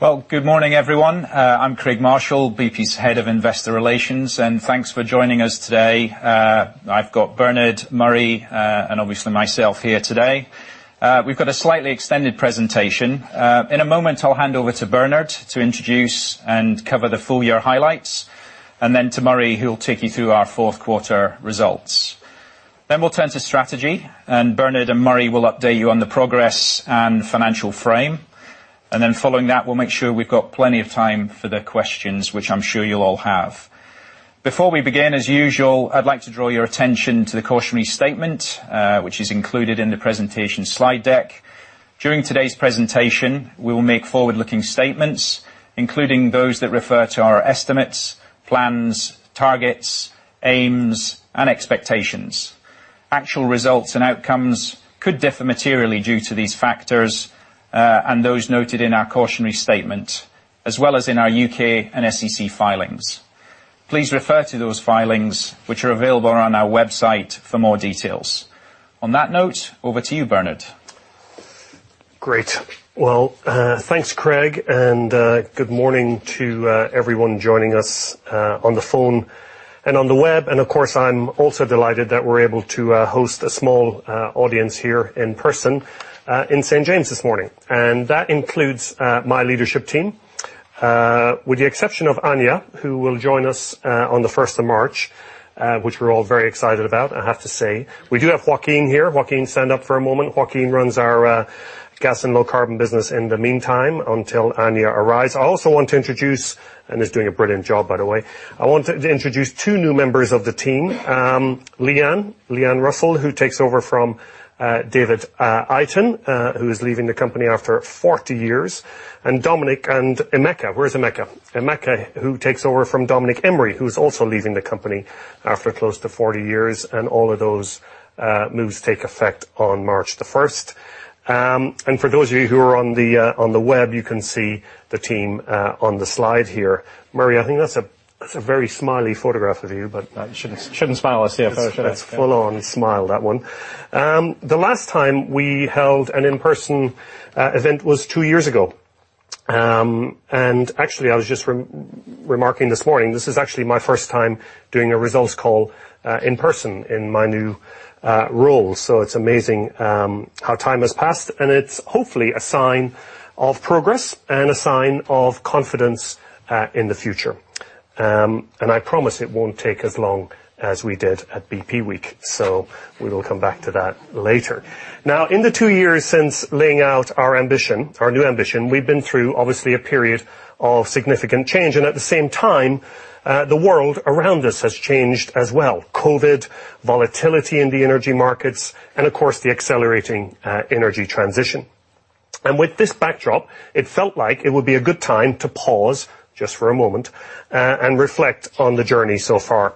Well, good morning, everyone. I'm Craig Marshall, BP's Head of Investor Relations, and thanks for joining us today. I've got Bernard, Murray, and obviously myself here today. We've got a slightly extended presentation. In a moment I'll hand over to Bernard to introduce and cover the full year highlights, and then to Murray, who will take you through our fourth quarter results. We'll turn to strategy, and Bernard and Murray will update you on the progress and financial frame. Following that, we'll make sure we've got plenty of time for the questions which I'm sure you'll all have. Before we begin, as usual, I'd like to draw your attention to the cautionary statement, which is included in the presentation slide deck. During today's presentation, we will make forward-looking statements, including those that refer to our estimates, plans, targets, aims, and expectations. Actual results and outcomes could differ materially due to these factors, and those noted in our cautionary statement, as well as in our U.K. and SEC filings. Please refer to those filings which are available on our website for more details. On that note, over to you, Bernard. Great. Well, thanks, Craig, and good morning to everyone joining us on the phone and on the web. Of course, I'm also delighted that we're able to host a small audience here in person in St James this morning. That includes my leadership team. With the exception of Anja, who will join us on the first of March, which we're all very excited about, I have to say. We do have Joaquin here. Joaquin, stand up for a moment. Joaquin runs our Gas and Low Carbon business in the meantime until Anja arrives and is doing a brilliant job, by the way. I want to introduce two new members of the team. Leanne. Leigh-Ann Russell, who takes over from David Eyton, who is leaving the company after 40 years, and Dominic and Emeka. Where's Emeka? Emeka, who takes over from Dominic Emery, who's also leaving the company after close to 40 years, and all of those moves take effect on March 1. For those of you who are on the web, you can see the team on the slide here. Murray, I think that's a very smiley photograph of you, but- Shouldn't I smile at CFO, should I? That's full on smile, that one. The last time we held an in-person event was two years ago. Actually, I was just remarking this morning, this is actually my first time doing a results call in person in my new role. It's amazing how time has passed, and it's hopefully a sign of progress and a sign of confidence in the future. I promise it won't take as long as we did at bp week, so we will come back to that later. Now, in the two years since laying out our ambition, our new ambition, we've been through, obviously, a period of significant change. At the same time, the world around us has changed as well, COVID, volatility in the energy markets, and of course, the accelerating energy transition. With this backdrop, it felt like it would be a good time to pause, just for a moment, and reflect on the journey so far.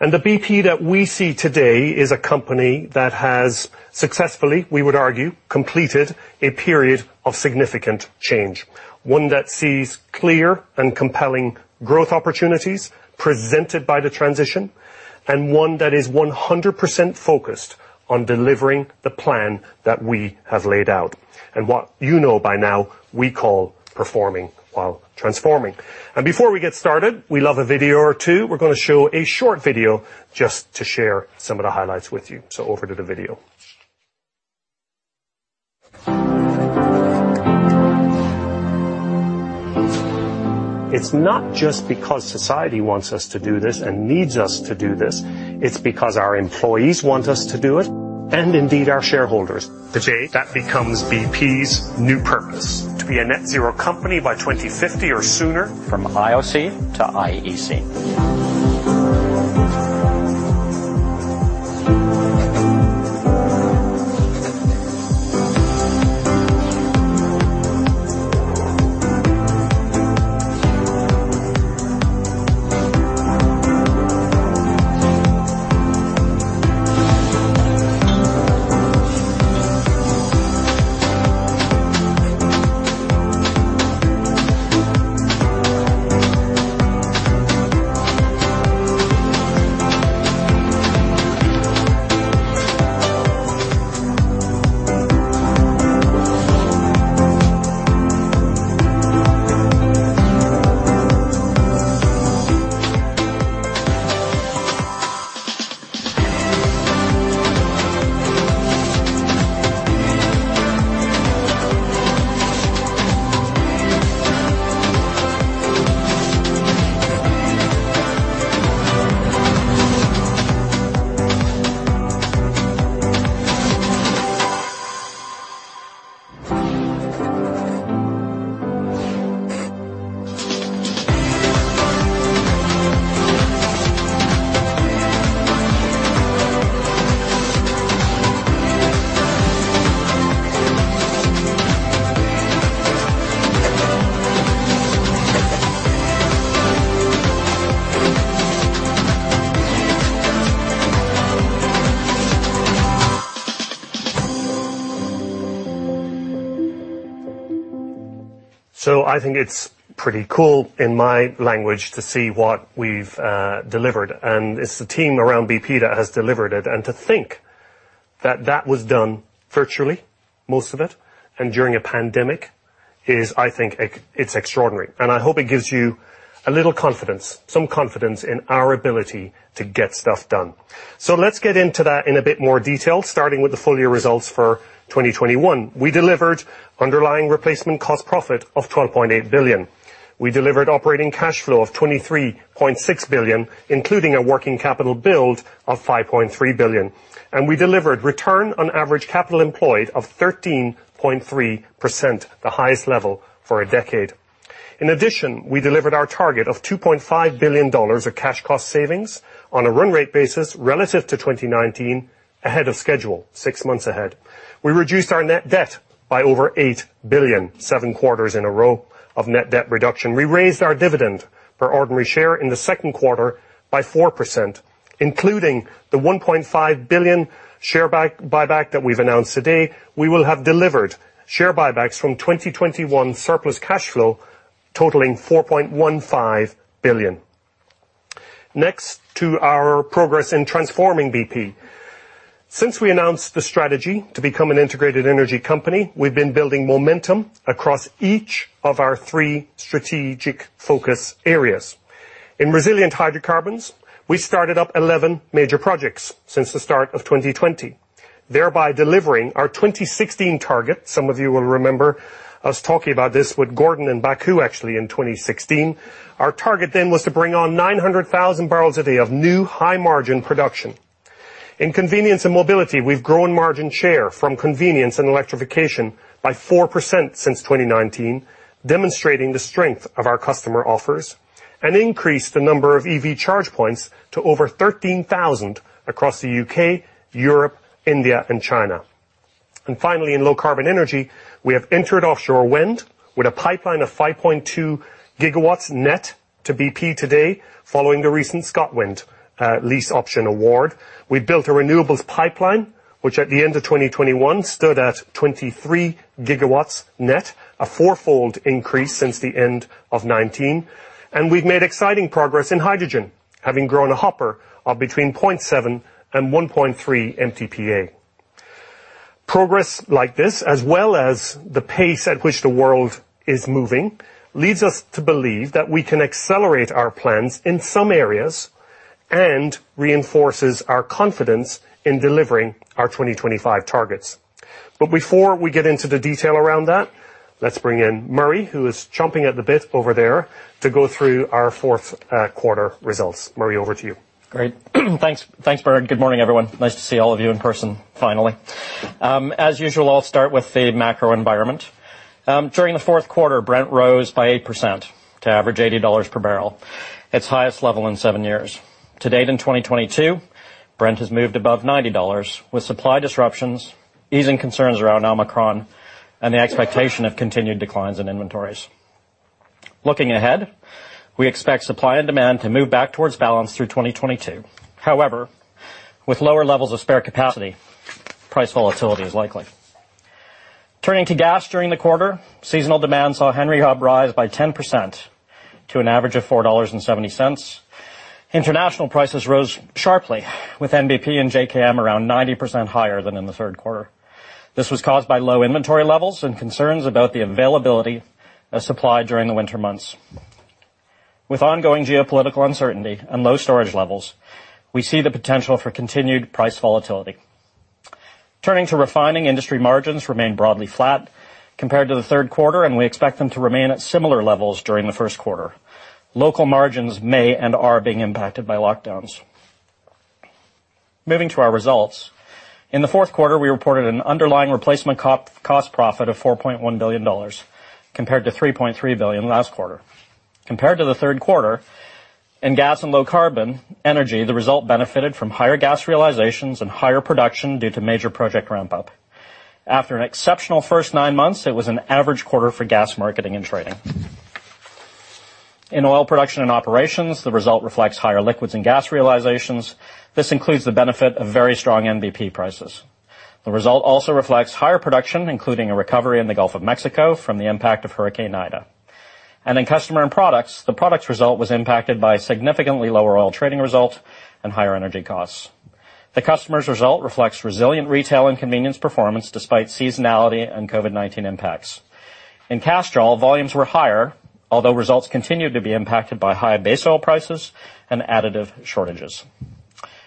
The BP that we see today is a company that has successfully, we would argue, completed a period of significant change. One that sees clear and compelling growth opportunities presented by the transition, and one that is 100% focused on delivering the plan that we have laid out, and what you know by now we call performing while transforming. Before we get started, we love a video or two. We're gonna show a short video just to share some of the highlights with you. Over to the video. It's not just because society wants us to do this and needs us to do this, it's because our employees want us to do it, and indeed, our shareholders. Today, that becomes BP's new purpose, to be a net zero company by 2050 or sooner. From IOC to IEC. I think it's pretty cool in my language to see what we've delivered, and it's the team around BP that has delivered it. To think that that was done virtually, most of it, and during a pandemic is I think it's extraordinary. I hope it gives you a little confidence, some confidence in our ability to get stuff done. Let's get into that in a bit more detail, starting with the full year results for 2021. We delivered underlying replacement cost profit of $12.8 billion. We delivered operating cash flow of $23.6 billion, including a working capital build of $5.3 billion. We delivered return on average capital employed of 13.3%, the highest level for a decade. In addition, we delivered our target of $2.5 billion of cash cost savings on a run-rate basis relative to 2019 ahead of schedule, six months ahead. We reduced our net debt by over $8 billion, seven quarters in a row of net debt reduction. We raised our dividend per ordinary share in the second quarter by 4%, including the $1.5 billion share buyback that we've announced today. We will have delivered share buybacks from 2021 surplus cash flow totaling $4.15 billion. Next to our progress in transforming BP. Since we announced the strategy to become an integrated energy company, we've been building momentum across each of our three strategic focus areas. In Resilient Hydrocarbons, we started up 11 major projects since the start of 2020, thereby delivering our 2016 target. Some of you will remember us talking about this with Gordon in Baku actually in 2016. Our target then was to bring on 900,000 barrels a day of new high-margin production. In Convenience and Mobility, we've grown margin share from convenience and electrification by 4% since 2019, demonstrating the strength of our customer offers, and increased the number of EV charge points to over 13,000 across the U.K., Europe, India, and China. Finally, in Low Carbon Energy, we have entered offshore wind with a pipeline of 5.2 GW net to BP today following the recent ScotWind lease option award. We built a renewables pipeline, which at the end of 2021 stood at 23 GW net, a four-fold increase since the end of 2019. We've made exciting progress in hydrogen, having grown a portfolio of between 0.7-1.3 MTPA. Progress like this, as well as the pace at which the world is moving, leads us to believe that we can accelerate our plans in some areas and reinforces our confidence in delivering our 2025 targets. Before we get into the detail around that, let's bring in Murray, who is chomping at the bit over there to go through our fourth quarter results. Murray, over to you. Great. Thanks. Thanks, Bernard. Good morning, everyone. Nice to see all of you in person finally. As usual, I'll start with the macro environment. During the fourth quarter, Brent rose by 8% to average $80 per barrel, its highest level in seven years. To date in 2022, Brent has moved above $90 with supply disruptions, easing concerns around Omicron, and the expectation of continued declines in inventories. Looking ahead, we expect supply and demand to move back towards balance through 2022. However, with lower levels of spare capacity, price volatility is likely. Turning to gas during the quarter, seasonal demand saw Henry Hub rise by 10% to an average of $4.70. International prices rose sharply with NBP and JKM around 90% higher than in the third quarter. This was caused by low inventory levels and concerns about the availability of supply during the winter months. With ongoing geopolitical uncertainty and low storage levels, we see the potential for continued price volatility. Turning to refining, industry margins remain broadly flat compared to the third quarter, and we expect them to remain at similar levels during the first quarter. Local margins may vary and are being impacted by lockdowns. Moving to our results. In the fourth quarter, we reported an underlying replacement cost profit of $4.1 billion compared to $3.3 billion last quarter. Compared to the third quarter, in Gas and Low Carbon Energy, the result benefited from higher gas realizations and higher production due to major project ramp-up. After an exceptional first nine months, it was an average quarter for gas marketing and trading. In Oil Production and Operations, the result reflects higher liquids and gas realizations. This includes the benefit of very strong NBP prices. The result also reflects higher production, including a recovery in the Gulf of Mexico from the impact of Hurricane Ida. In Customers & Products, the Products result was impacted by significantly lower oil trading result and higher energy costs. The Customers' result reflects resilient retail and convenience performance despite seasonality and COVID-19 impacts. In Castrol, volumes were higher, although results continued to be impacted by high base oil prices and additive shortages.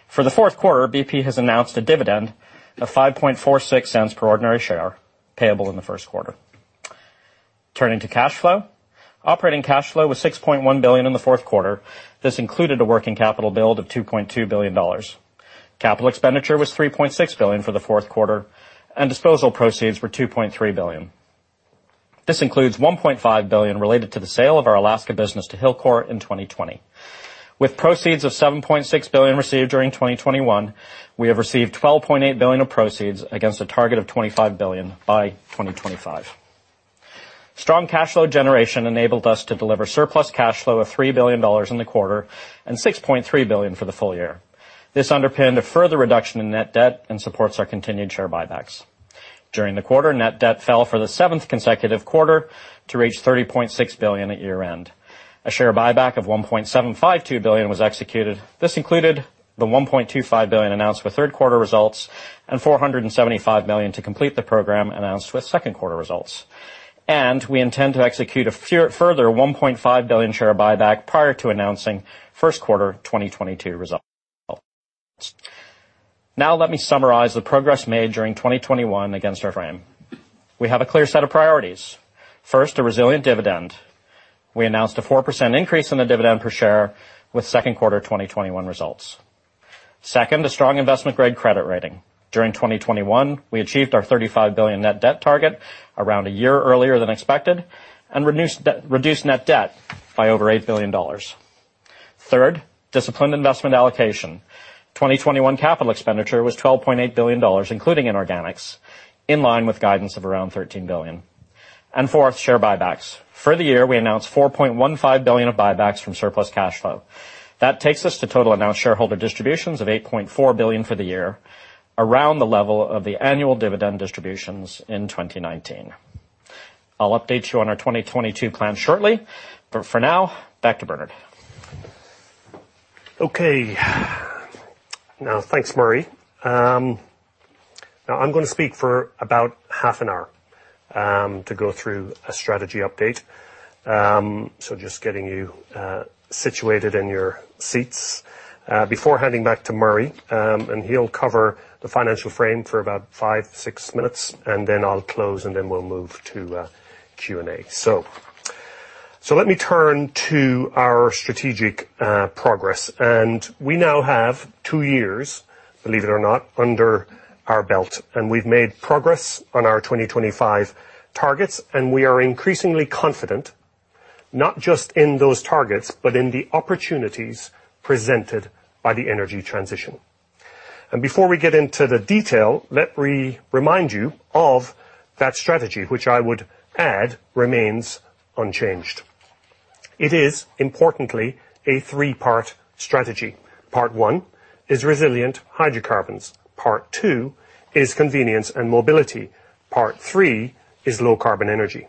For the fourth quarter, BP has announced a dividend of $0.0546 per ordinary share payable in the first quarter. Turning to cash flow. Operating cash flow was $6.1 billion in the fourth quarter. This included a working capital build of $2.2 billion. CapEx was $3.6 billion for the fourth quarter, and disposal proceeds were $2.3 billion. This includes $1.5 billion related to the sale of our Alaska business to Hilcorp in 2020. With proceeds of $7.6 billion received during 2021, we have received $12.8 billion of proceeds against a target of $25 billion by 2025. Strong cash flow generation enabled us to deliver surplus cash flow of $3 billion in the quarter and $6.3 billion for the full year. This underpinned a further reduction in net debt and supports our continued share buybacks. During the quarter, net debt fell for the seventh consecutive quarter to reach $30.6 billion at year-end. A share buyback of $1.752 billion was executed. This included the $1.25 billion announced with third quarter results and $475 million to complete the program announced with second quarter results. We intend to execute a further $1.5 billion share buyback prior to announcing first quarter 2022 results. Now let me summarize the progress made during 2021 against our frame. We have a clear set of priorities. First, a resilient dividend. We announced a 4% increase in the dividend per share with second quarter 2021 results. Second, a strong investment-grade credit rating. During 2021, we achieved our $35 billion net debt target around a year earlier than expected and reduced net debt by over $8 billion. Third, disciplined investment allocation. 2021 capital expenditure was $12.8 billion, including inorganics, in line with guidance of around $13 billion. Fourth, share buybacks. For the year, we announced $4.15 billion of buybacks from surplus cash flow. That takes us to total announced shareholder distributions of $8.4 billion for the year around the level of the annual dividend distributions in 2019. I'll update you on our 2022 plan shortly, but for now, back to Bernard. Okay. Now, thanks, Murray. Now I'm gonna speak for about half an hour to go through a strategy update. Just getting you situated in your seats before handing back to Murray, and he'll cover the financial frame for about five, six minutes, and then I'll close, and then we'll move to Q&A. Let me turn to our strategic progress. We now have two years, believe it or not, under our belt, and we've made progress on our 2025 targets, and we are increasingly confident, not just in those targets, but in the opportunities presented by the energy transition. Before we get into the detail, let me remind you of that strategy, which I would add remains unchanged. It is importantly a three-part strategy. Part one is resilient hydrocarbons. Part two is convenience and mobility. Part three is Low Carbon Energy.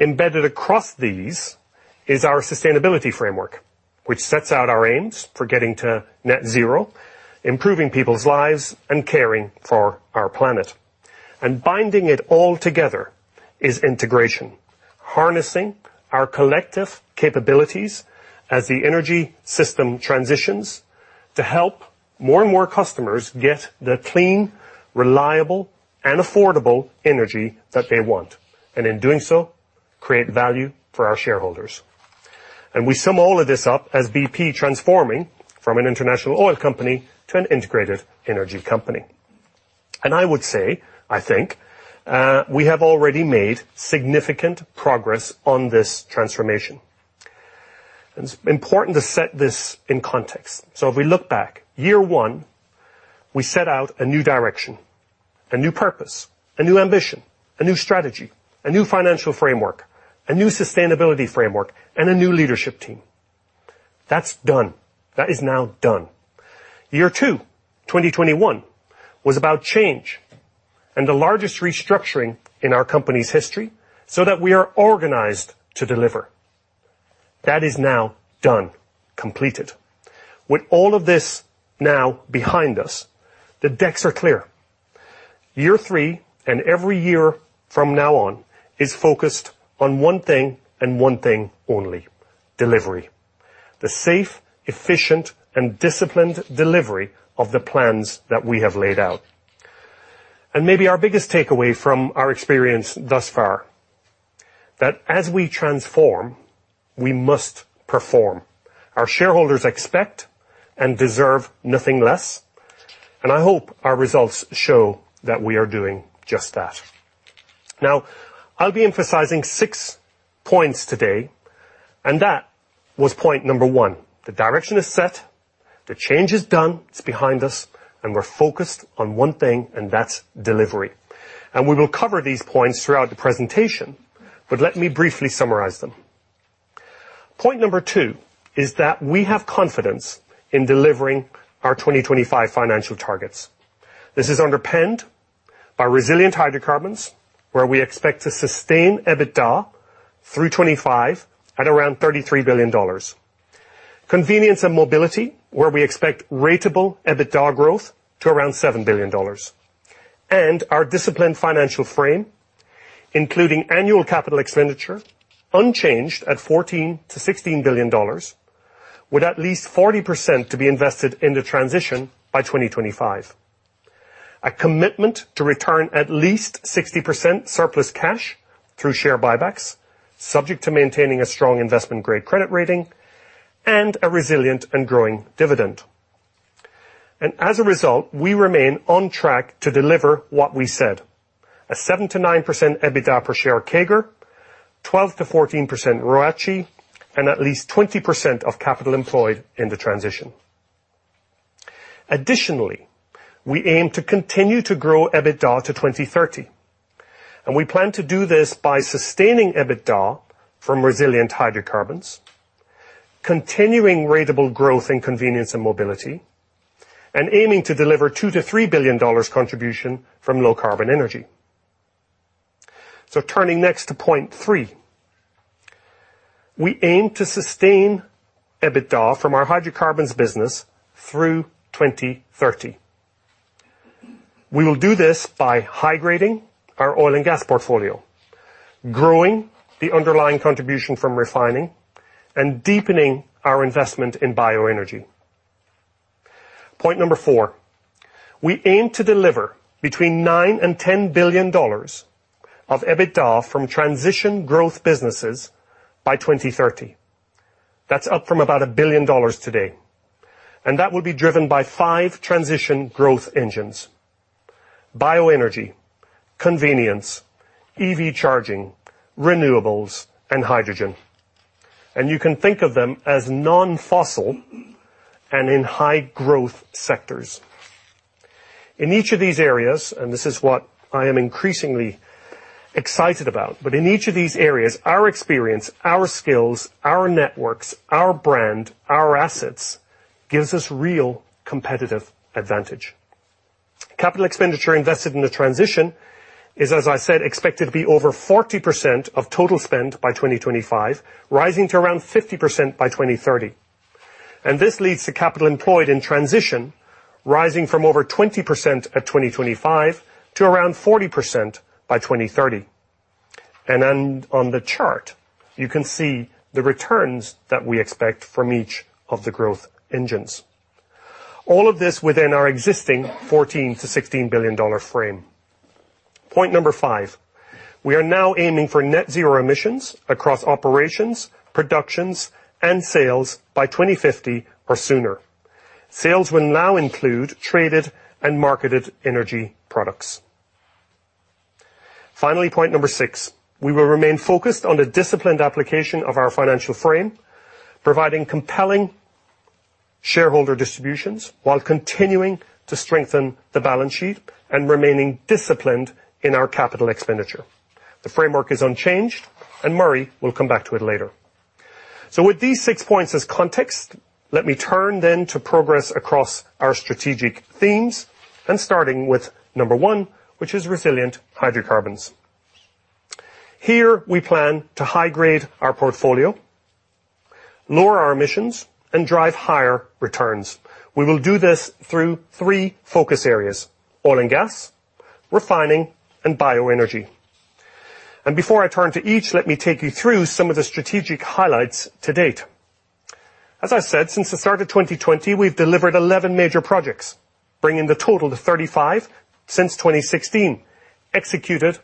Embedded across these is our sustainability framework, which sets out our aims for getting to net zero, improving people's lives and caring for our planet. Binding it all together is integration, harnessing our collective capabilities as the energy system transitions to help more and more customers get the clean, reliable, and affordable energy that they want, and in doing so, create value for our shareholders. We sum all of this up as BP transforming from an international oil company to an integrated energy company. I would say, I think, we have already made significant progress on this transformation. It's important to set this in context. If we look back, year one, we set out a new direction, a new purpose, a new ambition, a new strategy, a new financial framework, a new sustainability framework, and a new leadership team. That's done. That is now done. Year two, 2021, was about change and the largest restructuring in our company's history so that we are organized to deliver. That is now done, completed. With all of this now behind us, the decks are clear. Year three and every year from now on is focused on one thing and one thing only, delivery. The safe, efficient, and disciplined delivery of the plans that we have laid out. Maybe our biggest takeaway from our experience thus far, that as we transform, we must perform. Our shareholders expect and deserve nothing less, and I hope our results show that we are doing just that. Now I'll be emphasizing six points today, and that was point number one. The direction is set, the change is done, it's behind us, and we're focused on one thing, and that's delivery. We will cover these points throughout the presentation, but let me briefly summarize them. Point number two is that we have confidence in delivering our 2025 financial targets. This is underpinned by resilient hydrocarbons, where we expect to sustain EBITDA through 2025 at around $33 billion. Convenience and mobility, where we expect ratable EBITDA growth to around $7 billion. Our disciplined financial frame, including annual capital expenditure unchanged at $14 billion-$16 billion, with at least 40% to be invested in the transition by 2025. A commitment to return at least 60% surplus cash through share buybacks, subject to maintaining a strong investment-grade credit rating and a resilient and growing dividend. As a result, we remain on track to deliver what we said, a 7%-9% EBITDA per share CAGR, 12%-14% ROACE, and at least 20% of capital employed in the transition. Additionally, we aim to continue to grow EBITDA to 2030, and we plan to do this by sustaining EBITDA from resilient hydrocarbons, continuing ratable growth in convenience and mobility, and aiming to deliver $2 billion-$3 billion contribution from low carbon energy. Turning next to point three. We aim to sustain EBITDA from our hydrocarbons business through 2030. We will do this by high-grading our oil and gas portfolio, growing the underlying contribution from refining, and deepening our investment in bioenergy. Point number four, we aim to deliver between $9 billion-$10 billion of EBITDA from transition growth businesses by 2030. That's up from about $1 billion today. That will be driven by five transition growth engines, bioenergy, convenience, EV charging, renewables, and hydrogen. You can think of them as non-fossil and in high-growth sectors. In each of these areas, and this is what I am increasingly excited about, but in each of these areas, our experience, our skills, our networks, our brand, our assets, gives us real competitive advantage. Capital expenditure invested in the transition is, as I said, expected to be over 40% of total spend by 2025, rising to around 50% by 2030. This leads to capital employed in transition, rising from over 20% at 2025 to around 40% by 2030. Then on the chart, you can see the returns that we expect from each of the growth engines. All of this within our existing $14 billion-$16 billion frame. Point number five, we are now aiming for net zero emissions across operations, productions, and sales by 2050 or sooner. Sales will now include traded and marketed energy products. Finally, point number six, we will remain focused on the disciplined application of our financial frame, providing compelling shareholder distributions while continuing to strengthen the balance sheet and remaining disciplined in our capital expenditure. The framework is unchanged, and Murray will come back to it later. With these six points as context, let me turn then to progress across our strategic themes, and starting with number one, which is resilient hydrocarbons. Here, we plan to high-grade our portfolio, lower our emissions, and drive higher returns. We will do this through three focus areas: oil and gas, refining, and bioenergy. Before I turn to each, let me take you through some of the strategic highlights to date. As I said, since the start of 2020, we've delivered 11 major projects, bringing the total to 35 since 2016, executed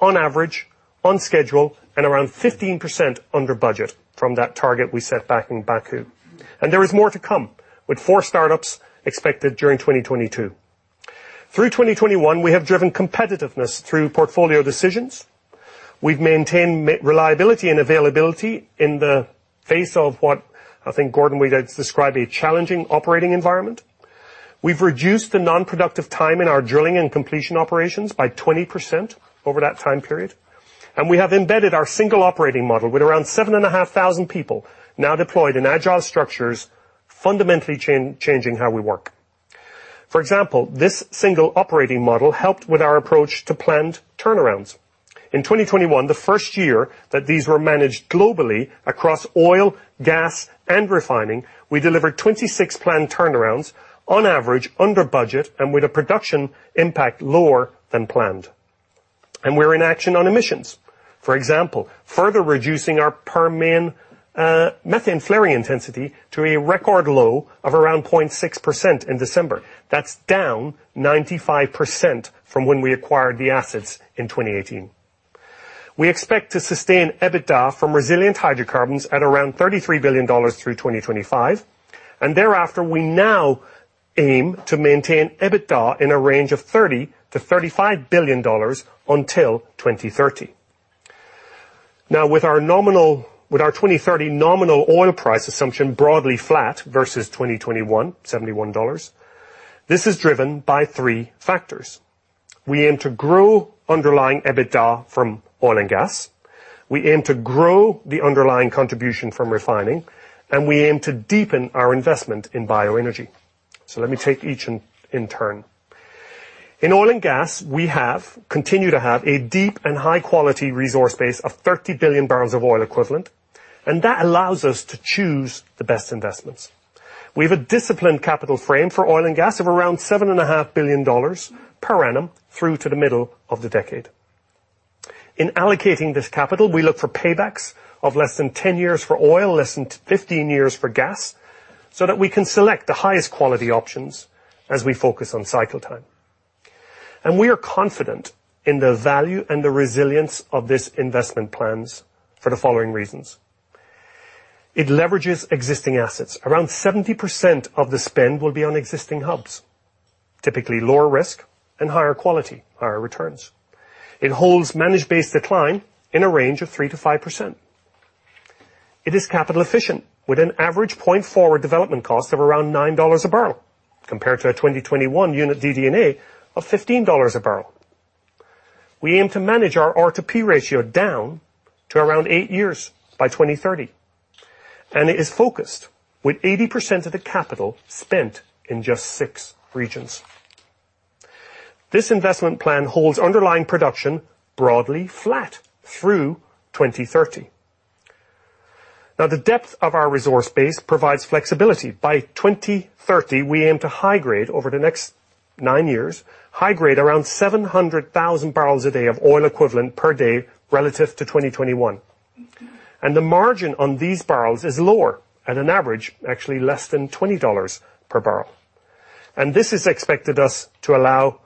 on average, on schedule and around 15% under budget from that target we set back in Baku. There is more to come with four startups expected during 2022. Through 2021, we have driven competitiveness through portfolio decisions. We've maintained reliability and availability in the face of what I think, Gordon, we'd describe a challenging operating environment. We've reduced the non-productive time in our drilling and completion operations by 20% over that time period. We have embedded our single operating model with around 7,500 people now deployed in agile structures, fundamentally changing how we work. For example, this single operating model helped with our approach to planned turnarounds. In 2021, the first year that these were managed globally across oil, gas, and refining, we delivered 26 planned turnarounds on average under budget and with a production impact lower than planned. We're in action on emissions. For example, further reducing our Permian methane flaring intensity to a record low of around 0.6% in December. That's down 95% from when we acquired the assets in 2018. We expect to sustain EBITDA from resilient hydrocarbons at around $33 billion through 2025. Thereafter, we now aim to maintain EBITDA in a range of $30 billion-$35 billion until 2030. Now, with our 2030 nominal oil price assumption broadly flat versus 2021, $71, this is driven by three factors. We aim to grow underlying EBITDA from oil and gas. We aim to grow the underlying contribution from refining, and we aim to deepen our investment in bioenergy. Let me take each in turn. In oil and gas, we continue to have a deep and high-quality resource base of 30 billion barrels of oil equivalent, and that allows us to choose the best investments. We have a disciplined capital frame for oil and gas of around $7.5 billion per annum through to the middle of the decade. In allocating this capital, we look for paybacks of less than 10 years for oil, less than 15 years for gas, so that we can select the highest quality options as we focus on cycle time. We are confident in the value and the resilience of this investment plans for the following reasons. It leverages existing assets. Around 70% of the spend will be on existing hubs, typically lower risk and higher quality, higher returns. It holds managed base decline in a range of 3%-5%. It is capital efficient with an average point-forward development cost of around $9 a barrel, compared to a 2021 unit DD&A of $15 a barrel. We aim to manage our R2P ratio down to around eight years by 2030. It is focused with 80% of the capital spent in just six regions. This investment plan holds underlying production broadly flat through 2030. Now the depth of our resource base provides flexibility. By 2030 we aim to high-grade over the next nine years, high-grade around 700,000 barrels a day of oil equivalent per day relative to 2021. The margin on these barrels is lower at an average, actually less than $20 per barrel. This is expected to allow us to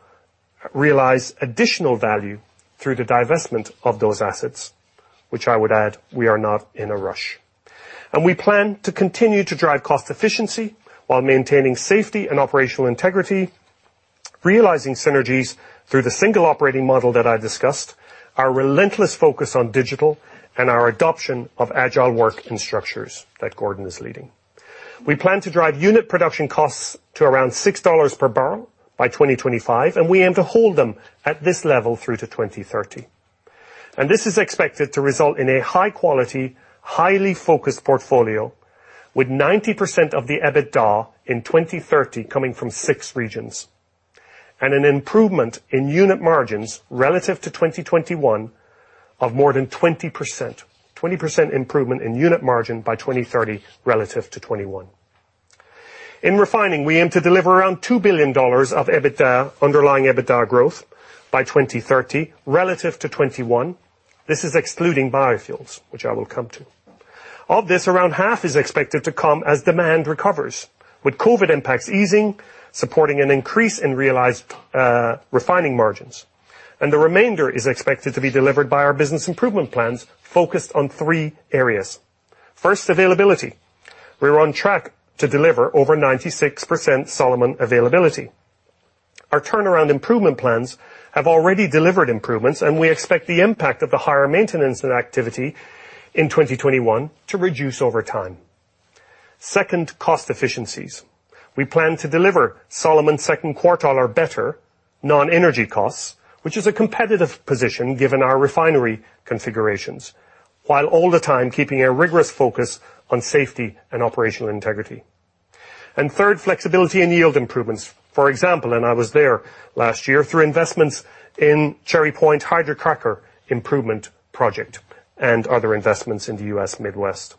realize additional value through the divestment of those assets, which I would add, we are not in a rush. We plan to continue to drive cost efficiency while maintaining safety and operational integrity, realizing synergies through the single operating model that I discussed, our relentless focus on digital and our adoption of agile work and structures that Gordon is leading. We plan to drive unit production costs to around $6 per barrel by 2025, and we aim to hold them at this level through to 2030. This is expected to result in a high quality, highly focused portfolio with 90% of the EBITDA in 2030 coming from six regions. An improvement in unit margins relative to 2021 of more than 20%. 20% improvement in unit margin by 2030 relative to 2021. In refining, we aim to deliver around $2 billion of EBITDA, underlying EBITDA growth by 2030 relative to 2021. This is excluding biofuels, which I will come to. Of this, around half is expected to come as demand recovers, with COVID impacts easing, supporting an increase in realized refining margins. The remainder is expected to be delivered by our business improvement plans focused on three areas. First, availability. We're on track to deliver over 96% Solomon availability. Our turnaround improvement plans have already delivered improvements, and we expect the impact of the higher maintenance and activity in 2021 to reduce over time. Second, cost efficiencies. We plan to deliver Solomon second quartile or better non-energy costs, which is a competitive position given our refinery configurations, while all the time keeping a rigorous focus on safety and operational integrity. Third, flexibility and yield improvements. For example, and I was there last year, through investments in Cherry Point Hydrocracker improvement project and other investments in the U.S. Midwest.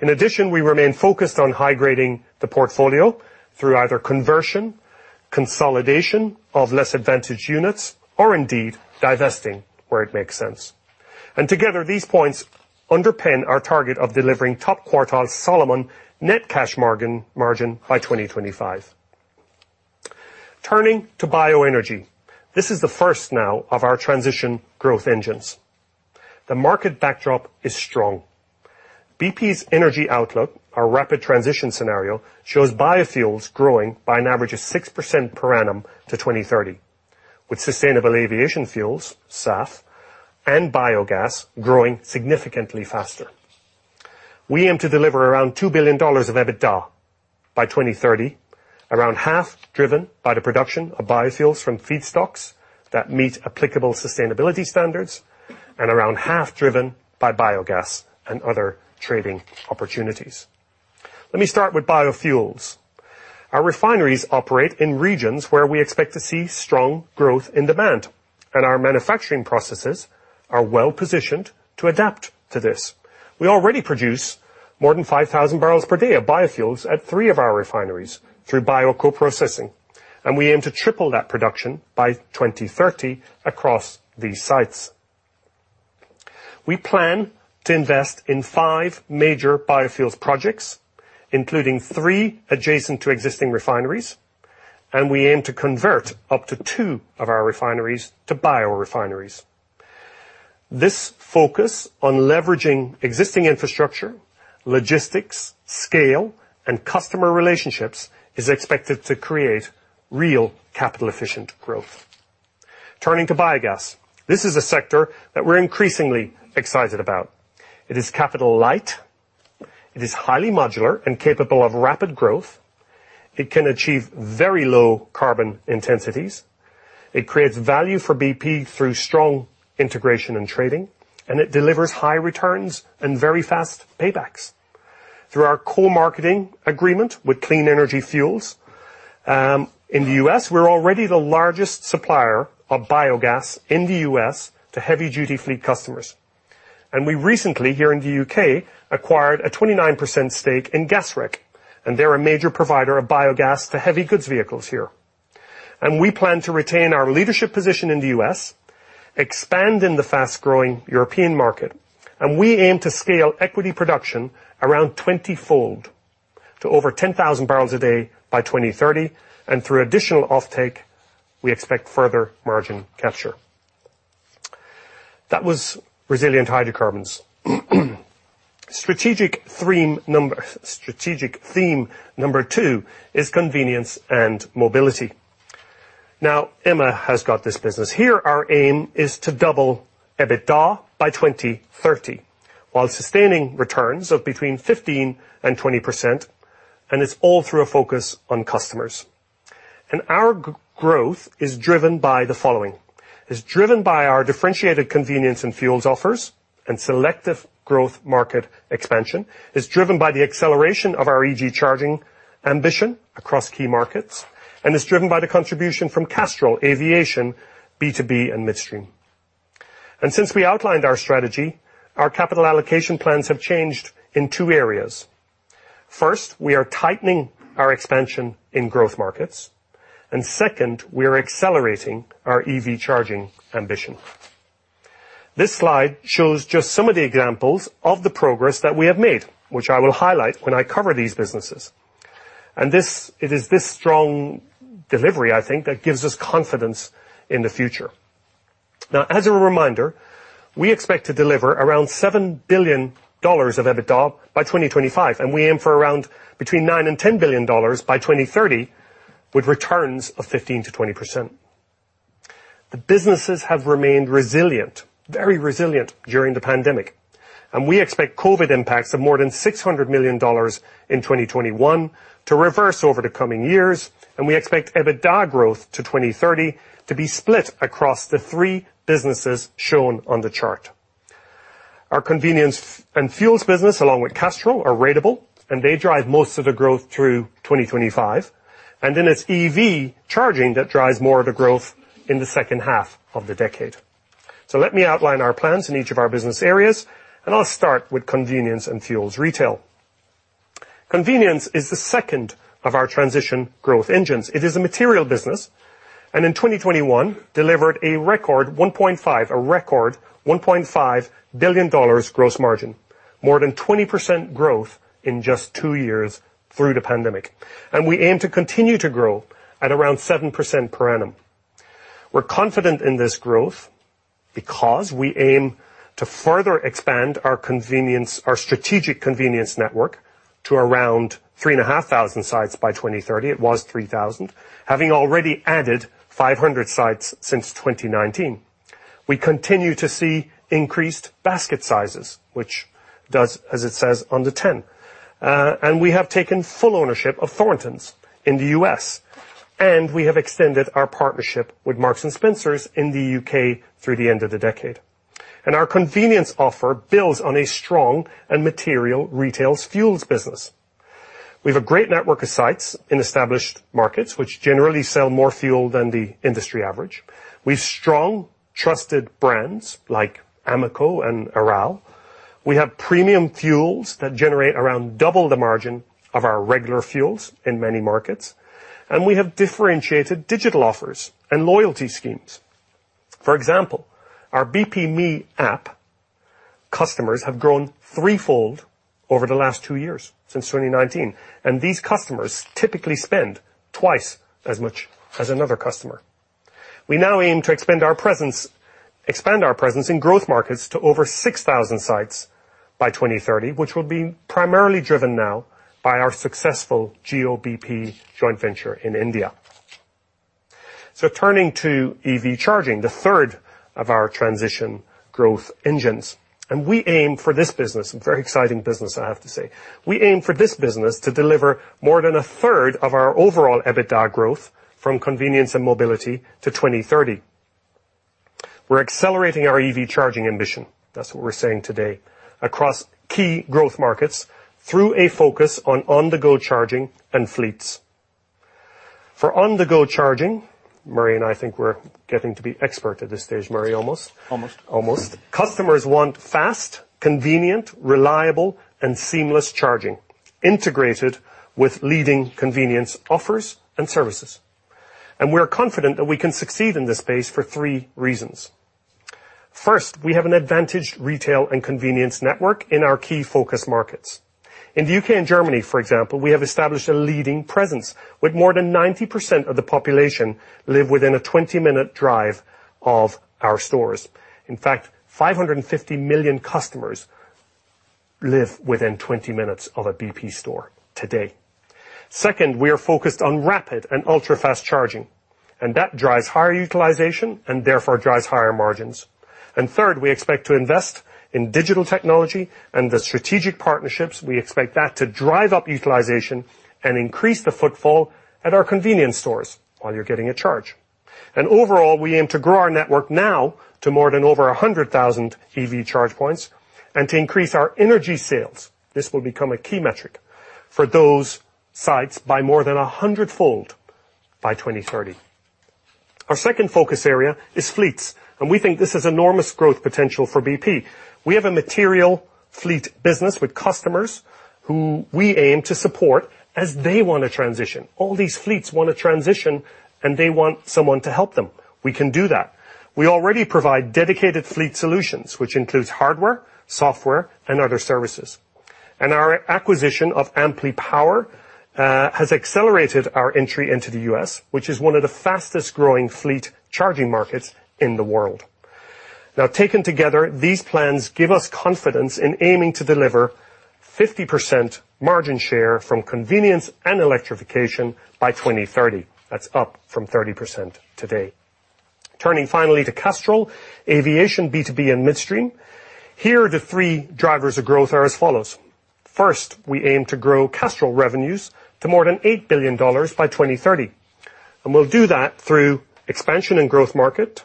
In addition, we remain focused on high-grading the portfolio through either conversion, consolidation of less advantaged units, or indeed divesting where it makes sense. Together, these points underpin our target of delivering top-quartile Solomon net cash margin by 2025. Turning to bioenergy. This is the first of our transition growth engines. The market backdrop is strong. BP's energy outlook, our rapid transition scenario, shows biofuels growing by an average of 6% per annum to 2030, with sustainable aviation fuels, SAF, and biogas growing significantly faster. We aim to deliver around $2 billion of EBITDA by 2030, around half driven by the production of biofuels from feedstocks that meet applicable sustainability standards and around half driven by biogas and other trading opportunities. Let me start with biofuels. Our refineries operate in regions where we expect to see strong growth in demand, and our manufacturing processes are well-positioned to adapt to this. We already produce more than 5,000 barrels per day of biofuels at 3 of our refineries through bioco-processing, and we aim to triple that production by 2030 across these sites. We plan to invest in five major biofuels projects, including three adjacent to existing refineries, and we aim to convert up to two of our refineries to biorefineries. This focus on leveraging existing infrastructure, logistics, scale, and customer relationships is expected to create real capital-efficient growth. Turning to biogas. This is a sector that we're increasingly excited about. It is capital light, it is highly modular and capable of rapid growth. It can achieve very low carbon intensities. It creates value for BP through strong integration and trading, and it delivers high returns and very fast paybacks. Through our co-marketing agreement with Clean Energy Fuels in the U.S., we're already the largest supplier of biogas in the U.S. to heavy-duty fleet customers. We recently here in the U.K. acquired a 29% stake in Gasrec, and they're a major provider of biogas to heavy goods vehicles here. We plan to retain our leadership position in the U.S., expand in the fast-growing European market, and we aim to scale equity production around 20-fold to over 10,000 barrels a day by 2030. Through additional offtake, we expect further margin capture. That was Resilient Hydrocarbons. Strategic theme number two is Convenience and Mobility. Now, Emma has got this business here. Our aim is to double EBITDA by 2030 while sustaining returns of between 15% and 20%. It's all through a focus on customers. Our growth is driven by the following. It's driven by our differentiated convenience and fuels offers and selective growth market expansion. It's driven by the acceleration of our EV charging ambition across key markets, and it's driven by the contribution from Castrol Aviation B2B and Midstream. Since we outlined our strategy, our capital allocation plans have changed in two areas. First, we are tightening our expansion in growth markets, and second, we are accelerating our EV charging ambition. This slide shows just some of the examples of the progress that we have made, which I will highlight when I cover these businesses. It is this strong delivery, I think, that gives us confidence in the future. Now, as a reminder, we expect to deliver around $7 billion of EBITDA by 2025, and we aim for around between $9 billion and $10 billion by 2030, with returns of 15%-20%. The businesses have remained resilient, very resilient during the pandemic, and we expect COVID impacts of more than $600 million in 2021 to reverse over the coming years. We expect EBITDA growth to 2030 to be split across the three businesses shown on the chart. Our convenience and fuels business, along with Castrol, are ratable, and they drive most of the growth through 2025. It's EV charging that drives more of the growth in the second half of the decade. Let me outline our plans in each of our business areas, and I'll start with convenience and fuels retail. Convenience is the second of our transition growth engines. It is a material business, and in 2021 delivered a record $1.5 billion gross margin. More than 20% growth in just two years through the pandemic. We aim to continue to grow at around 7% per annum. We're confident in this growth because we aim to further expand our convenience, our strategic convenience network to around 3,500 sites by 2030. It was 3,000. Having already added 500 sites since 2019. We continue to see increased basket sizes, which does as it says on the tin. We have taken full ownership of Thorntons in the U.S., and we have extended our partnership with Marks and Spencer in the U.K. through the end of the decade. Our convenience offer builds on a strong and material retail fuels business. We have a great network of sites in established markets which generally sell more fuel than the industry average. We've strong, trusted brands like Amoco and Aral. We have premium fuels that generate around double the margin of our regular fuels in many markets. We have differentiated digital offers and loyalty schemes. For example, our BPme app customers have grown threefold over the last two years since 2019, and these customers typically spend twice as much as another customer. We now aim to expand our presence in growth markets to over 6,000 sites by 2030, which will be primarily driven now by our successful Jio-bp joint venture in India. Turning to EV charging, the third of our transition growth engines, and we aim for this business, a very exciting business, I have to say. We aim for this business to deliver more than a third of our overall EBITDA growth from convenience and mobility to 2030. We're accelerating our EV charging ambition, that's what we're saying today, across key growth markets through a focus on on-the-go charging and fleets. For on-the-go charging, Murray and I think we're getting to be expert at this stage. Murray, almost. Almost. Almost. Customers want fast, convenient, reliable and seamless charging integrated with leading convenience offers and services. We are confident that we can succeed in this space for three reasons. First, we have an advantaged retail and convenience network in our key focus markets. In the U.K. and Germany, for example, we have established a leading presence with more than 90% of the population live within a 20-minute drive of our stores. In fact, 550 million customers live within 20 minutes of a BP store today. Second, we are focused on rapid and ultra-fast charging, and that drives higher utilization and therefore drives higher margins. Third, we expect to invest in digital technology and the strategic partnerships. We expect that to drive up utilization and increase the footfall at our convenience stores while you're getting a charge. Overall, we aim to grow our network now to more than over 100,000 EV charge points and to increase our energy sales. This will become a key metric for those sites by more than 100-fold by 2030. Our second focus area is fleets, and we think this has enormous growth potential for BP. We have a material fleet business with customers who we aim to support as they wanna transition. All these fleets wanna transition, and they want someone to help them. We can do that. We already provide dedicated fleet solutions, which includes hardware, software and other services. Our acquisition of Amply Power has accelerated our entry into the U.S., which is one of the fastest growing fleet charging markets in the world. Now, taken together, these plans give us confidence in aiming to deliver 50% margin share from convenience and electrification by 2030. That's up from 30% today. Turning finally to Castrol Aviation B2B and midstream. Here, the three drivers of growth are as follows. First, we aim to grow Castrol revenues to more than $8 billion by 2030. We'll do that through expansion in growth markets,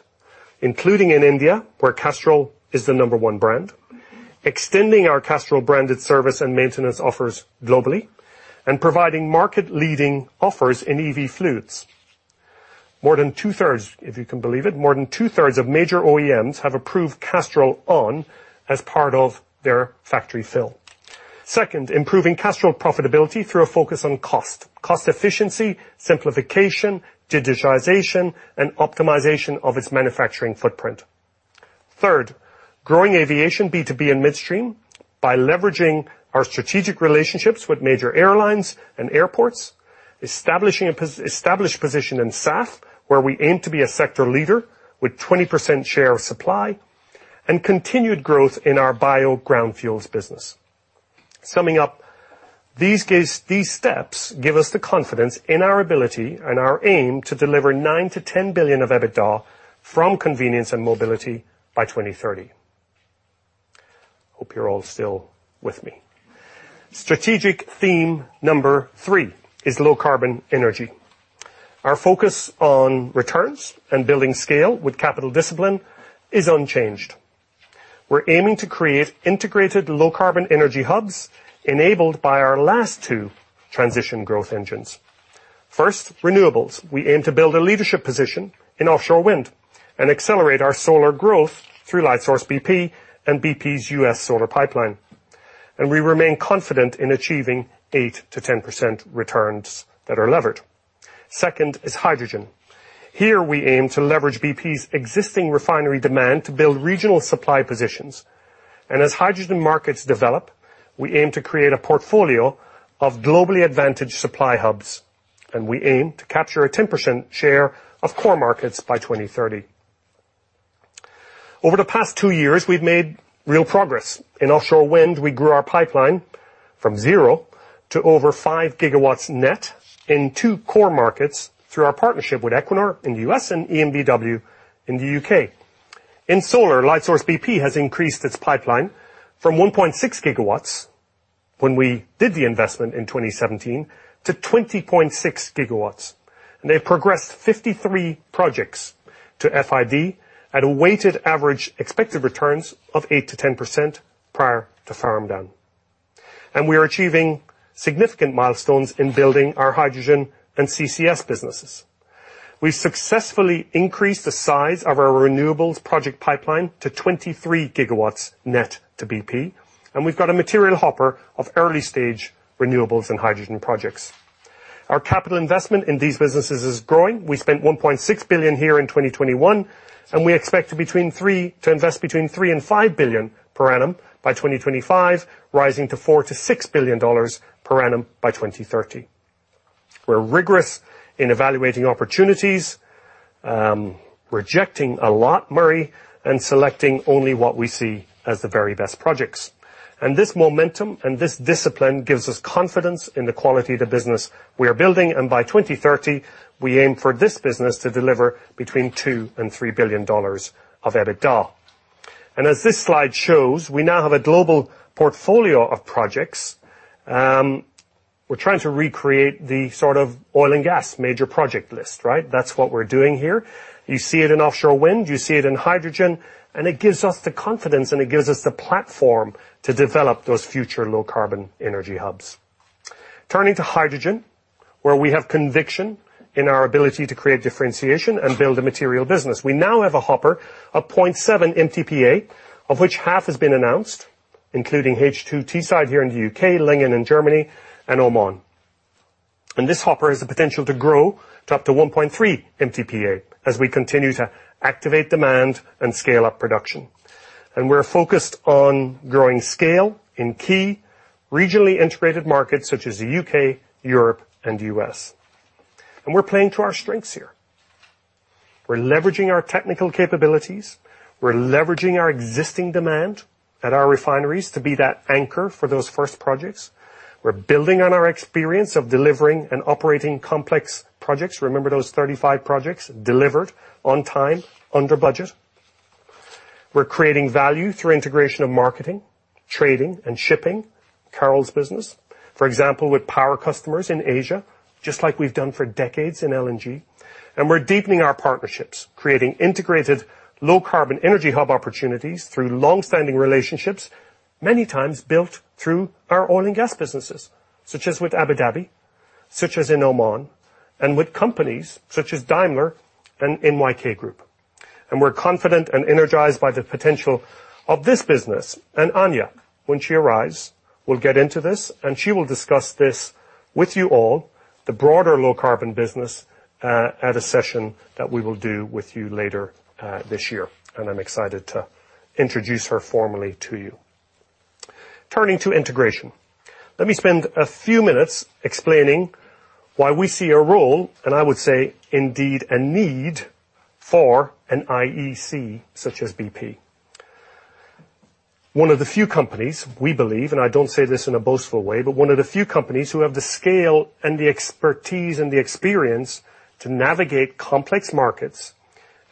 including in India, where Castrol is the number one brand, extending our Castrol branded service and maintenance offers globally, and providing market-leading offers in EV fluids. More than 2/3, if you can believe it, more than 2/3 of major OEMs have approved Castrol ON as part of their factory fill. Second, improving Castrol profitability through a focus on cost efficiency, simplification, digitization, and optimization of its manufacturing footprint. Third, growing aviation B2B and midstream by leveraging our strategic relationships with major airlines and airports. Establishing a position in SAF, where we aim to be a sector leader with 20% share of supply. Continued growth in our bio ground fuels business. Summing up, these steps give us the confidence in our ability and our aim to deliver $9 billion-$10 billion of EBITDA from convenience and mobility by 2030. Hope you're all still with me. Strategic theme number three is Low Carbon Energy. Our focus on returns and building scale with capital discipline is unchanged. We're aiming to create integrated Low Carbon Energy hubs enabled by our last two transition growth engines. First, renewables. We aim to build a leadership position in offshore wind and accelerate our solar growth through Lightsource BP and BP's U.S. solar pipeline. We remain confident in achieving 8%-10% returns that are levered. Second is hydrogen. Here we aim to leverage BP's existing refinery demand to build regional supply positions. As hydrogen markets develop, we aim to create a portfolio of globally advantaged supply hubs, and we aim to capture a 10% share of core markets by 2030. Over the past two years, we've made real progress. In offshore wind, we grew our pipeline from 0 to over 5 GW net in two core markets through our partnership with Equinor in the U.S. and EnBW in the U.K. In solar, Lightsource BP has increased its pipeline from 1.6 GW when we did the investment in 2017 to 20.6 GW, and they've progressed 53 projects to FID at a weighted average expected returns of 8%-10% prior to farm down. We are achieving significant milestones in building our hydrogen and CCS businesses. We've successfully increased the size of our renewables project pipeline to 23 gigawatts net to BP, and we've got a material hopper of early-stage renewables and hydrogen projects. Our capital investment in these businesses is growing. We spent $1.6 billion in 2021, and we expect to invest $3 billion-$5 billion per annum by 2025, rising to $4 billion-$6 billion per annum by 2030. We're rigorous in evaluating opportunities, rejecting a lot, Murray, and selecting only what we see as the very best projects. This momentum and this discipline gives us confidence in the quality of the business we are building, and by 2030, we aim for this business to deliver $2 billion-$3 billion of EBITDA. As this slide shows, we now have a global portfolio of projects. We're trying to recreate the sort of oil and gas major project list, right? That's what we're doing here. You see it in offshore wind, you see it in hydrogen, and it gives us the confidence, and it gives us the platform to develop those future low-carbon energy hubs. Turning to hydrogen, where we have conviction in our ability to create differentiation and build a material business. We now have a hopper of 0.7 MTPA, of which half has been announced, including H2 Teesside here in the U.K., Lingen in Germany, and Oman. This hopper has the potential to grow to up to 1.3 MTPA as we continue to activate demand and scale up production. We're focused on growing scale in key regionally integrated markets such as the U.K., Europe, and the U.S. We're playing to our strengths here. We're leveraging our technical capabilities. We're leveraging our existing demand at our refineries to be that anchor for those first projects. We're building on our experience of delivering and operating complex projects. Remember those 35 projects delivered on time, under budget. We're creating value through integration of marketing, trading, and shipping, Carol's business. For example, with power customers in Asia, just like we've done for decades in LNG. We're deepening our partnerships, creating integrated low-carbon energy hub opportunities through long-standing relationships, many times built through our oil and gas businesses, such as with Abu Dhabi, such as in Oman, and with companies such as Daimler and NYK Group. We're confident and energized by the potential of this business. Anya, when she arrives, will get into this, and she will discuss this with you all, the broader low-carbon business, at a session that we will do with you later, this year. I'm excited to introduce her formally to you. Turning to integration. Let me spend a few minutes explaining why we see a role, and I would say indeed a need for an IEC such as BP. One of the few companies, we believe, and I don't say this in a boastful way, but one of the few companies who have the scale and the expertise and the experience to navigate complex markets,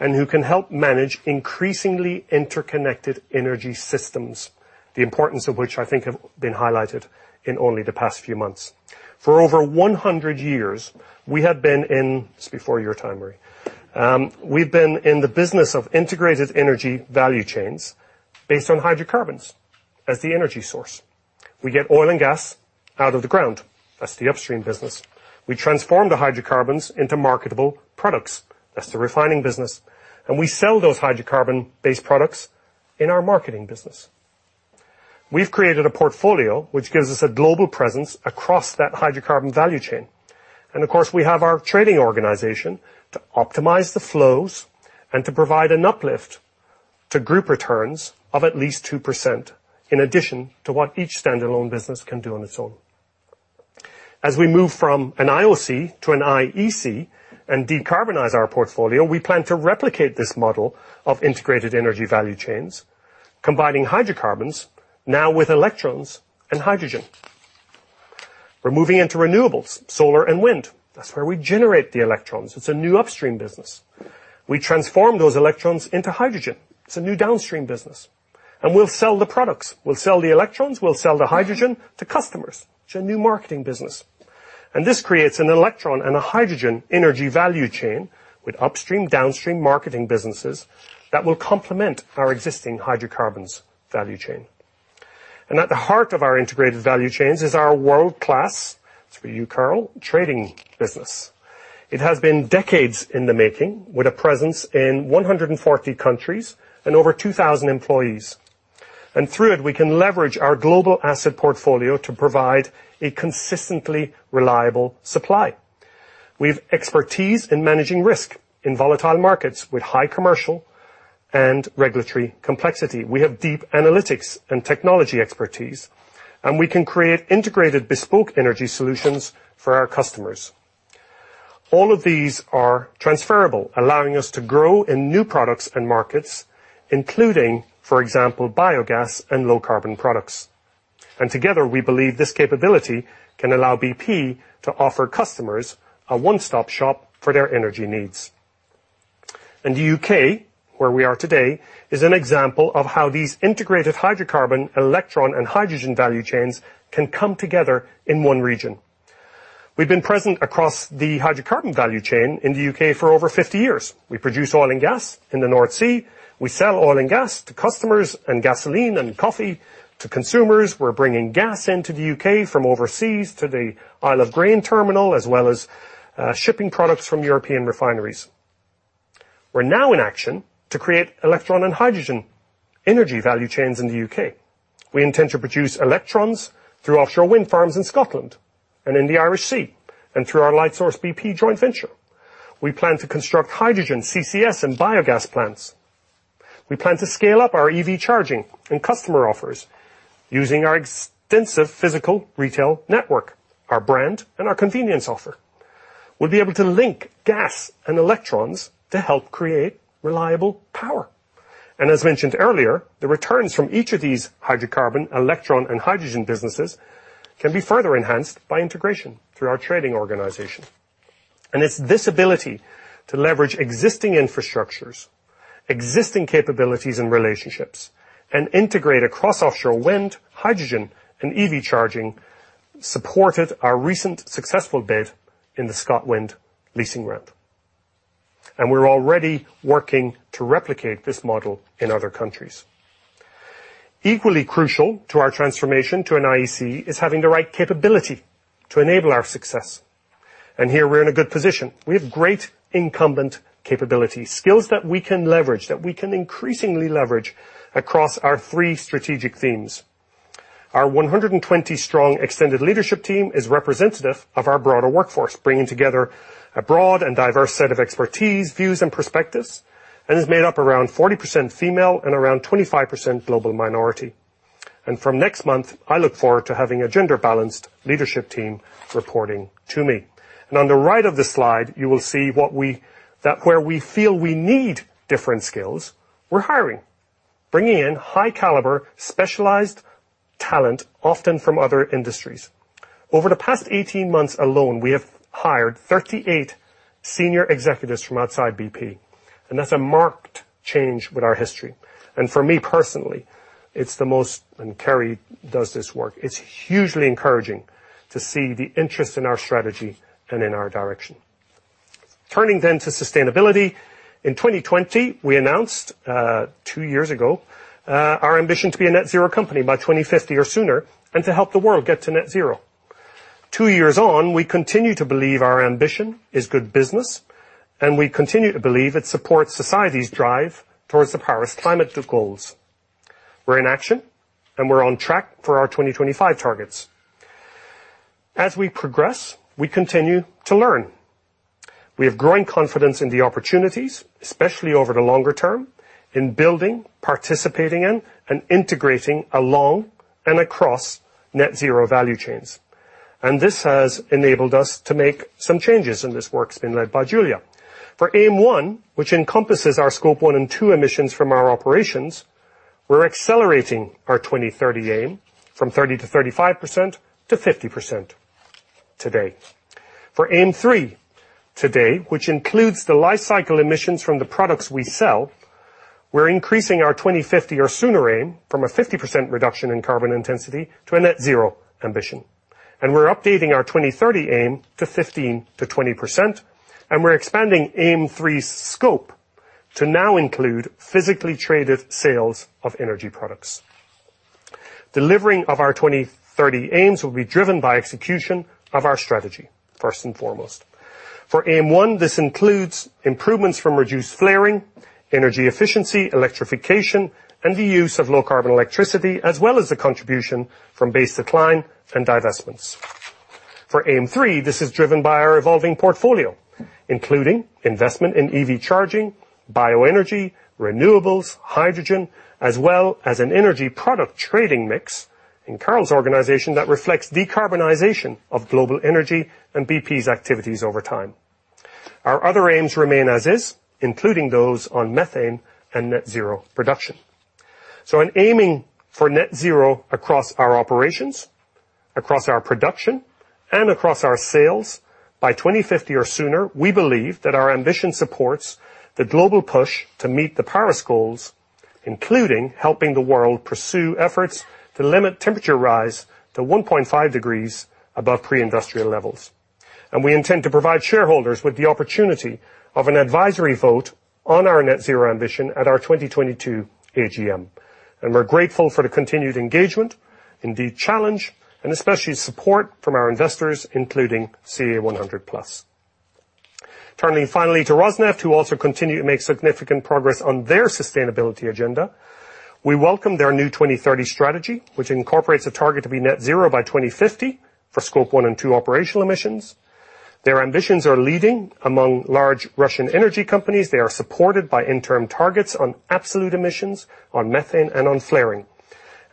and who can help manage increasingly interconnected energy systems, the importance of which I think have been highlighted in only the past few months. For over 100 years, we have been in. This is before your time, Marie. We've been in the business of integrated energy value chains based on hydrocarbons as the energy source. We get oil and gas out of the ground. That's the upstream business. We transform the hydrocarbons into marketable products. That's the refining business. We sell those hydrocarbon-based products in our marketing business. We've created a portfolio which gives us a global presence across that hydrocarbon value chain. Of course, we have our trading organization to optimize the flows and to provide an uplift to group returns of at least 2% in addition to what each standalone business can do on its own. As we move from an IOC to an IEC and decarbonize our portfolio, we plan to replicate this model of integrated energy value chains, combining hydrocarbons now with electrons and hydrogen. We're moving into renewables, solar and wind. That's where we generate the electrons. It's a new upstream business. We transform those electrons into hydrogen. It's a new downstream business. We'll sell the products. We'll sell the electrons, we'll sell the hydrogen to customers. It's a new marketing business. This creates an electron and a hydrogen energy value chain with upstream, downstream marketing businesses that will complement our existing hydrocarbons value chain. At the heart of our integrated value chains is our world-class, it's for you, Carl, trading business. It has been decades in the making, with a presence in 140 countries and over 2,000 employees. Through it, we can leverage our global asset portfolio to provide a consistently reliable supply. We've expertise in managing risk in volatile markets with high commercial and regulatory complexity. We have deep analytics and technology expertise, and we can create integrated bespoke energy solutions for our customers. All of these are transferable, allowing us to grow in new products and markets, including, for example, biogas and low-carbon products. Together, we believe this capability can allow BP to offer customers a one-stop shop for their energy needs. The U.K., where we are today, is an example of how these integrated hydrocarbon, electron, and hydrogen value chains can come together in one region. We've been present across the hydrocarbon value chain in the U.K. for over 50 years. We produce oil and gas in the North Sea. We sell oil and gas to customers and gasoline and coffee to consumers. We're bringing gas into the U.K. from overseas to the Isle of Grain terminal, as well as shipping products from European refineries. We're now in action to create electron and hydrogen energy value chains in the U.K. We intend to produce electrons through offshore wind farms in Scotland and in the Irish Sea, and through our Lightsource BP joint venture. We plan to construct hydrogen, CCS, and biogas plants. We plan to scale up our EV charging and customer offers using our extensive physical retail network, our brand, and our convenience offer. We'll be able to link gas and electrons to help create reliable power. As mentioned earlier, the returns from each of these hydrocarbon, electron, and hydrogen businesses can be further enhanced by integration through our trading organization. It's this ability to leverage existing infrastructures, existing capabilities and relationships, and integrate across offshore wind, hydrogen, and EV charging, supported our recent successful bid in the ScotWind leasing round. We're already working to replicate this model in other countries. Equally crucial to our transformation to an IEC is having the right capability to enable our success. Here we're in a good position. We have great incumbent capabilities, skills that we can leverage, that we can increasingly leverage across our three strategic themes. Our 120-strong extended leadership team is representative of our broader workforce, bringing together a broad and diverse set of expertise, views, and perspectives, and is made up around 40% female and around 25% global minority. From next month, I look forward to having a gender-balanced leadership team reporting to me. On the right of the slide, you will see where we feel we need different skills, we're hiring, bringing in high-caliber, specialized talent, often from other industries. Over the past 18 months alone, we have hired 38 senior executives from outside BP, and that's a marked change with our history. For me personally, it's the most, and Kerry does this work, it's hugely encouraging to see the interest in our strategy and in our direction. Turning to sustainability, in 2020, we announced two years ago, our ambition to be a net zero company by 2050 or sooner, and to help the world get to net zero. Two years on, we continue to believe our ambition is good business, and we continue to believe it supports society's drive towards the Paris Climate goals. We're in action, and we're on track for our 2025 targets. As we progress, we continue to learn. We have growing confidence in the opportunities, especially over the longer term, in building, participating in, and integrating along and across net zero value chains. This has enabled us to make some changes, and this work's been led by Julia. For Aim one, which encompasses our Scope one and two emissions from our operations, we're accelerating our 2030 aim from 30%-35% to 50% today. For Aim three today, which includes the lifecycle emissions from the products we sell, we're increasing our 2050 or sooner aim from a 50% reduction in carbon intensity to a net zero ambition. We're updating our 2030 aim to 15%-20%, and we're expanding Aim three's scope to now include physically traded sales of energy products. Delivering of our 2030 aims will be driven by execution of our strategy, first and foremost. For aim one, this includes improvements from reduced flaring, energy efficiency, electrification, and the use of low carbon electricity, as well as the contribution from base decline and divestments. For aim three, this is driven by our evolving portfolio, including investment in EV charging, bioenergy, renewables, hydrogen, as well as an energy product trading mix in Carl's organization that reflects decarbonization of global energy and BP's activities over time. Our other aims remain as is, including those on methane and net zero production. In aiming for net zero across our operations, across our production, and across our sales by 2050 or sooner, we believe that our ambition supports the global push to meet the Paris goals, including helping the world pursue efforts to limit temperature rise to 1.5 degrees above pre-industrial levels. We intend to provide shareholders with the opportunity of an advisory vote on our net zero ambition at our 2022 AGM. We're grateful for the continued engagement, indeed challenge, and especially support from our investors, including Climate Action 100+. Turning finally to Rosneft, who also continue to make significant progress on their sustainability agenda. We welcome their new 2030 strategy, which incorporates a target to be net zero by 2050 for Scope one and two operational emissions. Their ambitions are leading among large Russian energy companies. They are supported by interim targets on absolute emissions, on methane, and on flaring.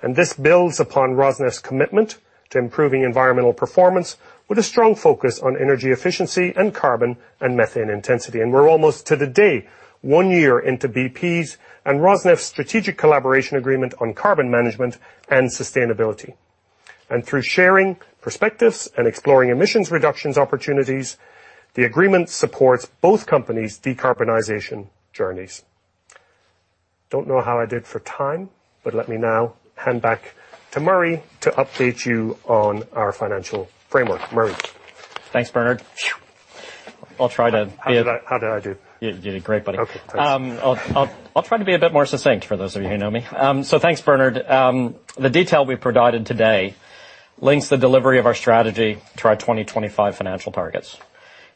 This builds upon Rosneft's commitment to improving environmental performance with a strong focus on energy efficiency and carbon and methane intensity. We're almost to the day, 1 year into BP's and Rosneft's strategic collaboration agreement on carbon management and sustainability. Through sharing perspectives and exploring emissions reductions opportunities, the agreement supports both companies' decarbonization journeys. Don't know how I did for time, but let me now hand back to Murray to update you on our financial framework. Murray? Thanks, Bernard. How did I do? You did great, buddy. Okay. I'll try to be a bit more succinct for those of you who know me. Thanks, Bernard. The detail we've provided today links the delivery of our strategy to our 2025 financial targets.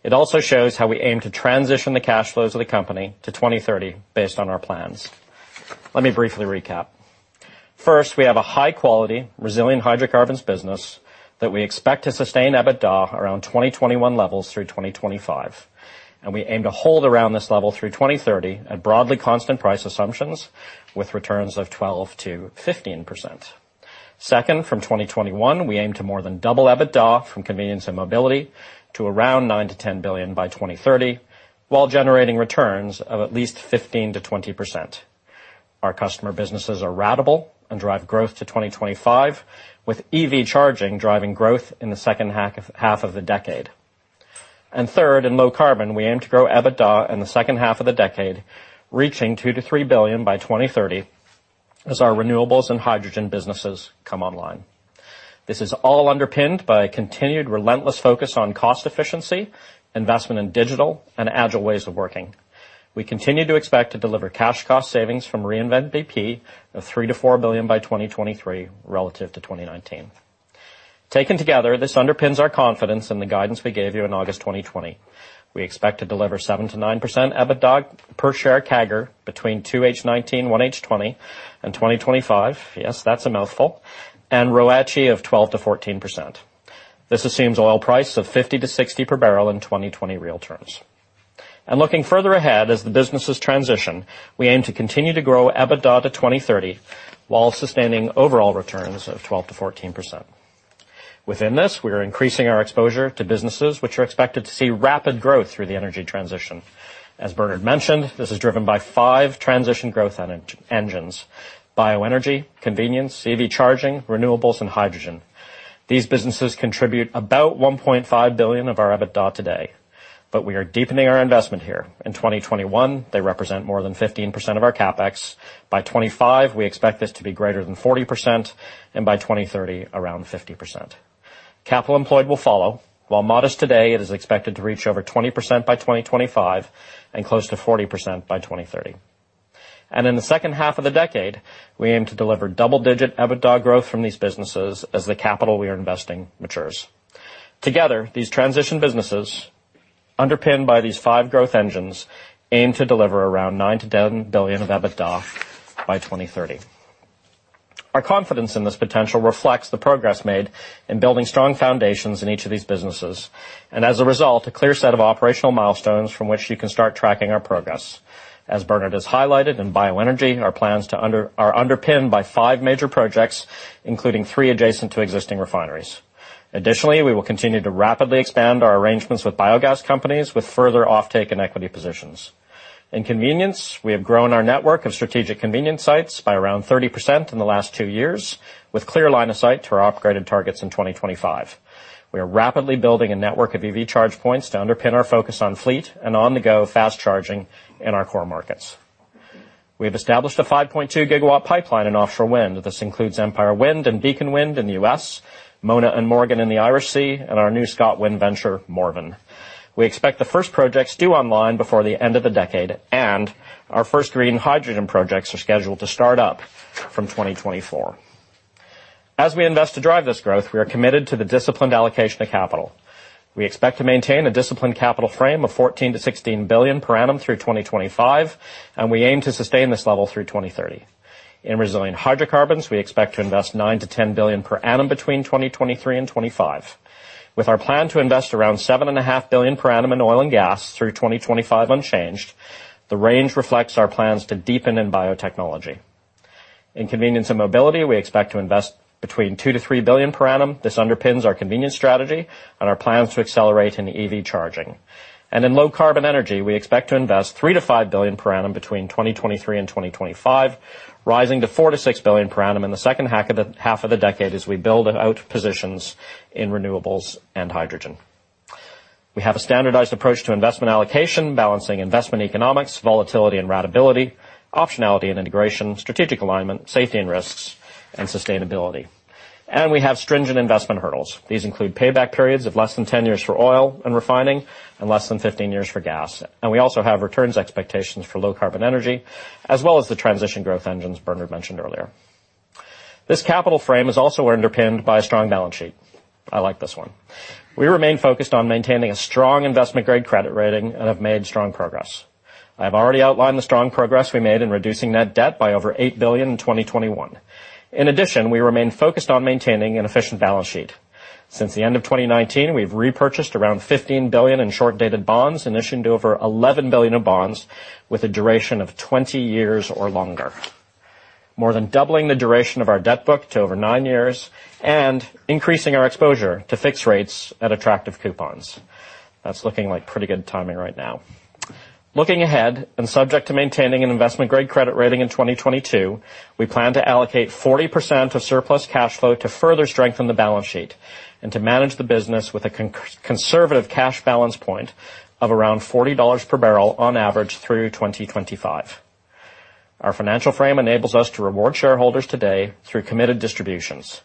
It also shows how we aim to transition the cash flows of the company to 2030 based on our plans. Let me briefly recap. First, we have a high-quality, resilient hydrocarbons business that we expect to sustain EBITDA around 2021 levels through 2025, and we aim to hold around this level through 2030 at broadly constant price assumptions with returns of 12%-15%. Second, from 2021, we aim to more than double EBITDA from convenience and mobility to around $9 billion-$10 billion by 2030 while generating returns of at least 15%-20%. Our customer businesses are resilient and drive growth to 2025, with EV charging driving growth in the second half of the decade. Third, in low carbon, we aim to grow EBITDA in the second half of the decade, reaching $2 billion-$3 billion by 2030 as our renewables and hydrogen businesses come online. This is all underpinned by a continued relentless focus on cost efficiency, investment in digital, and agile ways of working. We continue to expect to deliver cash cost savings from Reinvent BP of $3 billion-$4 billion by 2023 relative to 2019. Taken together, this underpins our confidence in the guidance we gave you in August 2020. We expect to deliver 7%-9% EBITDA per share CAGR between 2H 2019, 1H 2020 and 2025. Yes, that's a mouthful. ROACE of 12%-14%. This assumes oil price of $50-$60 per barrel in 2020 real terms. Looking further ahead as the businesses transition, we aim to continue to grow EBITDA to 2030 while sustaining overall returns of 12%-14%. Within this, we are increasing our exposure to businesses which are expected to see rapid growth through the energy transition. As Bernard mentioned, this is driven by five transition growth engines: bioenergy, convenience, EV charging, renewables, and hydrogen. These businesses contribute about $1.5 billion of our EBITDA today, but we are deepening our investment here. In 2021, they represent more than 15% of our CapEx. By 2025, we expect this to be greater than 40%, and by 2030, around 50%. Capital employed will follow. While modest today, it is expected to reach over 20% by 2025 and close to 40% by 2030. In the second half of the decade, we aim to deliver double-digit EBITDA growth from these businesses as the capital we are investing matures. Together, these transition businesses, underpinned by these five growth engines, aim to deliver around $9 billion-$10 billion of EBITDA by 2030. Our confidence in this potential reflects the progress made in building strong foundations in each of these businesses. As a result, a clear set of operational milestones from which you can start tracking our progress. As Bernard has highlighted, in bioenergy, our plans are underpinned by five major projects, including three adjacent to existing refineries. Additionally, we will continue to rapidly expand our arrangements with biogas companies with further offtake and equity positions. In convenience, we have grown our network of strategic convenience sites by around 30% in the last two years, with clear line of sight to our upgraded targets in 2025. We are rapidly building a network of EV charge points to underpin our focus on fleet and on-the-go fast charging in our core markets. We have established a 5.2 GW pipeline in offshore wind. This includes Empire Wind and Beacon Wind in the U.S., Mona and Morgan in the Irish Sea, and our new ScotWind venture, Morven. We expect the first projects due online before the end of the decade, and our first green hydrogen projects are scheduled to start up from 2024. As we invest to drive this growth, we are committed to the disciplined allocation of capital. We expect to maintain a disciplined capital frame of $14 billion-$16 billion per annum through 2025, and we aim to sustain this level through 2030. In resilient hydrocarbons, we expect to invest $9 billion-$10 billion per annum between 2023 and 2025. With our plan to invest around $7.5 billion per annum in oil and gas through 2025 unchanged, the range reflects our plans to deepen in biotechnology. In convenience and mobility, we expect to invest $2 billion-$3 billion per annum. This underpins our convenience strategy and our plans to accelerate in EV charging. In low-carbon energy, we expect to invest $3 billion-$5 billion per annum between 2023 and 2025, rising to $4 billion-$6 billion per annum in the second half of the decade as we build out positions in renewables and hydrogen. We have a standardized approach to investment allocation, balancing investment economics, volatility and ratability, optionality and integration, strategic alignment, safety and risks, and sustainability. We have stringent investment hurdles. These include payback periods of less than 10 years for oil and refining, and less than 15 years for gas. We also have returns expectations for low carbon energy, as well as the transition growth engines Bernard mentioned earlier. This capital framework is also underpinned by a strong balance sheet. I like this one. We remain focused on maintaining a strong investment-grade credit rating and have made strong progress. I've already outlined the strong progress we made in reducing net debt by over $8 billion in 2021. In addition, we remain focused on maintaining an efficient balance sheet. Since the end of 2019, we've repurchased around $15 billion in short-dated bonds and issued over $11 billion of bonds with a duration of 20 years or longer, more than doubling the duration of our debt book to over nine years and increasing our exposure to fixed rates at attractive coupons. That's looking like pretty good timing right now. Looking ahead, and subject to maintaining an investment-grade credit rating in 2022, we plan to allocate 40% of surplus cash flow to further strengthen the balance sheet and to manage the business with a conservative cash balance point of around $40 per barrel on average through 2025. Our financial frame enables us to reward shareholders today through committed distributions.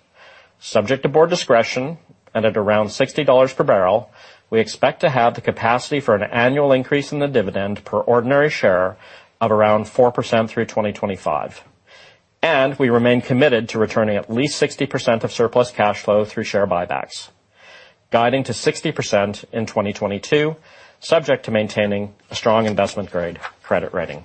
Subject to board discretion and at around $60 per barrel, we expect to have the capacity for an annual increase in the dividend per ordinary share of around 4% through 2025. We remain committed to returning at least 60% of surplus cash flow through share buybacks, guiding to 60% in 2022, subject to maintaining a strong investment-grade credit rating.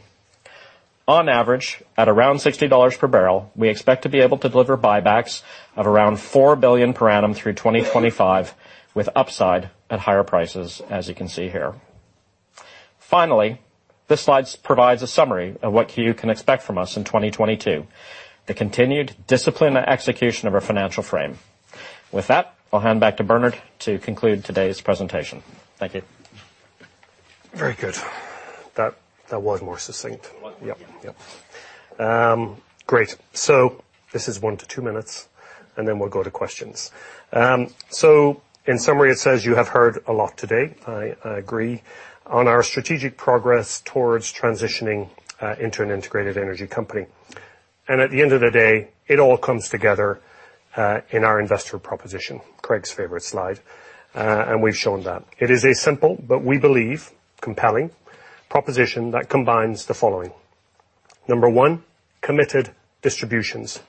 On average, at around $60 per barrel, we expect to be able to deliver buybacks of around $4 billion per annum through 2025, with upside at higher prices, as you can see here. Finally, this slide provides a summary of what you can expect from us in 2022, the continued discipline and execution of our financial frame. With that, I'll hand back to Bernard to conclude today's presentation. Thank you. Very good. That was more succinct. It was. Yeah. Yep. Great. This is one to two minutes, and then we'll go to questions. In summary, it says you have heard a lot today, I agree, on our strategic progress towards transitioning into an integrated energy company. At the end of the day, it all comes together in our investor proposition, Craig's favorite slide, and we've shown that. It is a simple, but we believe compelling proposition that combines the following. Number one, committed distributions.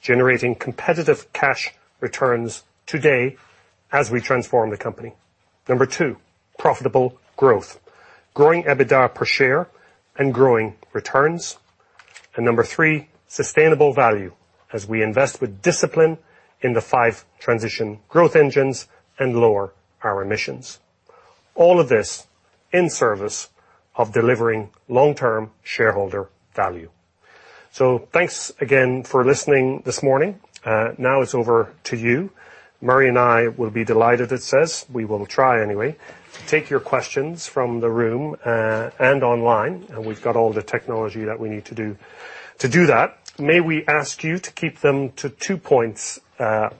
Generating competitive cash returns today as we transform the company. Number two, profitable growth. Growing EBITDA per share and growing returns. Number three, sustainable value as we invest with discipline in the five transition growth engines and lower our emissions. All of this in service of delivering long-term shareholder value. Thanks again for listening this morning. Now it's over to you. Murray and I will be delighted, it says. We will try anyway to take your questions from the room, and online, and we've got all the technology that we need to do that. May we ask you to keep them to two points,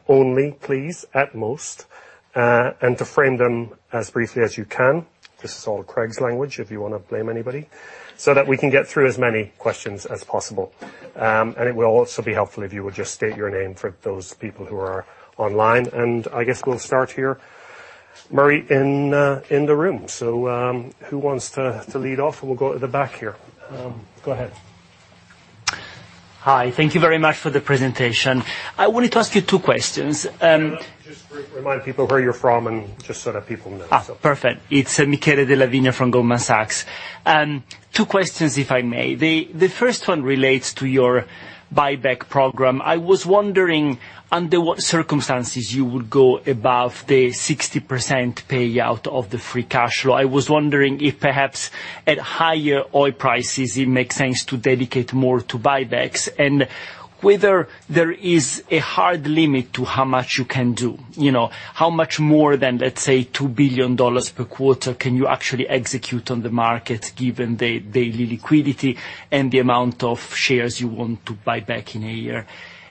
only, please, at most, and to frame them as briefly as you can. This is all Craig's language, if you wanna blame anybody, so that we can get through as many questions as possible. It will also be helpful if you would just state your name for those people who are online. I guess we'll start here, Murray, in the room. Who wants to lead off? We'll go to the back here. Go ahead. Hi. Thank you very much for the presentation. I wanted to ask you two questions. Just remind people where you're from and just so that people know. Perfect. It's Michele Della Vigna from Goldman Sachs. Two questions, if I may. The first one relates to your buyback program. I was wondering under what circumstances you would go above the 60% payout of the free cash flow. I was wondering if perhaps at higher oil prices, it makes sense to dedicate more to buybacks, and whether there is a hard limit to how much you can do. You know, how much more than, let's say, $2 billion per quarter can you actually execute on the market given the daily liquidity and the amount of shares you want to buy back in a year.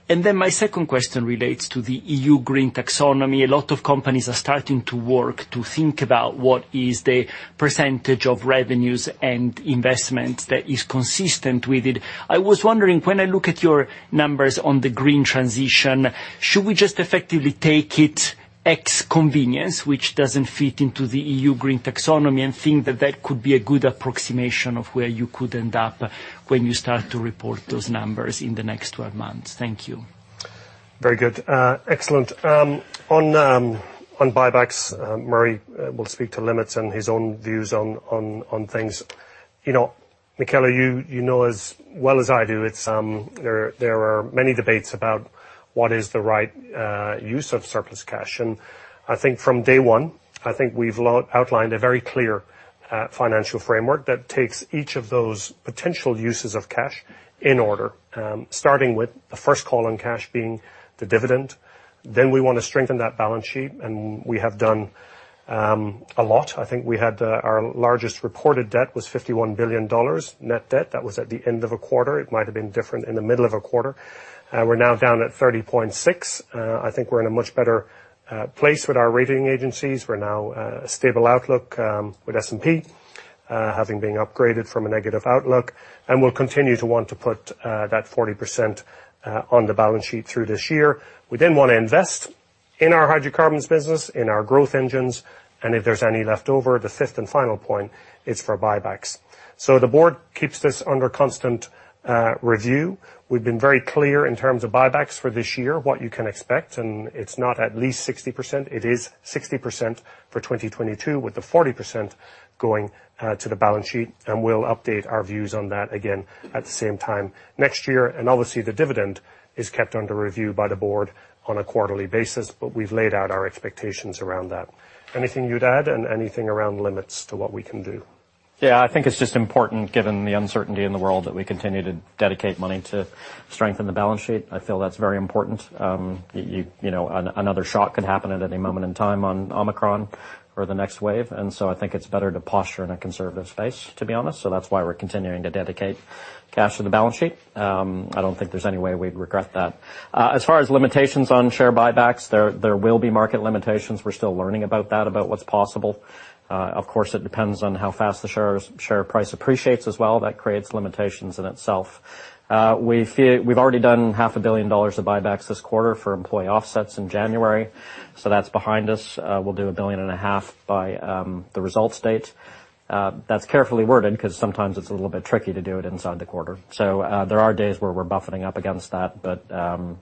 My second question relates to the EU green taxonomy. A lot of companies are starting to work to think about what is the percentage of revenues and investments that is consistent with it. I was wondering, when I look at your numbers on the green transition, should we just effectively take it ex convenience, which doesn't fit into the EU green taxonomy, and think that that could be a good approximation of where you could end up when you start to report those numbers in the next 12 months? Thank you. Very good. Excellent. On buybacks, Murray will speak to limits and his own views on things. You know, Michele, you know as well as I do it's that there are many debates about what is the right use of surplus cash. I think from day one, I think we've outlined a very clear financial framework that takes each of those potential uses of cash in order, starting with the first call on cash being the dividend, then we wanna strengthen that balance sheet, and we have done a lot. I think we had our largest reported debt was $51 billion, net debt. That was at the end of a quarter. It might have been different in the middle of a quarter. We're now down at $30.6 billion. I think we're in a much better place with our rating agencies. We're now a stable outlook with S&P having been upgraded from a negative outlook. We'll continue to want to put that 40% on the balance sheet through this year. We then wanna invest in our hydrocarbons business, in our growth engines, and if there's any left over, the fifth and final point is for buybacks. The board keeps this under constant review. We've been very clear in terms of buybacks for this year, what you can expect, and it's not at least 60%, it is 60% for 2022, with the 40% going to the balance sheet, and we'll update our views on that again at the same time next year. Obviously, the dividend is kept under review by the board on a quarterly basis, but we've laid out our expectations around that. Anything you'd add and anything around limits to what we can do? Yeah. I think it's just important, given the uncertainty in the world, that we continue to dedicate money to strengthen the balance sheet. I feel that's very important. Another shock could happen at any moment in time on Omicron or the next wave, and so I think it's better to posture in a conservative space, to be honest. That's why we're continuing to dedicate cash to the balance sheet. I don't think there's any way we'd regret that. As far as limitations on share buybacks, there will be market limitations. We're still learning about that, about what's possible. Of course, it depends on how fast the share price appreciates as well. That creates limitations in itself. We've already done half a billion dollars of buybacks this quarter for employee offsets in January, so that's behind us. We'll do $1.5 billion by the results date. That's carefully worded, 'cause sometimes it's a little bit tricky to do it inside the quarter. There are days where we're butting up against that, but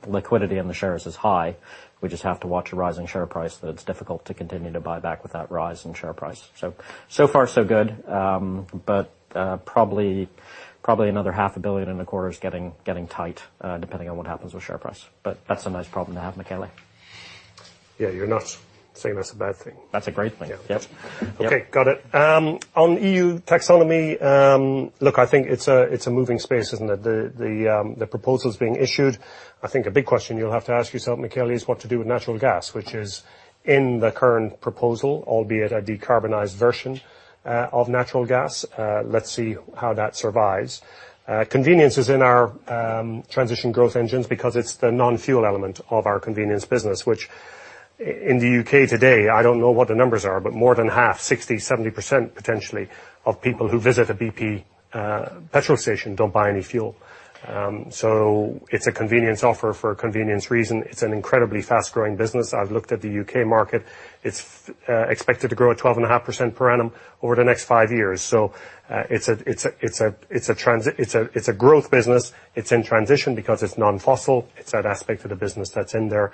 liquidity in the shares is high. We just have to watch a rise in share price, that it's difficult to continue to buy back with that rise in share price. So far so good, but probably another $0.5 billion in the quarter is getting tight, depending on what happens with share price. That's a nice problem to have, Michele. Yeah, you're not saying that's a bad thing. That's a great thing. Yeah. Yep. Okay, got it. On EU taxonomy, look, I think it's a moving space, isn't it? The proposals being issued, I think a big question you'll have to ask yourself, Michele, is what to do with natural gas, which is in the current proposal, albeit a decarbonized version of natural gas. Let's see how that survives. Convenience is in our transition growth engines because it's the non-fuel element of our convenience business, which in the U.K. today, I don't know what the numbers are, but more than half, 60%, 70% potentially, of people who visit a BP petrol station don't buy any fuel. It's a convenience offer for a convenience reason. It's an incredibly fast-growing business. I've looked at the U.K. market. It's expected to grow at 12.5% per annum over the next five years. It's a growth business. It's in transition because it's non-fossil. It's that aspect of the business that's in there.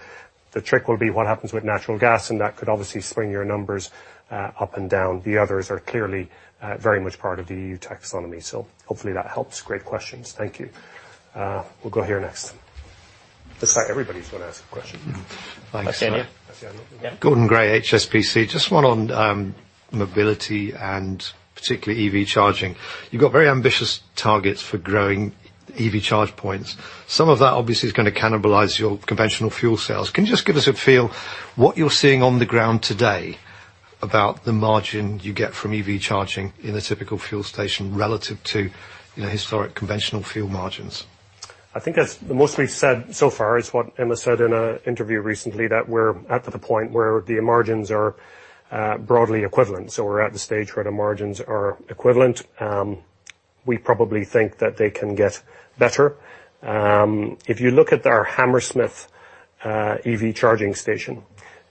The trick will be what happens with natural gas, and that could obviously spring your numbers up and down. The others are clearly very much part of the EU taxonomy. Hopefully that helps. Great questions. Thank you. We'll go here next. Looks like everybody's gonna ask a question. Thanks. Christian. Christian. Yeah. Gordon Gray, HSBC. Just one on mobility and particularly EV charging. You've got very ambitious targets for growing EV charge points. Some of that obviously is gonna cannibalize your conventional fuel sales. Can you just give us a feel what you're seeing on the ground today about the margin you get from EV charging in a typical fuel station relative to, you know, historic conventional fuel margins? I think the most we've said so far is what Emma said in an interview recently, that we're up to the point where the margins are broadly equivalent, so we're at the stage where the margins are equivalent. We probably think that they can get better. If you look at our Hammersmith EV charging station,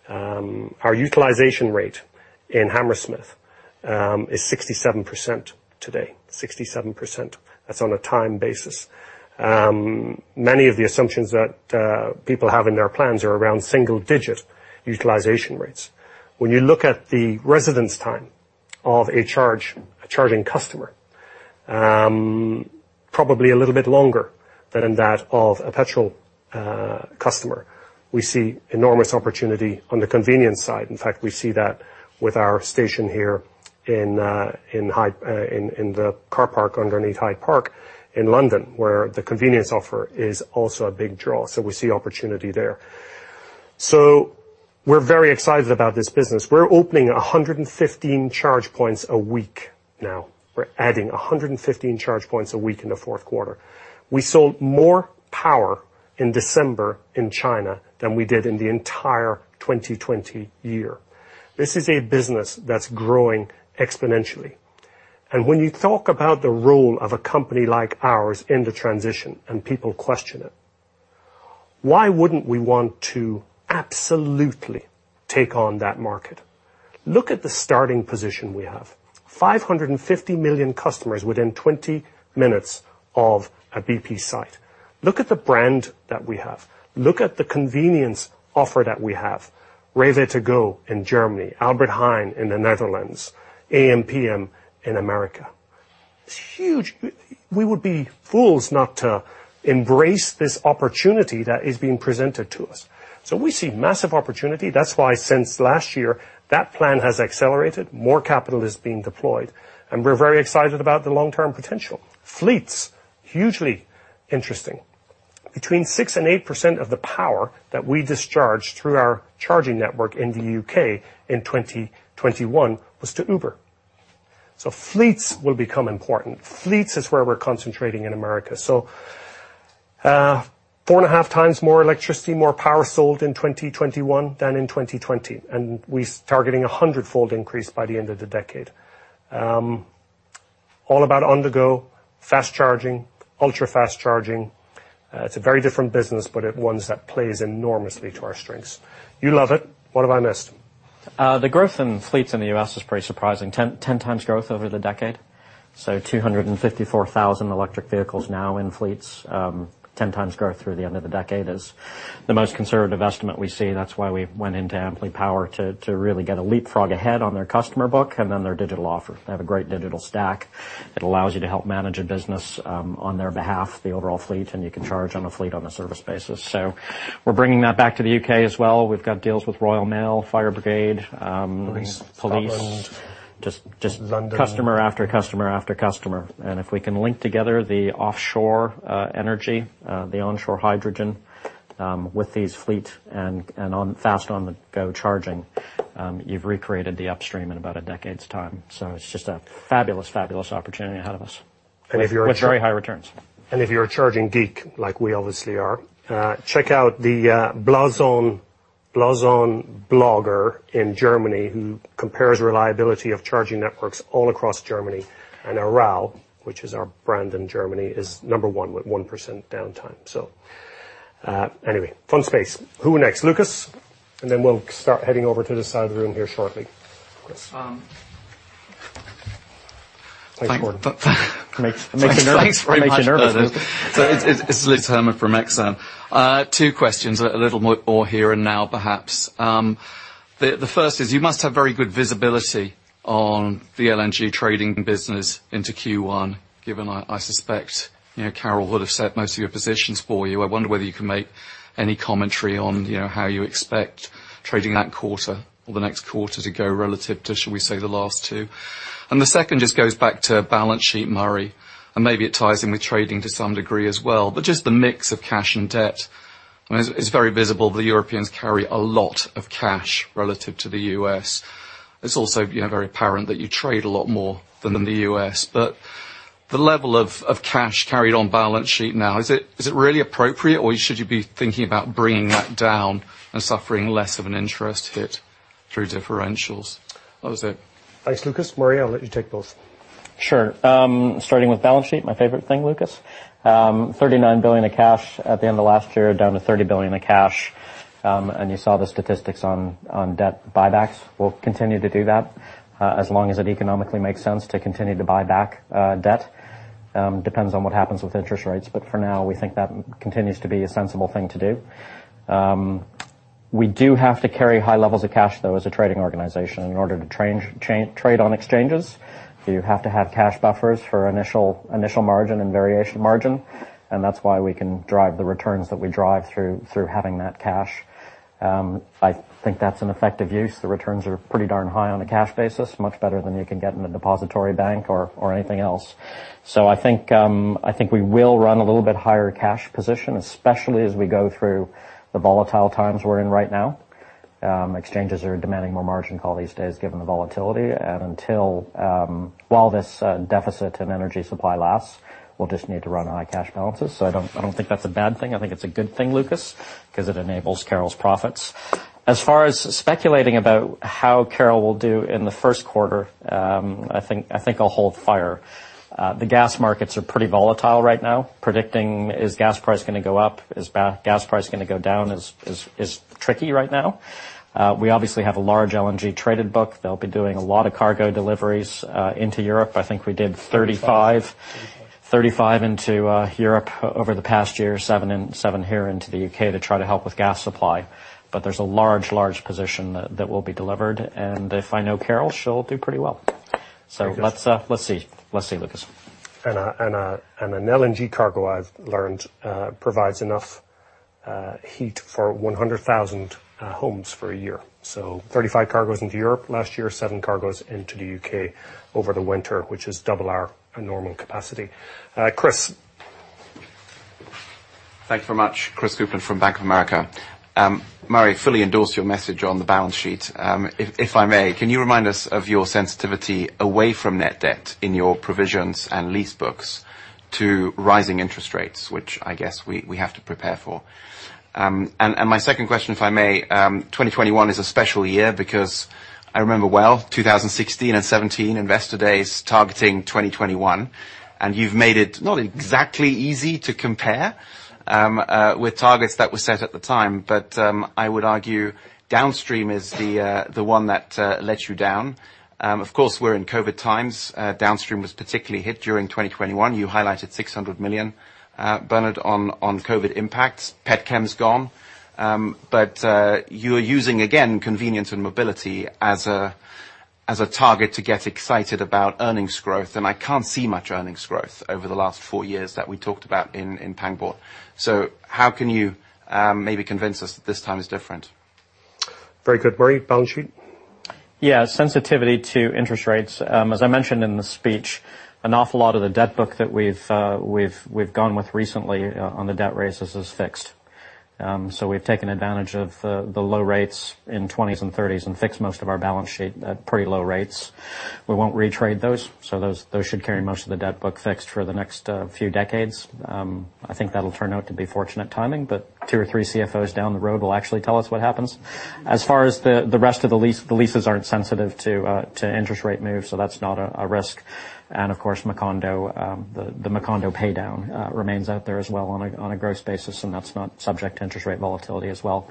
our utilization rate in Hammersmith is 67% today. 67%. That's on a time basis. Many of the assumptions that people have in their plans are around single-digit utilization rates. When you look at the residence time of a charge, a charging customer, probably a little bit longer than in that of a petrol customer. We see enormous opportunity on the convenience side. In fact, we see that with our station here in the car park underneath Hyde Park in London, where the convenience offer is also a big draw. We see opportunity there. We're very excited about this business. We're opening 115 charge points a week now. We're adding 115 charge points a week in the fourth quarter. We sold more power in December in China than we did in the entire 2020 year. This is a business that's growing exponentially. When you talk about the role of a company like ours in the transition and people question it, why wouldn't we want to absolutely take on that market? Look at the starting position we have. 550 million customers within 20 minutes of a BP site. Look at the brand that we have. Look at the convenience offer that we have. REWE To Go in Germany, Albert Heijn in the Netherlands, ampm in America. It's huge. We would be fools not to embrace this opportunity that is being presented to us. We see massive opportunity. That's why since last year, that plan has accelerated. More capital is being deployed, and we're very excited about the long-term potential. Fleets, hugely interesting. Between 6% and 8% of the power that we discharge through our charging network in the U.K. in 2021 was to Uber. Fleets will become important. Fleets is where we're concentrating in America. 4.5 times more electricity, more power sold in 2021 than in 2020. We're targeting a 100-fold increase by the end of the decade. All about on-the-go, fast charging, ultra-fast charging. It's a very different business, but it's one that plays enormously to our strengths. You love it. What have I missed? The growth in fleets in the U.S. is pretty surprising. 10 times growth over the decade. 254,000 electric vehicles now in fleets. 10 times growth through the end of the decade is the most conservative estimate we see. That's why we went into Amply Power to really get a leapfrog ahead on their customer book and then their digital offer. They have a great digital stack that allows you to help manage a business on their behalf, the overall fleet, and you can charge on a fleet on a service basis. We're bringing that back to the U.K. as well. We've got deals with Royal Mail, fire brigade. Police Scotland. Please. London Customer after customer after customer. If we can link together the offshore energy, the onshore hydrogen, with these fleet and on fast on-the-go charging, you've recreated the upstream in about a decade's time. It's just a fabulous opportunity ahead of us. If you're a- With very high returns. If you're a charging geek, like we obviously are, check out the Blazon blogger in Germany, who compares reliability of charging networks all across Germany. Aral, which is our brand in Germany, is number one with 1% downtime. Anyway, fun space. Who next? Lucas. Then we'll start heading over to this side of the room here shortly. Lucas. Um. Thanks, Gordon. Thank, th-th- Makes you nervous. Thanks very much, Bernard. Make you nervous. It's Lucas Herrmann from Exane. Two questions, a little more here and now, perhaps. The first is you must have very good visibility on the LNG trading business into Q1, given I suspect, you know, Carol would have set most of your positions for you. I wonder whether you can make any commentary on, you know, how you expect trading that quarter or the next quarter to go relative to, shall we say, the last two. The second just goes back to balance sheet, Murray, and maybe it ties in with trading to some degree as well. Just the mix of cash and debt. I mean, it's very visible the Europeans carry a lot of cash relative to the U.S. It's also, you know, very apparent that you trade a lot more than in the U.S. The level of cash carried on balance sheet now, is it really appropriate, or should you be thinking about bringing that down and suffering less of an interest hit through differentials? That was it. Thanks, Lucas. Murray, I'll let you take both. Sure. Starting with balance sheet, my favorite thing, Lucas. $39 billion of cash at the end of last year, down to $30 billion of cash, and you saw the statistics on debt buybacks. We'll continue to do that, as long as it economically makes sense to continue to buy back, debt. Depends on what happens with interest rates, but for now, we think that continues to be a sensible thing to do. We do have to carry high levels of cash, though, as a trading organization. In order to trade on exchanges, you have to have cash buffers for initial margin and variation margin, and that's why we can drive the returns that we drive through having that cash. I think that's an effective use. The returns are pretty darn high on a cash basis, much better than you can get in a depository bank or anything else. I think we will run a little bit higher cash position, especially as we go through the volatile times we're in right now. Exchanges are demanding more margin calls these days given the volatility. While this deficit in energy supply lasts, we'll just need to run high cash balances. I don't think that's a bad thing. I think it's a good thing, Lucas, 'cause it enables Carol's profits. As far as speculating about how Carol will do in the first quarter, I think I'll hold fire. The gas markets are pretty volatile right now. Predicting is gas price gonna go up? Is gas price gonna go down is tricky right now. We obviously have a large LNG traded book. They will be doing a lot of cargo deliveries into Europe. I think we did 35 into Europe over the past year, seven here into the U.K. to try to help with gas supply. There is a large position that will be delivered. If I know Carol, she will do pretty well. Let's see, Lucas. An LNG cargo, I've learned, provides enough heat for 100,000 homes for a year. 35 cargos into Europe last year, seven cargos into the U.K. over the winter, which is double our normal capacity. Chris. Thank you very much. Christopher Kuplent from Bank of America. Murray, fully endorse your message on the balance sheet. If I may, can you remind us of your sensitivity away from net debt in your provisions and lease books to rising interest rates, which I guess we have to prepare for. And my second question, if I may, 2021 is a special year because I remember well, 2016 and 2017 investor days targeting 2021, and you've made it not exactly easy to compare with targets that were set at the time. I would argue Downstream is the one that let you down. Of course, we're in COVID times. Downstream was particularly hit during 2021. You highlighted $600 million, Bernard, on COVID impacts. Petchem's gone. You are using, again, convenience and mobility as a target to get excited about earnings growth, and I can't see much earnings growth over the last four years that we talked about in Pangbourne. How can you maybe convince us that this time is different? Very good. Murray, balance sheet. Yeah, sensitivity to interest rates. As I mentioned in the speech, an awful lot of the debt book that we've gone with recently on the debt raises is fixed. So we've taken advantage of the low rates in 20s and 30s and fixed most of our balance sheet at pretty low rates. We won't re-trade those, so those should carry most of the debt book fixed for the next few decades. I think that'll turn out to be fortunate timing, but two or three CFOs down the road will actually tell us what happens. As far as the rest of the lease, the leases aren't sensitive to interest rate moves, so that's not a risk. Of course, Macondo, the Macondo pay down remains out there as well on a gross basis, and that's not subject to interest rate volatility as well.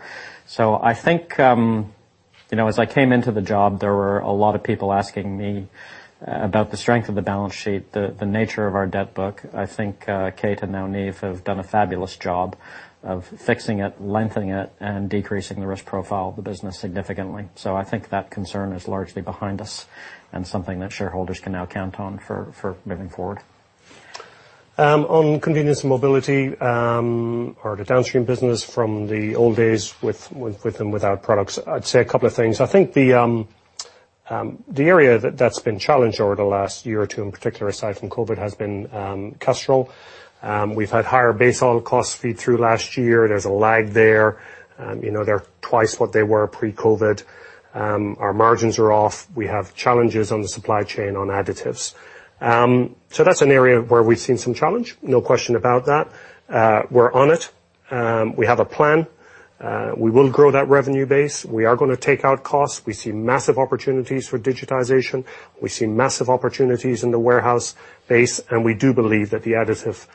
I think you know, as I came into the job, there were a lot of people asking me about the strength of the balance sheet, the nature of our debt book. I think Kate and now Neve have done a fabulous job of fixing it, lengthening it, and decreasing the risk profile of the business significantly. I think that concern is largely behind us and something that shareholders can now count on for moving forward. On Convenience and Mobility, or the Downstream business from the old days with and without products, I'd say a couple of things. I think the area that's been challenged over the last year or two in particular, aside from COVID, has been Castrol. We've had higher base oil costs feed through last year. There's a lag there. You know, they're twice what they were pre-COVID. Our margins are off. We have challenges on the supply chain on additives. So that's an area where we've seen some challenge. No question about that. We're on it. We have a plan. We will grow that revenue base. We are gonna take out costs. We see massive opportunities for digitization. We see massive opportunities in the warehouse base, and we do believe that the additive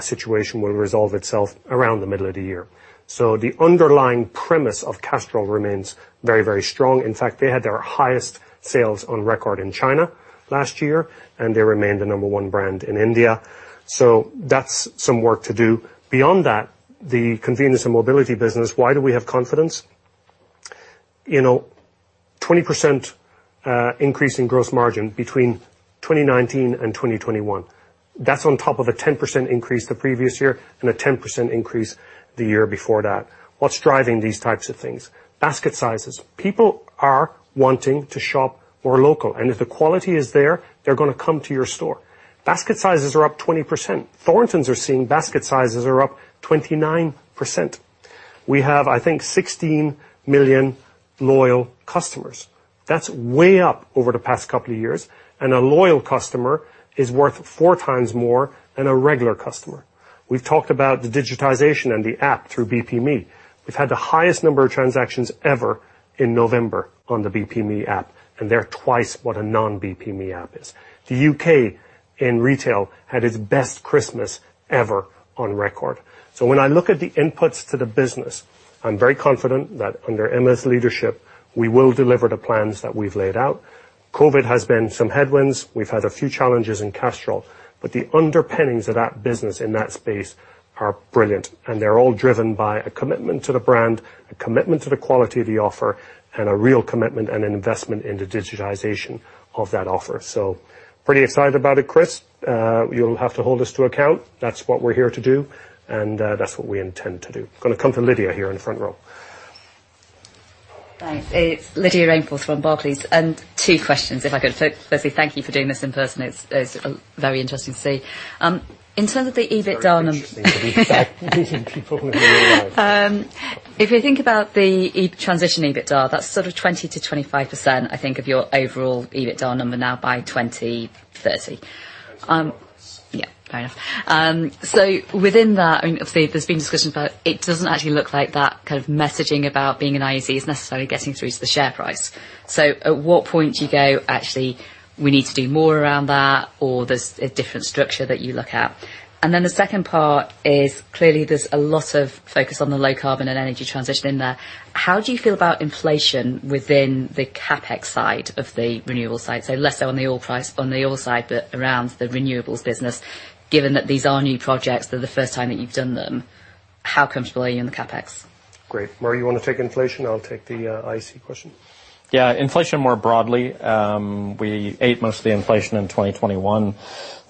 situation will resolve itself around the middle of the year. The underlying premise of Castrol remains very, very strong. In fact, they had their highest sales on record in China last year, and they remain the number one brand in India. That's some work to do. Beyond that, the Convenience and Mobility business, why do we have confidence? You know, 20% increase in gross margin between 2019 and 2021. That's on top of a 10% increase the previous year and a 10% increase the year before that. What's driving these types of things? Basket sizes. People are wanting to shop more local. If the quality is there, they're gonna come to your store. Basket sizes are up 20%. Thorntons are seeing basket sizes are up 29%. We have, I think, 16 million loyal customers. That's way up over the past couple of years, and a loyal customer is worth 4 times more than a regular customer. We've talked about the digitization and the app through BPme. We've had the highest number of transactions ever in November on the BPme app, and they're twice what a non-BPme app is. The U.K. in retail had its best Christmas ever on record. When I look at the inputs to the business, I'm very confident that under Emma's leadership, we will deliver the plans that we've laid out. COVID has been some headwinds. We've had a few challenges in Castrol, but the underpinnings of that business in that space are brilliant, and they're all driven by a commitment to the brand, a commitment to the quality of the offer, and a real commitment and an investment in the digitization of that offer. Pretty excited about it, Chris. You'll have to hold us to account. That's what we're here to do, and that's what we intend to do. Gonna come to Lydia here in the front row. Thanks. It's Lydia Rainforth from Barclays. Two questions, if I could. Firstly, thank you for doing this in person. It's very interesting to see. In terms of the EBITDA numbers- It's very interesting to be back meeting people with real words. If you think about the energy transition EBITDA, that's sort of 20%-25%, I think, of your overall EBITDA number now by 2030. Yeah, fair enough. Within that, I mean, obviously there's been discussions about it doesn't actually look like that kind of messaging about being an IEC is necessarily getting through to the share price. At what point do you go, "Actually, we need to do more around that," or there's a different structure that you look at? The second part is, clearly there's a lot of focus on the low carbon and energy transition in there. How do you feel about inflation within the CapEx side of the renewable side? Less so on the oil price, on the oil side, but around the renewables business, given that these are new projects, they're the first time that you've done them, how comfortable are you in the CapEx? Great. Murray, you wanna take inflation, I'll take the IEC question. Yeah. Inflation more broadly, we ate most of the inflation in 2021.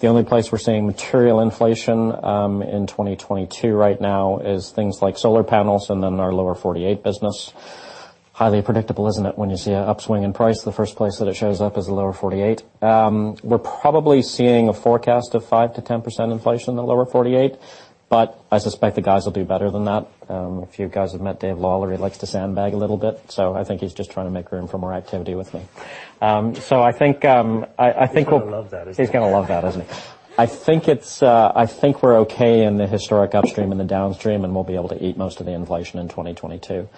The only place we're seeing material inflation in 2022 right now is things like solar panels and then our Lower 48 business. Highly predictable, isn't it? When you see an upswing in price, the first place that it shows up is the Lower 48. We're probably seeing a forecast of 5%-10% inflation in the Lower 48, but I suspect the guys will do better than that. A few of you guys have met David Lawler. He likes to sandbag a little bit, so I think he's just trying to make room for more activity with me. So I think we'll- He's gonna love that, isn't he? He's gonna love that, isn't he? I think we're okay in the historic upstream and the downstream, and we'll be able to eat most of the inflation in 2022.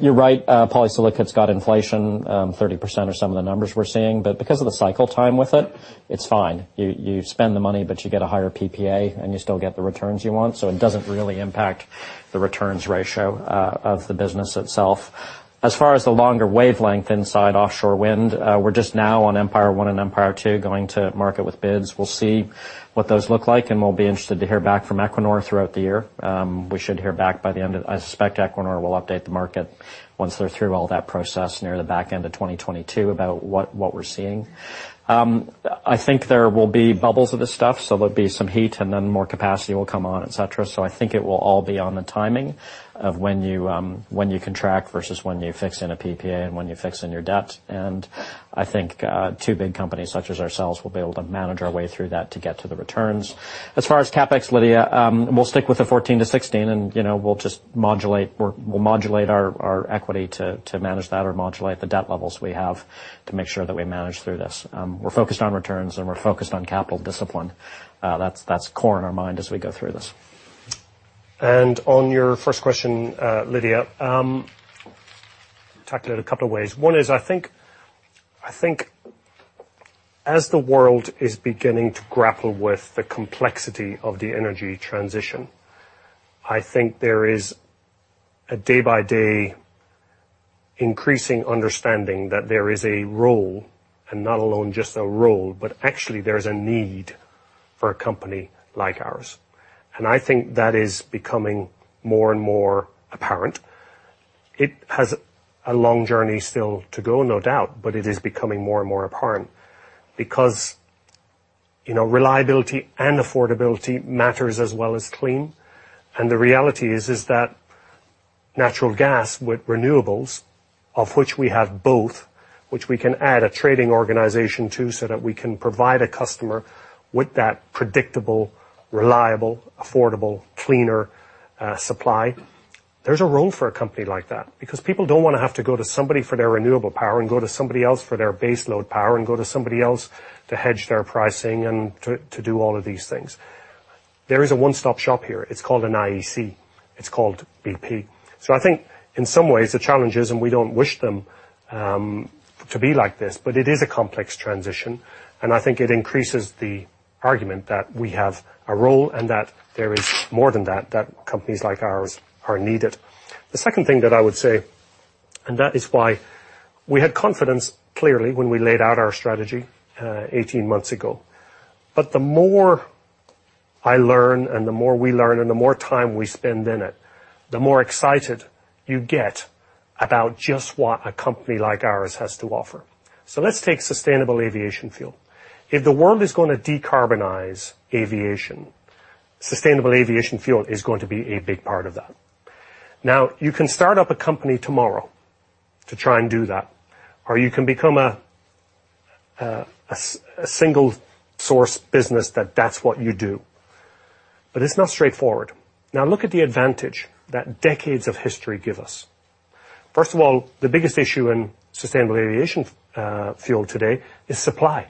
You're right, polysilicon's got inflation, 30% or some of the numbers we're seeing, but because of the cycle time with it's fine. You spend the money, but you get a higher PPA and you still get the returns you want, so it doesn't really impact the returns ratio of the business itself. As far as the longer lead time in offshore wind, we're just now on Empire One and Empire Two going to market with bids. We'll see what those look like, and we'll be interested to hear back from Equinor throughout the year. We should hear back by the end of the year. I suspect Equinor will update the market once they're through all that process near the back end of 2022 about what we're seeing. I think there will be bubbles of this stuff, so there'll be some heat and then more capacity will come on, et cetera. I think it will all be on the timing of when you contract versus when you fix in a PPA and when you fix in your debt. I think two big companies such as ourselves will be able to manage our way through that to get to the returns. As far as CapEx, Lydia, we'll stick with the $14-$16 and, you know, we'll just modulate our equity to manage that or modulate the debt levels we have to make sure that we manage through this. We're focused on returns, and we're focused on capital discipline. That's core in our mind as we go through this. On your first question, Lydia, tackle it a couple of ways. One is, I think as the world is beginning to grapple with the complexity of the energy transition, I think there is a day-by-day increasing understanding that there is a role, and not alone just a role, but actually there's a need for a company like ours, and I think that is becoming more and more apparent. It has a long journey still to go, no doubt, but it is becoming more and more apparent because, you know, reliability and affordability matters as well as clean. The reality is that natural gas with renewables, of which we have both, which we can add a trading organization to so that we can provide a customer with that predictable, reliable, affordable, cleaner supply. There's a role for a company like that because people don't wanna have to go to somebody for their renewable power and go to somebody else for their baseload power and go to somebody else to hedge their pricing and to do all of these things. There is a one-stop shop here. It's called an IEC. It's called BP. I think in some ways the challenge is, and we don't wish them to be like this, but it is a complex transition, and I think it increases the argument that we have a role and that there is more than that companies like ours are needed. The second thing that I would say, and that is why we had confidence clearly when we laid out our strategy, 18 months ago, but the more I learn and the more we learn and the more time we spend in it, the more excited you get about just what a company like ours has to offer. Let's take sustainable aviation fuel. If the world is gonna decarbonize aviation, sustainable aviation fuel is going to be a big part of that. Now, you can start up a company tomorrow to try and do that, or you can become a single source business that's what you do. It's not straightforward. Now look at the advantage that decades of history give us. First of all, the biggest issue in sustainable aviation fuel today is supply.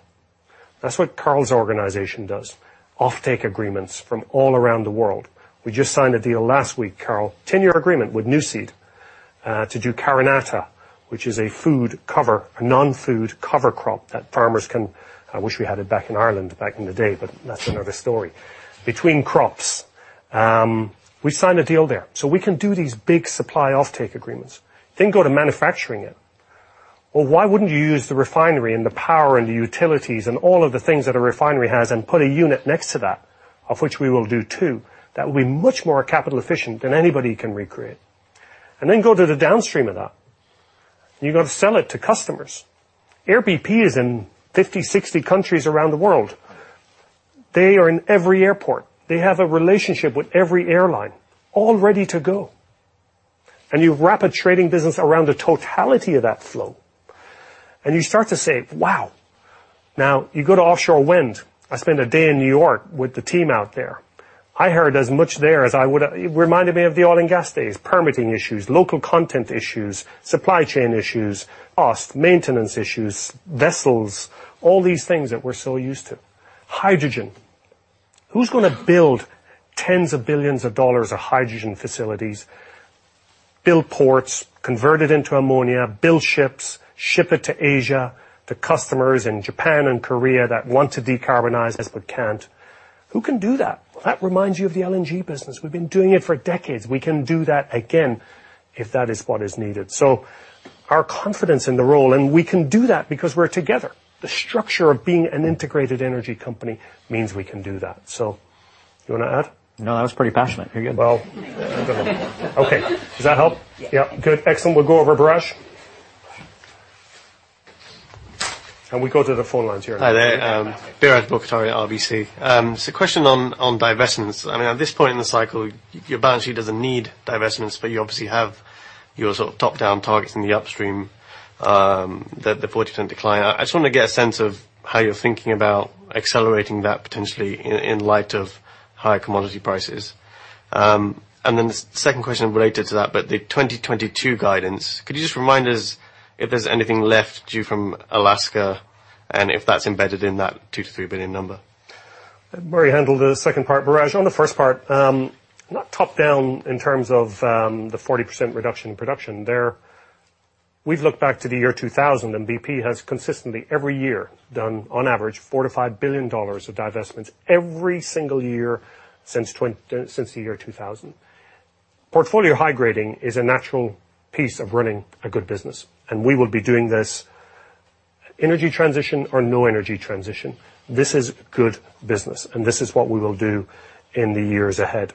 That's what Carol's organization does, offtake agreements from all around the world. We just signed a deal last week, Carol, ten-year agreement with Nuseed, to do Carinata, which is a non-food cover crop that farmers can... I wish we had it back in Ireland back in the day, but that's another story. Between crops. We signed a deal there. We can do these big supply offtake agreements, then go to manufacturing it. Well, why wouldn't you use the refinery and the power and the utilities and all of the things that a refinery has and put a unit next to that, of which we will do too? That will be much more capital efficient than anybody can recreate. Then go to the downstream of that, and you've got to sell it to customers. Air bp is in 50, 60 countries around the world. They are in every airport. They have a relationship with every airline all ready to go. You wrap a trading business around the totality of that flow, and you start to say, "Wow." Now you go to offshore wind. I spent a day in New York with the team out there. I heard as much there as I would. It reminded me of the oil and gas days. Permitting issues, local content issues, supply chain issues, maintenance issues, vessels, all these things that we're so used to. Hydrogen. Who's gonna build tens of billions of dollars of hydrogen facilities, build ports, convert it into ammonia, build ships, ship it to Asia, to customers in Japan and Korea that want to decarbonize but can't? Who can do that? That reminds you of the LNG business. We've been doing it for decades. We can do that again if that is what is needed. Our confidence in the role, and we can do that because we're together. The structure of being an integrated energy company means we can do that. You wanna add? No, that was pretty passionate. You're good. Well okay. Does that help? Yeah. Yeah. Good. Excellent. We'll go over to Biraj. We go to the phone lines here. Hi there. Biraj Borkhataria, RBC. It's a question on divestments. I mean, at this point in the cycle, your balance sheet doesn't need divestments, but you obviously have your sort of top-down targets in the upstream, the 40% decline. I just wanna get a sense of how you're thinking about accelerating that potentially in light of higher commodity prices. And then the second question related to that, but the 2022 guidance, could you just remind us if there's anything left due from Alaska, and if that's embedded in that $2 billion-$3 billion number? Murray, handle the second part. Biraj, on the first part, not top-down in terms of the 40% reduction in production. We've looked back to the year 2000, and BP has consistently every year done on average $4 billion-$5 billion of divestments every single year since the year 2000. Portfolio high grading is a natural piece of running a good business, and we will be doing this energy transition or no energy transition. This is good business, and this is what we will do in the years ahead.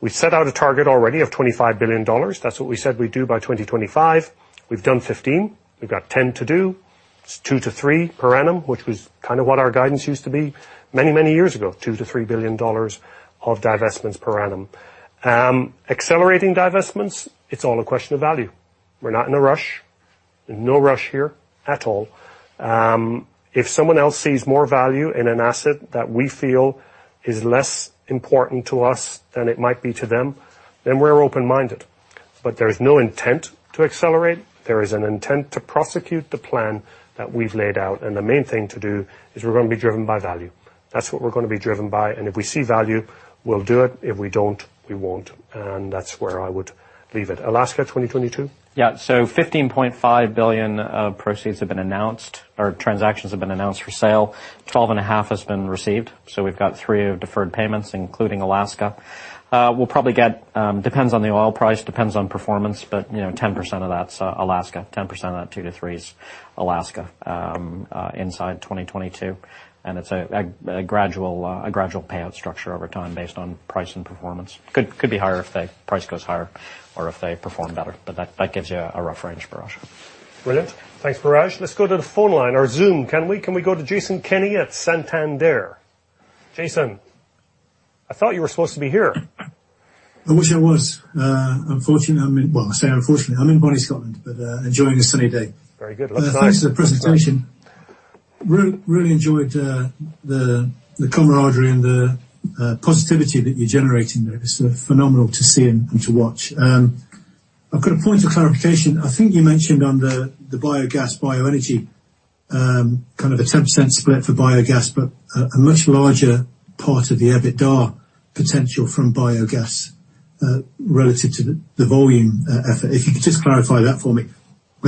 We've set out a target already of $25 billion. That's what we said we'd do by 2025. We've done $15 billion. We've got $10 billion to do. It's 2-3 per annum, which was kind of what our guidance used to be many, many years ago, $2 billion-$3 billion of divestments per annum. Accelerating divestments, it's all a question of value. We're not in a rush. No rush here at all. If someone else sees more value in an asset that we feel is less important to us than it might be to them, then we're open-minded. There is no intent to accelerate. There is an intent to prosecute the plan that we've laid out, and the main thing to do is we're gonna be driven by value. That's what we're gonna be driven by, and if we see value, we'll do it. If we don't, we won't. That's where I would leave it. Alaska 2022? $15.5 billion of proceeds have been announced, or transactions have been announced for sale. $12.5 billion has been received. We've got $3 billion of deferred payments, including Alaska. We'll probably get, depends on the oil price, depends on performance, but you know, 10% of that's Alaska. 10% of that $2 billion-$3 billion is Alaska inside 2022. It's a gradual payout structure over time based on price and performance. Could be higher if the price goes higher or if they perform better, but that gives you a rough range, Biraj. Brilliant. Thanks, Biraj. Let's go to the phone line or Zoom. Can we go to Jason Kenney at Santander? Jason, I thought you were supposed to be here. I wish I was. Well, I say unfortunately, I'm in bonny Scotland, but enjoying a sunny day. Very good. Looks nice. Thanks for the presentation. Really enjoyed the camaraderie and the positivity that you're generating there. It's phenomenal to see and to watch. I've got a point of clarification. I think you mentioned under the biogas, bioenergy, kind of a ten percent split for biogas, but a much larger part of the EBITDA potential from biogas relative to the volume effort. If you could just clarify that for me.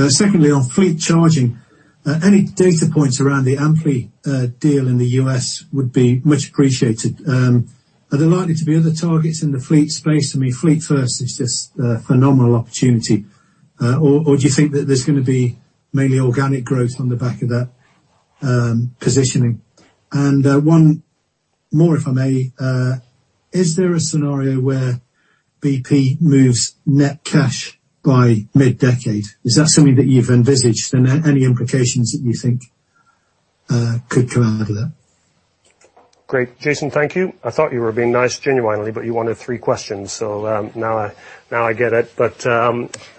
Secondly, on fleet charging, any data points around the Amply deal in the U.S. would be much appreciated. Are there likely to be other targets in the fleet space? I mean, FleetFirst is just a phenomenal opportunity. Or do you think that there's gonna be mainly organic growth on the back of that positioning? One more, if I may. Is there a scenario where BP moves net cash by mid-decade? Is that something that you've envisaged? Any implications that you think could come out of that? Great. Jason, thank you. I thought you were being nice genuinely, but you wanted three questions, so now I get it.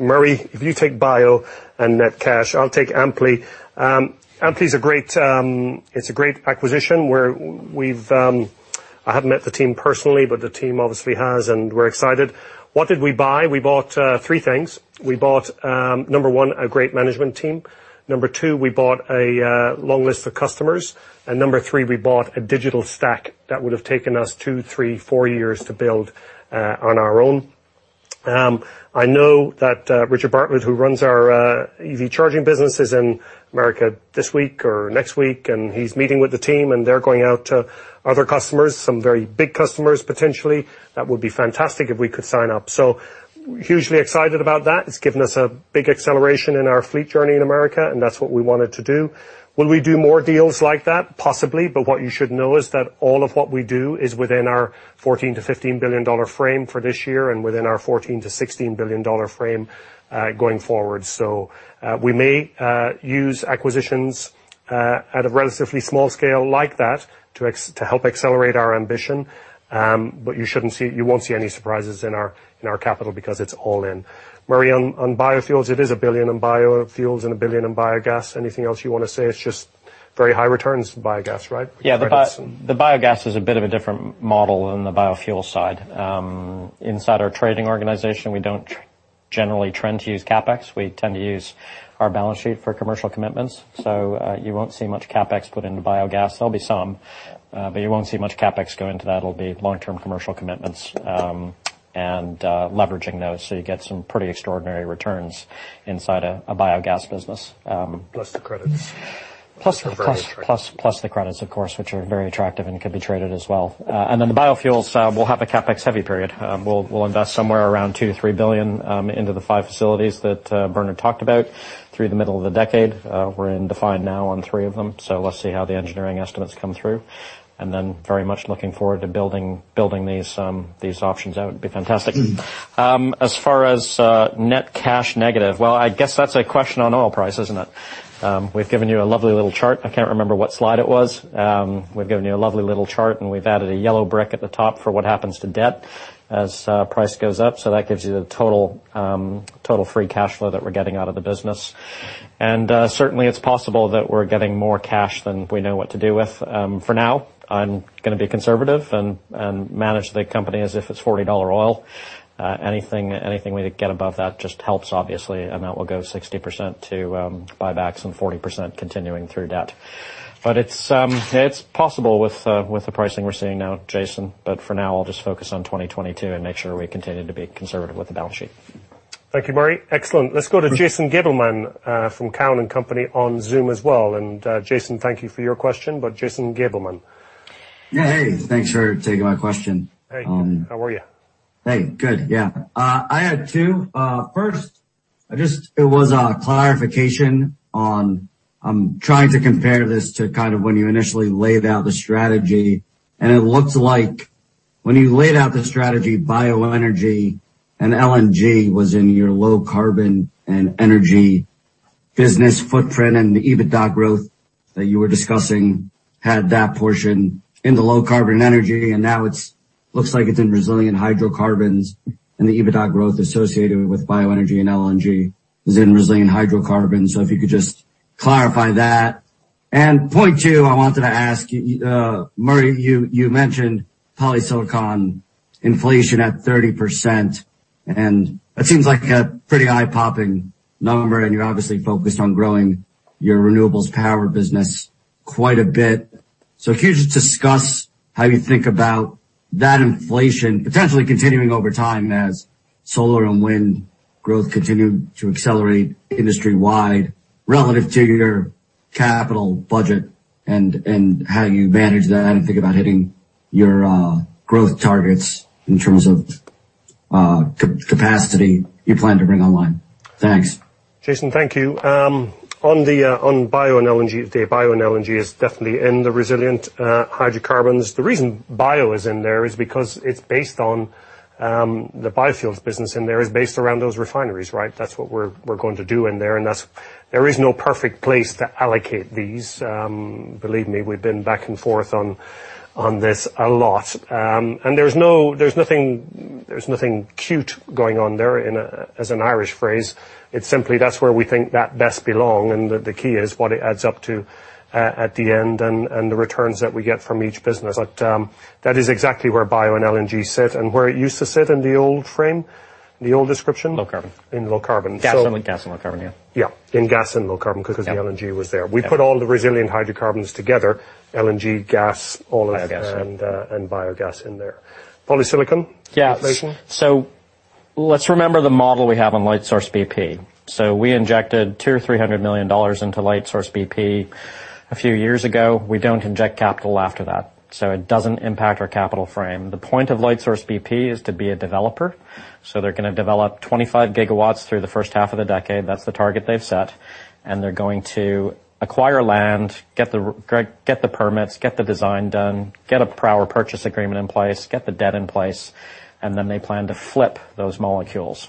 Murray, if you take bio and net cash, I'll take Amply. Amply is a great, it's a great acquisition where we've, I haven't met the team personally, but the team obviously has, and we're excited. What did we buy? We bought three things. We bought number one, a great management team. Number two, we bought a long list of customers. Number three, we bought a digital stack that would have taken us two, three, four years to build on our own. I know that Richard Bartlett, who runs our EV charging business, is in America this week or next week, and he's meeting with the team, and they're going out to other customers, some very big customers, potentially. That would be fantastic if we could sign up. Hugely excited about that. It's given us a big acceleration in our fleet journey in America, and that's what we wanted to do. Will we do more deals like that? Possibly. What you should know is that all of what we do is within our $14 billion-$15 billion frame for this year and within our $14 billion-$16 billion frame going forward. We may use acquisitions at a relatively small scale like that to help accelerate our ambition. But you shouldn't see... You won't see any surprises in our capital because it's all in. Murray, on biofuels, it is $1 billion in biofuels and $1 billion in biogas. Anything else you wanna say? It's just very high returns for biogas, right? Yeah. The biogas is a bit of a different model than the biofuel side. Inside our trading organization, we don't generally tend to use CapEx. We tend to use our balance sheet for commercial commitments. You won't see much CapEx put into biogas. There'll be some, but you won't see much CapEx go into that. It'll be long-term commercial commitments, and leveraging those, so you get some pretty extraordinary returns inside a biogas business. Plus the credits. Plus the credits, of course, which are very attractive and could be traded as well. Then the biofuels, we'll have a CapEx-heavy period. We'll invest somewhere around $2 billion-$3 billion into the five facilities that Bernard talked about through the middle of the decade. We're in define now on three of them, so let's see how the engineering estimates come through. Then very much looking forward to building these options out. It'd be fantastic. As far as net cash negative, well, I guess that's a question on oil price, isn't it? We've given you a lovely little chart. I can't remember what slide it was. We've given you a lovely little chart, and we've added a yellow brick at the top for what happens to debt as price goes up, so that gives you the total free cash flow that we're getting out of the business. Certainly it's possible that we're getting more cash than we know what to do with. For now, I'm gonna be conservative and manage the company as if it's $40 oil. Anything we get above that just helps obviously, and that will go 60% to buybacks and 40% continuing through debt. It's possible with the pricing we're seeing now, Jason, but for now I'll just focus on 2022 and make sure we continue to be conservative with the balance sheet. Thank you, Murray. Excellent. Let's go to Jason Gabelman from TD Cowen on Zoom as well. Jason, thank you for your question, but Jason Gabelman. Yeah. Hey, thanks for taking my question. Hey. How are you? Hey. Good, yeah. I had two. First, it was a clarification on. I'm trying to compare this to kind of when you initially laid out the strategy, and it looked like when you laid out the strategy, bioenergy and LNG was in your low carbon and energy business footprint. The EBITDA growth that you were discussing had that portion in the low carbon energy, and now it looks like it's in resilient hydrocarbons, and the EBITDA growth associated with bioenergy and LNG is in resilient hydrocarbons. If you could just clarify that. Point two, I wanted to ask you, Murray, you mentioned polysilicon inflation at 30%, and that seems like a pretty eye-popping number, and you're obviously focused on growing your renewables power business quite a bit. If you could just discuss how you think about that inflation potentially continuing over time as solar and wind growth continue to accelerate industry-wide relative to your capital budget and how you manage that and think about hitting your growth targets in terms of capacity you plan to bring online. Thanks. Jason, thank you. On bio and LNG, the bio and LNG is definitely in the resilient hydrocarbons. The reason bio is in there is because it's based on the biofuels business in there. It's based around those refineries, right? That's what we're going to do in there, and that's. There is no perfect place to allocate these. Believe me, we've been back and forth on this a lot. There's nothing cute going on there, as an Irish phrase. It's simply that that's where we think that best belong, and the key is what it adds up to at the end and the returns that we get from each business. That is exactly where bio and LNG sit. Where it used to sit in the old frame, in the old description? Low carbon. In Low Carbon. Gas and Low Carbon, yeah. Yeah. In Gas and Low Carbon. Yeah. 'cause the LNG was there. Yeah. We put all the resilient hydrocarbons together, LNG, gas, oil. Biogas. biogas in there. Polysilicon inflation? Yeah. Let's remember the model we have on Lightsource bp. We injected $200 million-$300 million into Lightsource bp a few years ago. We don't inject capital after that, so it doesn't impact our capital framework. The point of Lightsource bp is to be a developer, so they're gonna develop 25 GW through the first half of the decade. That's the target they've set. They're going to acquire land, get the permits, get the design done, get a power purchase agreement in place, get the debt in place, and then they plan to flip those modules.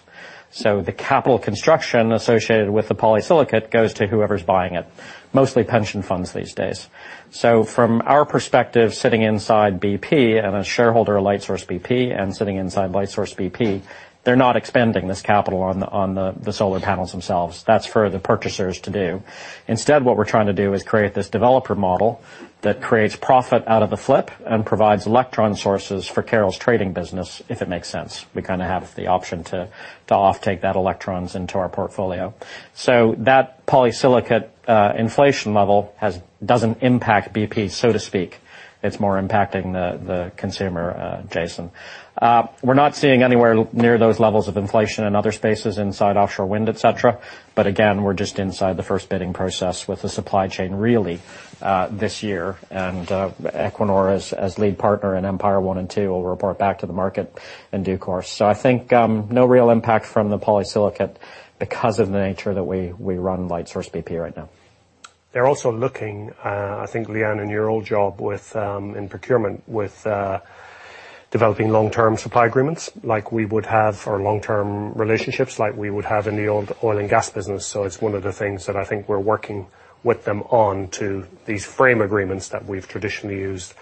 The capital construction associated with the polysilicon goes to whoever's buying it, mostly pension funds these days. From our perspective, sitting inside BP and a shareholder of Lightsource BP and sitting inside Lightsource BP, they're not expending this capital on the solar panels themselves. That's for the purchasers to do. Instead, what we're trying to do is create this developer model that creates profit out of the flip and provides electron sources for Carl's trading business, if it makes sense. We kind of have the option to offtake that electrons into our portfolio. So that polysilicon inflation level doesn't impact BP, so to speak. It's more impacting the consumer, Jason. We're not seeing anywhere near those levels of inflation in other spaces inside offshore wind, et cetera. But again, we're just inside the first bidding process with the supply chain really this year. Equinor as lead partner in Empire One and Two will report back to the market in due course. I think no real impact from the polysilicon because of the nature that we run Lightsource BP right now. They're also looking, I think, Leanne, in your old job within procurement, developing long-term supply agreements like we would have, or long-term relationships like we would have in the old oil and gas business. It's one of the things that I think we're working with them on, these framework agreements that we've traditionally used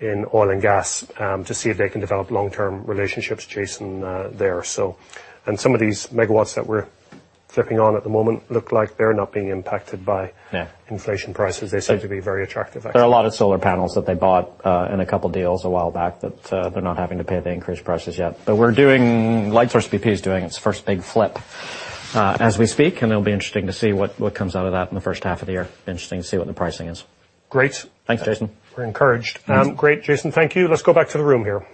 in oil and gas, to see if they can develop long-term relationships, Jason, there. Some of these megawatts that we're flipping on at the moment look like they're not being impacted by- Yeah. Inflation prices. They seem to be very attractive, actually. There are a lot of solar panels that they bought in a couple deals a while back that they're not having to pay the increased prices yet. Lightsource BP is doing its first big flip as we speak, and it'll be interesting to see what comes out of that in the first half of the year. Interesting to see what the pricing is. Great. Thanks, Jason. We're encouraged. Mm-hmm. Great, Jason. Thank you. Let's go back to the room here.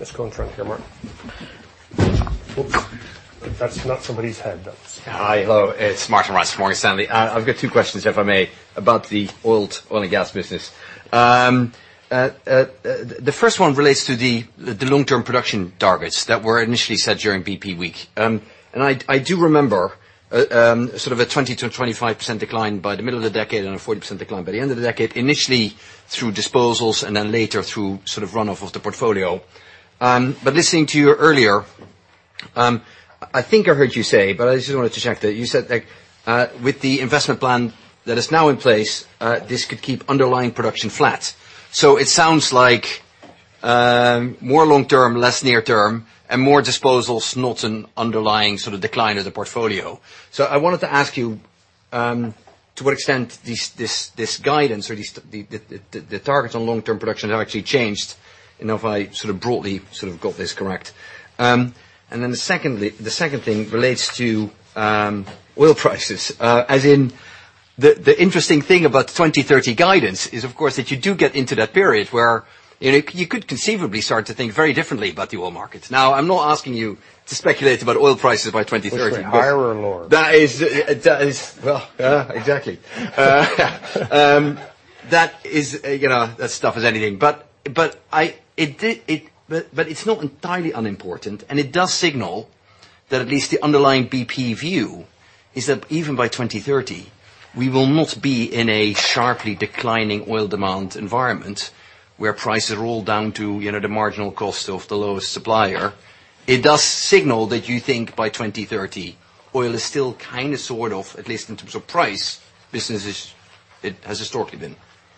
Let's go in front here, Martijn. Oops. If that's not somebody's head, that's. Hello, it's Martijn Rats, Morgan Stanley. I've got two questions, if I may, about the old oil and gas business. The first one relates to the long-term production targets that were initially set during bp week. I do remember sort of a 20%-25% decline by the middle of the decade and a 40% decline by the end of the decade, initially through disposals and then later through sort of runoff of the portfolio. Listening to you earlier, I think I heard you say, but I just wanted to check that you said that with the investment plan that is now in place, this could keep underlying production flat. It sounds like more long-term, less near-term, and more disposals, not an underlying sort of decline of the portfolio. I wanted to ask you to what extent this guidance or these targets on long-term production have actually changed and if I sort of broadly got this correct. Then secondly, the second thing relates to oil prices. As in the interesting thing about the 2030 guidance is, of course, that you do get into that period where, you know, you could conceivably start to think very differently about the oil markets. Now, I'm not asking you to speculate about oil prices by 2030. Which way, higher or lower? That is. Well. Exactly. That is, you know, that's tough as anything. It's not entirely unimportant, and it does signal that at least the underlying BP view is that even by 2030, we will not be in a sharply declining oil demand environment where prices are all down to, you know, the marginal cost of the lowest supplier. It does signal that you think by 2030, oil is still kind of sort of, at least in terms of price, business as it has historically been.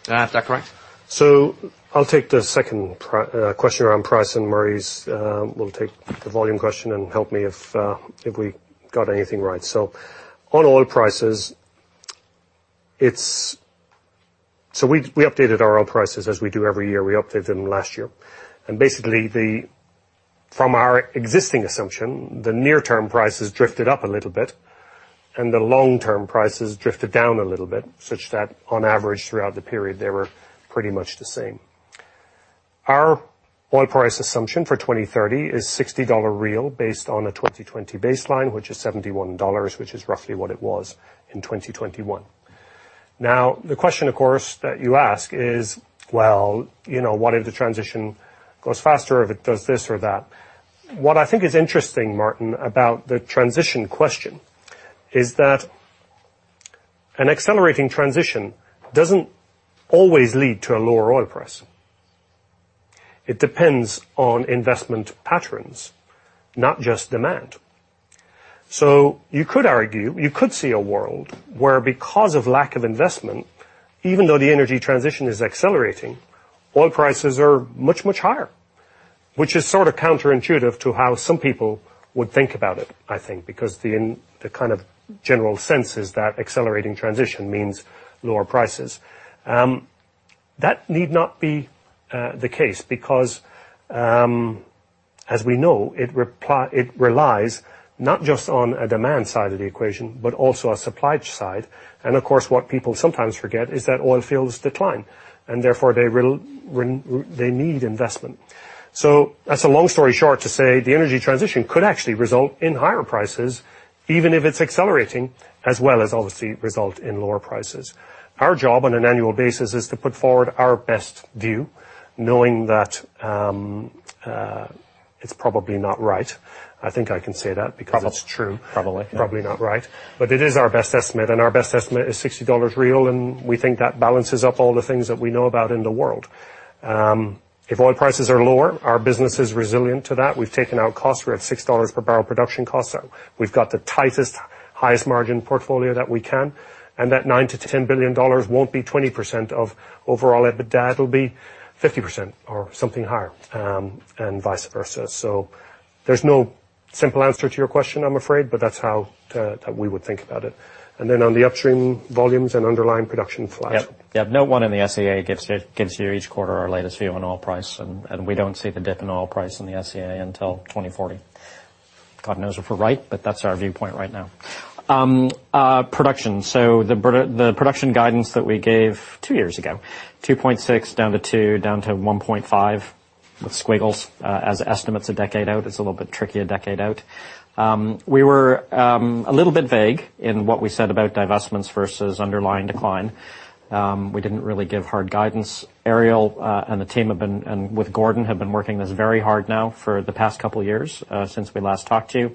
Is that correct? I'll take the second question around price, and Murray's will take the volume question and help me if we got anything right. On oil prices, we updated our oil prices as we do every year. We updated them last year. Basically, from our existing assumption, the near-term prices drifted up a little bit, and the long-term prices drifted down a little bit, such that on average throughout the period, they were pretty much the same. Our oil price assumption for 2030 is $60 real based on a 2020 baseline, which is $71, which is roughly what it was in 2021. Now, the question, of course, that you ask is, well, you know, what if the transition goes faster or if it does this or that? What I think is interesting, Martijn, about the transition question is that an accelerating transition doesn't always lead to a lower oil price. It depends on investment patterns, not just demand. You could argue, you could see a world where because of lack of investment, even though the energy transition is accelerating, oil prices are much, much higher, which is sort of counterintuitive to how some people would think about it, I think, because the kind of general sense is that accelerating transition means lower prices. That need not be the case because, as we know, it relies not just on a demand side of the equation, but also a supply side. Of course, what people sometimes forget is that oil fields decline, and therefore, they need investment. That's a long story short to say the energy transition could actually result in higher prices, even if it's accelerating, as well as obviously result in lower prices. Our job on an annual basis is to put forward our best view, knowing that, it's probably not right. I think I can say that because. Probably. It's true. Probably. Probably not right. It is our best estimate, and our best estimate is $60 real, and we think that balances up all the things that we know about in the world. If oil prices are lower, our business is resilient to that. We've taken out costs. We're at $6 per barrel production cost. We've got the tightest, highest margin portfolio that we can. That $9 billion-$10 billion won't be 20% of overall EBITDA. It'll be 50% or something higher, and vice versa. There's no simple answer to your question, I'm afraid, but that's how we would think about it. Then on the upstream volumes and underlying production flat. Yep. No one in the SEA gives you each quarter our latest view on oil price, and we don't see the dip in oil price in the SEA until 2040. God knows if we're right, but that's our viewpoint right now. Production. The production guidance that we gave two years ago, 2.6 down to 2 down to 1.5 with squiggles, as estimates a decade out. It's a little bit tricky a decade out. We were a little bit vague in what we said about divestments versus underlying decline. We didn't really give hard guidance. Ariel and the team, with Gordon, have been working this very hard now for the past couple of years since we last talked to you.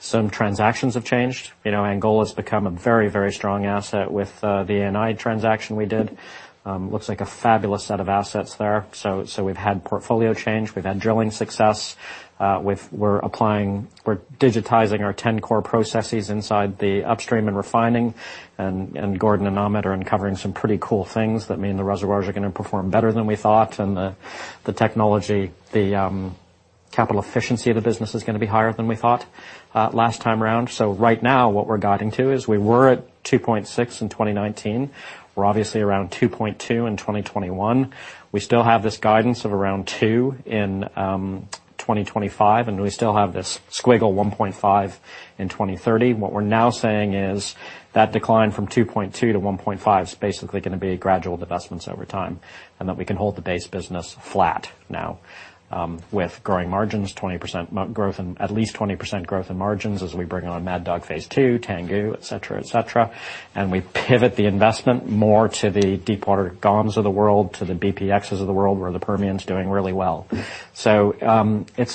Some transactions have changed. You know, Angola's become a very, very strong asset with the Eni transaction we did. Looks like a fabulous set of assets there. We've had portfolio change, we've had drilling success. We're digitizing our 10 core processes inside the upstream and refining, and Gordon and Ahmed are uncovering some pretty cool things that mean the reservoirs are gonna perform better than we thought, and the technology, the capital efficiency of the business is gonna be higher than we thought last time around. Right now what we're guiding to is we were at 2.6 in 2019. We're obviously around 2.2 in 2021. We still have this guidance of around 2 in 2025, and we still have this squiggle 1.5 in 2030. What we're now saying is that decline from 2.2 to 1.5 is basically gonna be gradual divestments over time, and that we can hold the base business flat now, with growing margins, 20% growth and at least 20% growth in margins as we bring on Mad Dog Phase II, Tangguh, et cetera, et cetera. We pivot the investment more to the deepwater GoMs of the world, to the bpxs of the world, where the Permian's doing really well. It's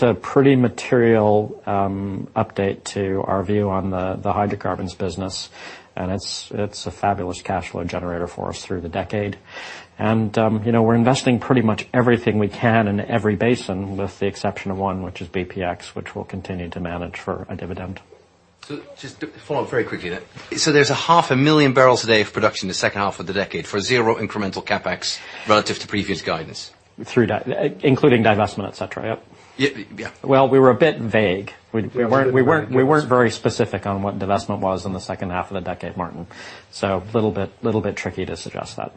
a pretty material update to our view on the hydrocarbons business, and it's a fabulous cash flow generator for us through the decade. You know, we're investing pretty much everything we can in every basin with the exception of one, which is bpx, which we'll continue to manage for a dividend. Just to follow up very quickly then. There's 500,000 barrels a day of production in the second half of the decade for 0 incremental CapEx relative to previous guidance. Including divestment, et cetera. Yep. Yeah, yeah. Well, we were a bit vague. We weren't very specific on what divestment was in the second half of the decade, Martijn. Little bit tricky to suggest that.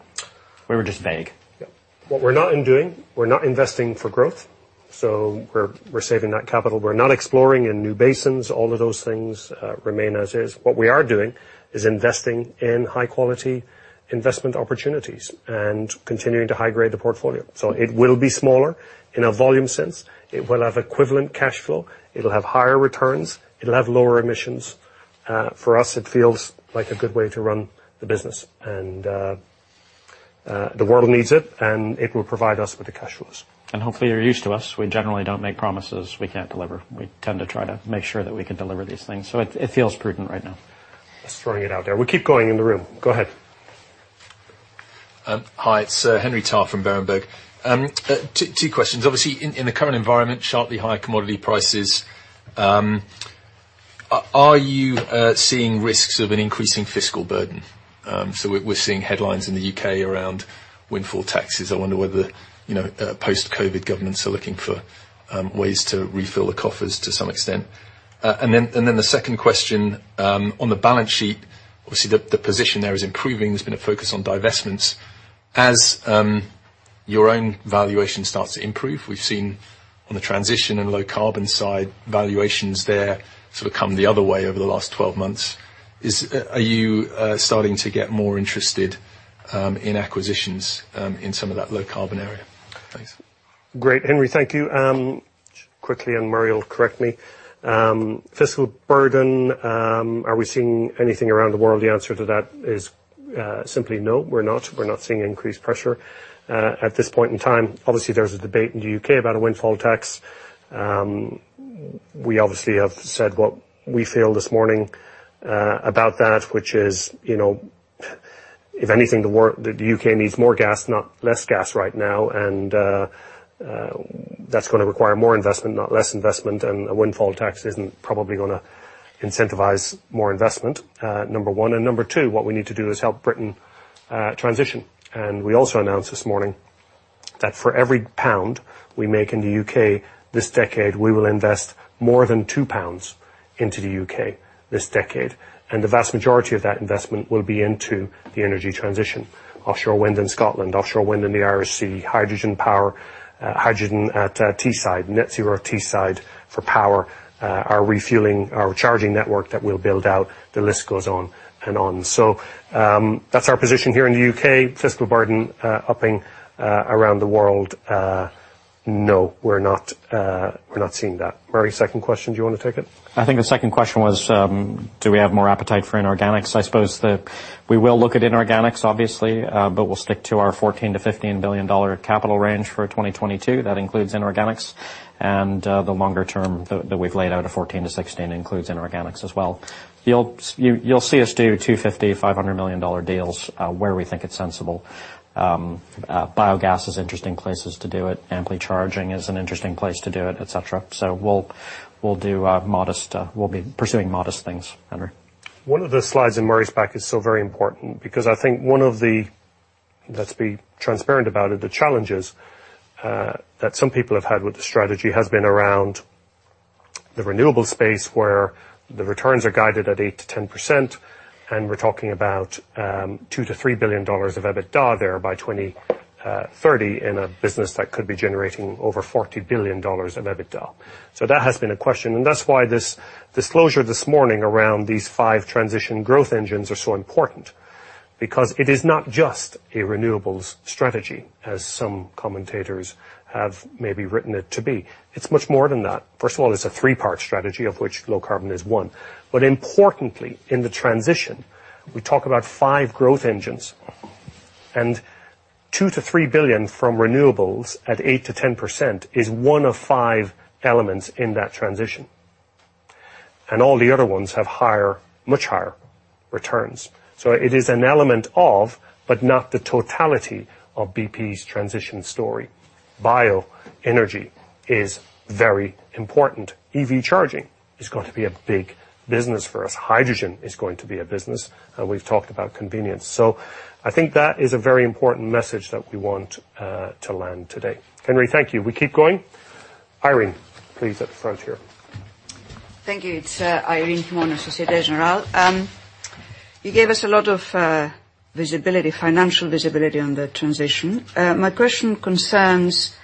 We were just vague. Yep. What we're not doing, we're not investing for growth, so we're saving that capital. We're not exploring new basins. All of those things remain as is. What we are doing is investing in high-quality investment opportunities and continuing to high-grade the portfolio. It will be smaller in a volume sense. It will have equivalent cash flow. It'll have higher returns. It'll have lower emissions. For us it feels like a good way to run the business, and the world needs it, and it will provide us with the cash flows. Hopefully you're used to us. We generally don't make promises we can't deliver. We tend to try to make sure that we can deliver these things. It feels prudent right now. Just throwing it out there. We'll keep going in the room. Go ahead. Hi. It's Henry Tarr from Berenberg. Two questions. Obviously in the current environment, sharply higher commodity prices, are you seeing risks of an increasing fiscal burden? We're seeing headlines in the U.K. around windfall taxes. I wonder whether, you know, post-COVID governments are looking for ways to refill the coffers to some extent. The second question, on the balance sheet, obviously the position there is improving. There's been a focus on divestments. As your own valuation starts to improve, we've seen on the transition and low-carbon side valuations there sort of come the other way over the last 12 months. Are you starting to get more interested in acquisitions in some of that low-carbon area? Thanks. Great, Henry. Thank you. Quickly, and Murray will correct me. Fiscal burden, are we seeing anything around the world? The answer to that is simply no, we're not. We're not seeing increased pressure at this point in time. Obviously, there's a debate in the U.K. about a windfall tax. We obviously have said what we feel this morning about that, which is, you know, if anything, the U.K. needs more gas, not less gas right now, and that's gonna require more investment, not less investment. A windfall tax isn't probably gonna incentivize more investment, number one. Number two, what we need to do is help Britain transition. We also announced this morning that for every GBP 1 we make in the U.K. this decade, we will invest more than 2 pounds into the U.K. this decade, and the vast majority of that investment will be into the energy transition. Offshore wind in Scotland, offshore wind in the Irish Sea, hydrogen power, hydrogen at Teesside, net zero at Teesside for power, our refueling or charging network that we'll build out. The list goes on and on. That's our position here in the U.K. Fiscal burden upping around the world, no, we're not seeing that. Murray, second question, do you wanna take it? I think the second question was, do we have more appetite for inorganics? I suppose we will look at inorganics, obviously, but we'll stick to our $14 billion-$15 billion capital range for 2022. That includes inorganics. The longer term that we've laid out of $14 billion-$16 billion includes inorganics as well. You'll see us do $250 million-$500 million deals where we think it's sensible. Biogas is interesting places to do it. Amply Power is an interesting place to do it, et cetera. We'll be pursuing modest things, Henry. One of the slides in Murray's pack is so very important because I think one of the, let's be transparent about it, the challenges that some people have had with the strategy has been around the renewable space where the returns are guided at 8%-10%, and we're talking about $2 billion-$3 billion of EBITDA there by 2030 in a business that could be generating over $40 billion of EBITDA. That has been a question, and that's why this disclosure this morning around these 5 transition growth engines are so important, because it is not just a renewables strategy as some commentators have maybe written it to be. It's much more than that. First of all, it's a three-part strategy of which low carbon is one. Importantly, in the transition, we talk about five growth engines, and $2 billion-$3 billion from renewables at 8%-10% is one of five elements in that transition. All the other ones have higher, much higher returns. It is an element of, but not the totality of BP's transition story. Bioenergy is very important. EV charging is going to be a big business for us. Hydrogen is going to be a business, and we've talked about convenience. I think that is a very important message that we want to land today. Henry, thank you. We keep going. Irene, please at the front here. Thank you. It's Irene from Assicurazioni Generali. You gave us a lot of financial visibility on the transition. My question concerns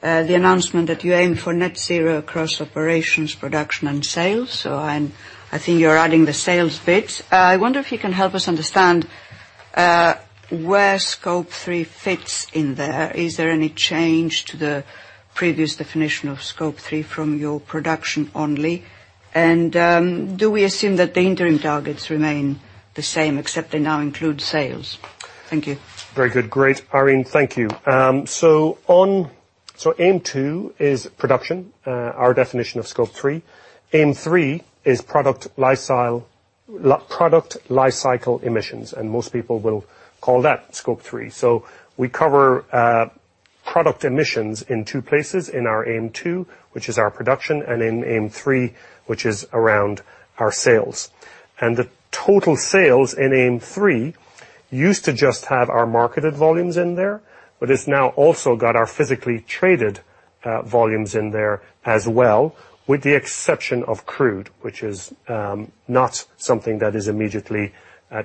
the announcement that you aim for net zero across operations, production, and sales. I'm, I think you're adding the sales bit. I wonder if you can help us understand where Scope three fits in there. Is there any change to the previous definition of Scope 3 from your production only? And do we assume that the interim targets remain the same, except they now include sales? Thank you. Very good. Great, Irene. Thank you. Aim two is production, our definition of Scope three. Aim three is product life cycle emissions, and most people will call that Scope three. We cover product emissions in two places, in our Aim 2, which is our production, and in Aim 3, which is around our sales. The total sales in Aim 3 used to just have our marketed volumes in there, but it's now also got our physically traded volumes in there as well, with the exception of crude, which is not something that is immediately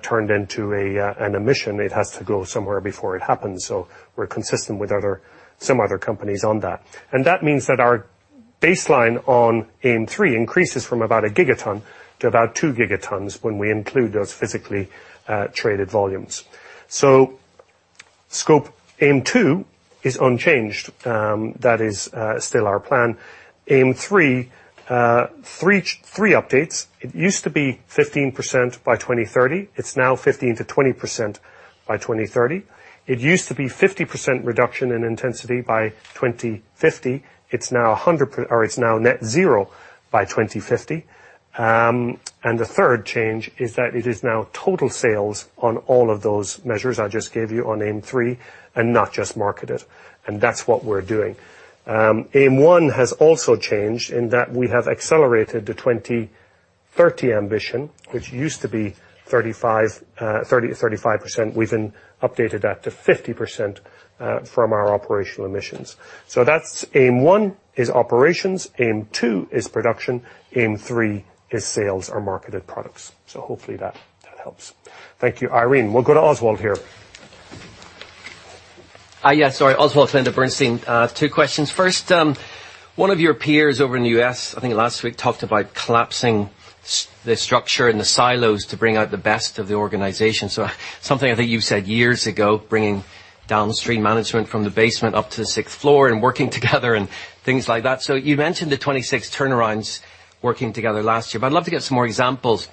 turned into an emission. It has to go somewhere before it happens. We're consistent with some other companies on that. That means that our baseline on Aim 3 increases from about 1 gigaton to about 2 gigatons when we include those physically traded volumes. Scope Aim 2 is unchanged. That is still our plan. Aim 3 updates. It used to be 15% by 2030. It's now 15%-20% by 2030. It used to be 50% reduction in intensity by 2050. It's now 100%. Or it's now net zero by 2050. The third change is that it is now total sales on all of those measures I just gave you on Aim 3 and not just marketed. That's what we're doing. Aim 1 has also changed in that we have accelerated the 2030 ambition, which used to be 30%-35%. We've then updated that to 50% from our operational emissions. That's Aim 1 is operations, Aim 2 is production, Aim 3 is sales or marketed products. Hopefully that helps. Thank you, Irene. We'll go to Oswald here. Yes. Sorry, Oswald from Bernstein. Two questions. First, one of your peers over in the U.S., I think last week, talked about collapsing the structure and the silos to bring out the best of the organization. Something I think you said years ago, bringing downstream management from the basement up to the sixth floor and working together and things like that. You mentioned the 26 turnarounds working together last year, but I'd love to get some more examples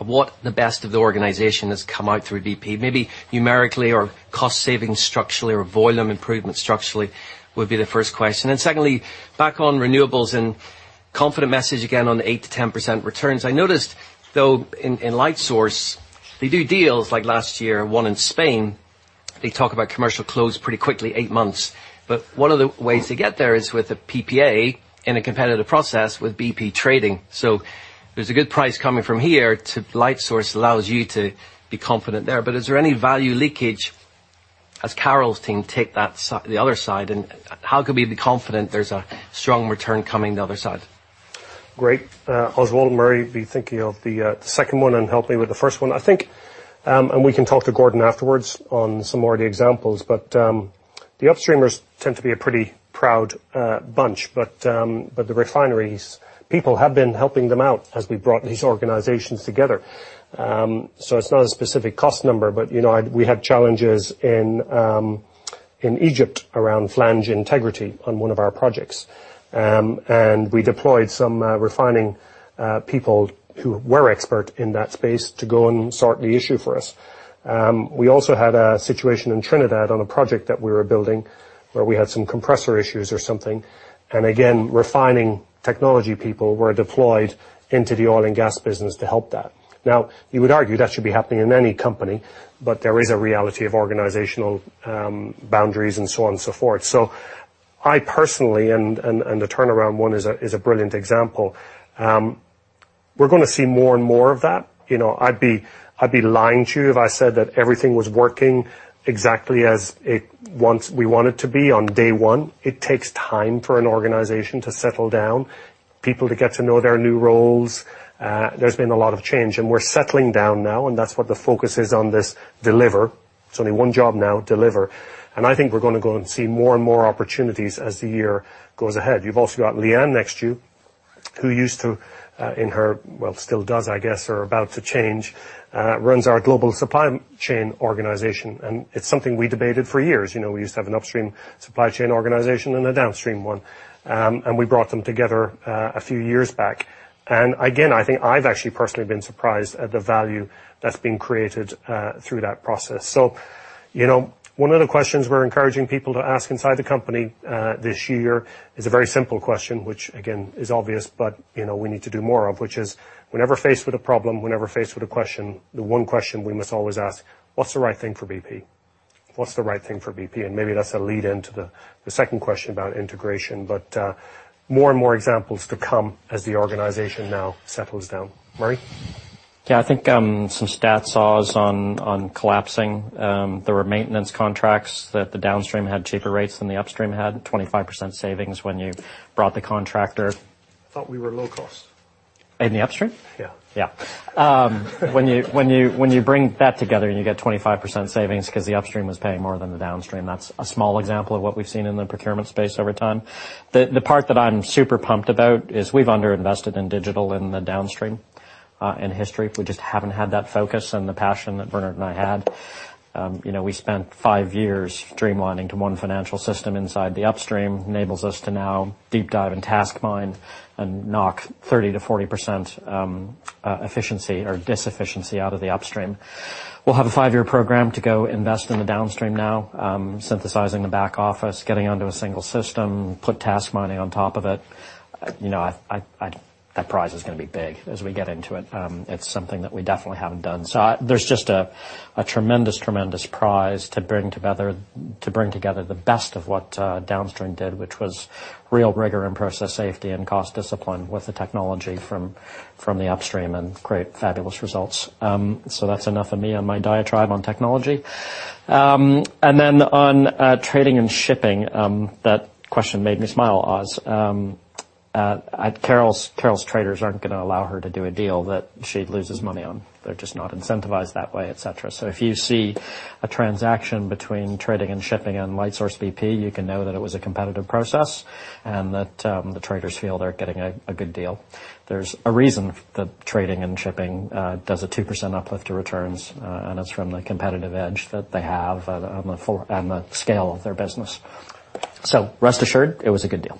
of what the best of the organization has come out through BP. Maybe numerically or cost savings structurally or volume improvement structurally would be the first question. Secondly, back on renewables and confident message again on the 8%-10% returns. I noticed though in Lightsource, they do deals like last year, one in Spain. They talk about commercial close pretty quickly, 8 months. One of the ways to get there is with a PPA in a competitive process with BP Trading. There's a good price coming from here to Lightsource BP allows you to be confident there. Is there any value leakage as Carol's team take that side, the other side? How can we be confident there's a strong return coming the other side? Great. Oswald, Murray will be thinking of the second one and help me with the first one. I think, and we can talk to Gordon afterwards on some more of the examples, but the upstreamers tend to be a pretty proud bunch. The refineries people have been helping them out as we've brought these organizations together. It's not a specific cost number, but you know, we had challenges in Egypt around flange integrity on one of our projects. We deployed some refining people who were expert in that space to go and sort the issue for us. We also had a situation in Trinidad on a project that we were building where we had some compressor issues or something. Again, refining technology people were deployed into the oil and gas business to help that. Now, you would argue that should be happening in any company, but there is a reality of organizational boundaries and so on and so forth. I personally and the turnaround one is a brilliant example, we're gonna see more and more of that. You know, I'd be lying to you if I said that everything was working exactly as we once wanted it to be on day one. It takes time for an organization to settle down, people to get to know their new roles. There's been a lot of change, and we're settling down now, and that's what the focus is on this deliver. It's only one job now, deliver. I think we're gonna go and see more and more opportunities as the year goes ahead. You've also got Leanne next to you who used to in her still does, I guess, or about to change, runs our global supply chain organization. I think I've actually personally been surprised at the value that's been created through that process. You know, one of the questions we're encouraging people to ask inside the company this year is a very simple question, which again, is obvious, but, you know, we need to do more of, which is whenever faced with a problem, whenever faced with a question, the one question we must always ask, what's the right thing for BP? Maybe that's a lead into the second question about integration, but, more and more examples to come as the organization now settles down. Murray? Yeah, I think some stats, Oswald, on collapsing. There were maintenance contracts that the downstream had cheaper rates than the upstream had. 25% savings when you brought the contractor. I thought we were low cost. In the upstream? Yeah. Yeah. When you bring that together and you get 25% savings 'cause the upstream was paying more than the downstream, that's a small example of what we've seen in the procurement space over time. The part that I'm super pumped about is we've underinvested in digital in the downstream in history. We just haven't had that focus and the passion that Bernard and I had. You know, we spent five years streamlining to one financial system inside the upstream, enables us to now deep dive and task mining and knock 30%-40% efficiency or disefficiency out of the upstream. We'll have a five-year program to go invest in the downstream now, synthesizing the back office, getting onto a single system, put task mining on top of it. You know, that prize is gonna be big as we get into it. It's something that we definitely haven't done. There's just a tremendous prize to bring together the best of what downstream did, which was real rigor in process safety and cost discipline with the technology from the upstream and create fabulous results. That's enough of me on my diatribe on technology. On trading and shipping, that question made me smile, Oz. Carol's traders aren't gonna allow her to do a deal that she loses money on. They're just not incentivized that way, et cetera. If you see a transaction between Trading & Shipping and Lightsource BP, you can know that it was a competitive process and that the traders feel they're getting a good deal. There's a reason that Trading & Shipping does a 2% uplift to returns, and it's from the competitive edge that they have on the scale of their business. Rest assured, it was a good deal.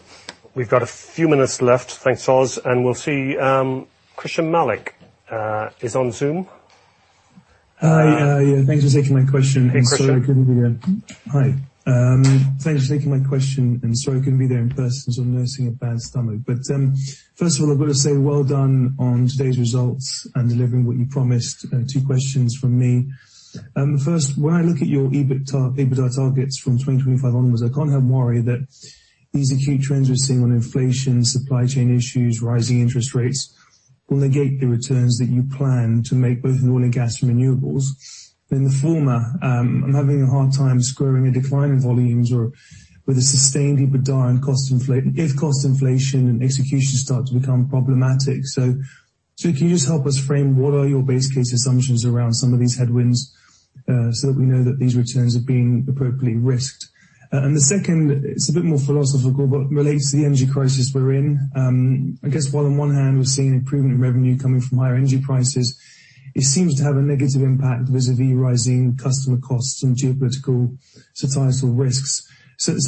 We've got a few minutes left. Thanks, Oz. We'll see Christyan Malek is on Zoom. Hi. Yeah, thanks for taking my question. Hey, Christyan. Sorry I couldn't be there. Hi. Thanks for taking my question, and sorry I couldn't be there in person as I'm nursing a bad stomach. First of all, I've got to say well done on today's results and delivering what you promised. Two questions from me. First, when I look at your EBITDA targets from 2025 onwards, I can't help worry that these acute trends we're seeing on inflation, supply chain issues, rising interest rates will negate the returns that you plan to make both in oil and gas and renewables. In the former, I'm having a hard time squaring a decline in volumes with a sustained EBITDA and cost inflation, if cost inflation and execution start to become problematic. Can you just help us frame what are your base case assumptions around some of these headwinds, so that we know that these returns are being appropriately risked? The second, it's a bit more philosophical, but relates to the energy crisis we're in. I guess while on one hand we're seeing improvement in revenue coming from higher energy prices, it seems to have a negative impact vis-à-vis rising customer costs and geopolitical societal risks.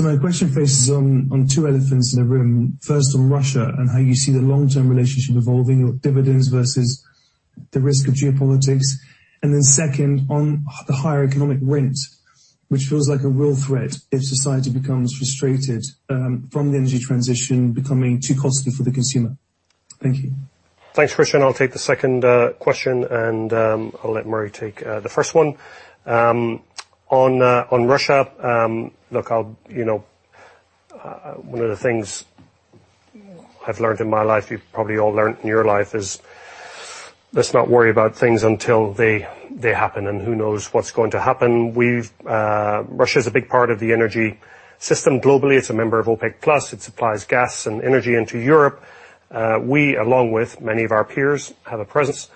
My question focuses on two elephants in the room. First, on Russia and how you see the long-term relationship evolving with dividends versus the risk of geopolitics. Second, on the higher economic rent, which feels like a real threat if society becomes frustrated from the energy transition becoming too costly for the consumer. Thank you. Thanks, Christyan. I'll take the second question, and I'll let Murray take the first one. On Russia, look, I'll, you know, one of the things I've learned in my life, you've probably all learned in your life is let's not worry about things until they happen. Who knows what's going to happen. Russia is a big part of the energy system globally. It's a member of OPEC+. It supplies gas and energy into Europe. We, along with many of our peers, have a presence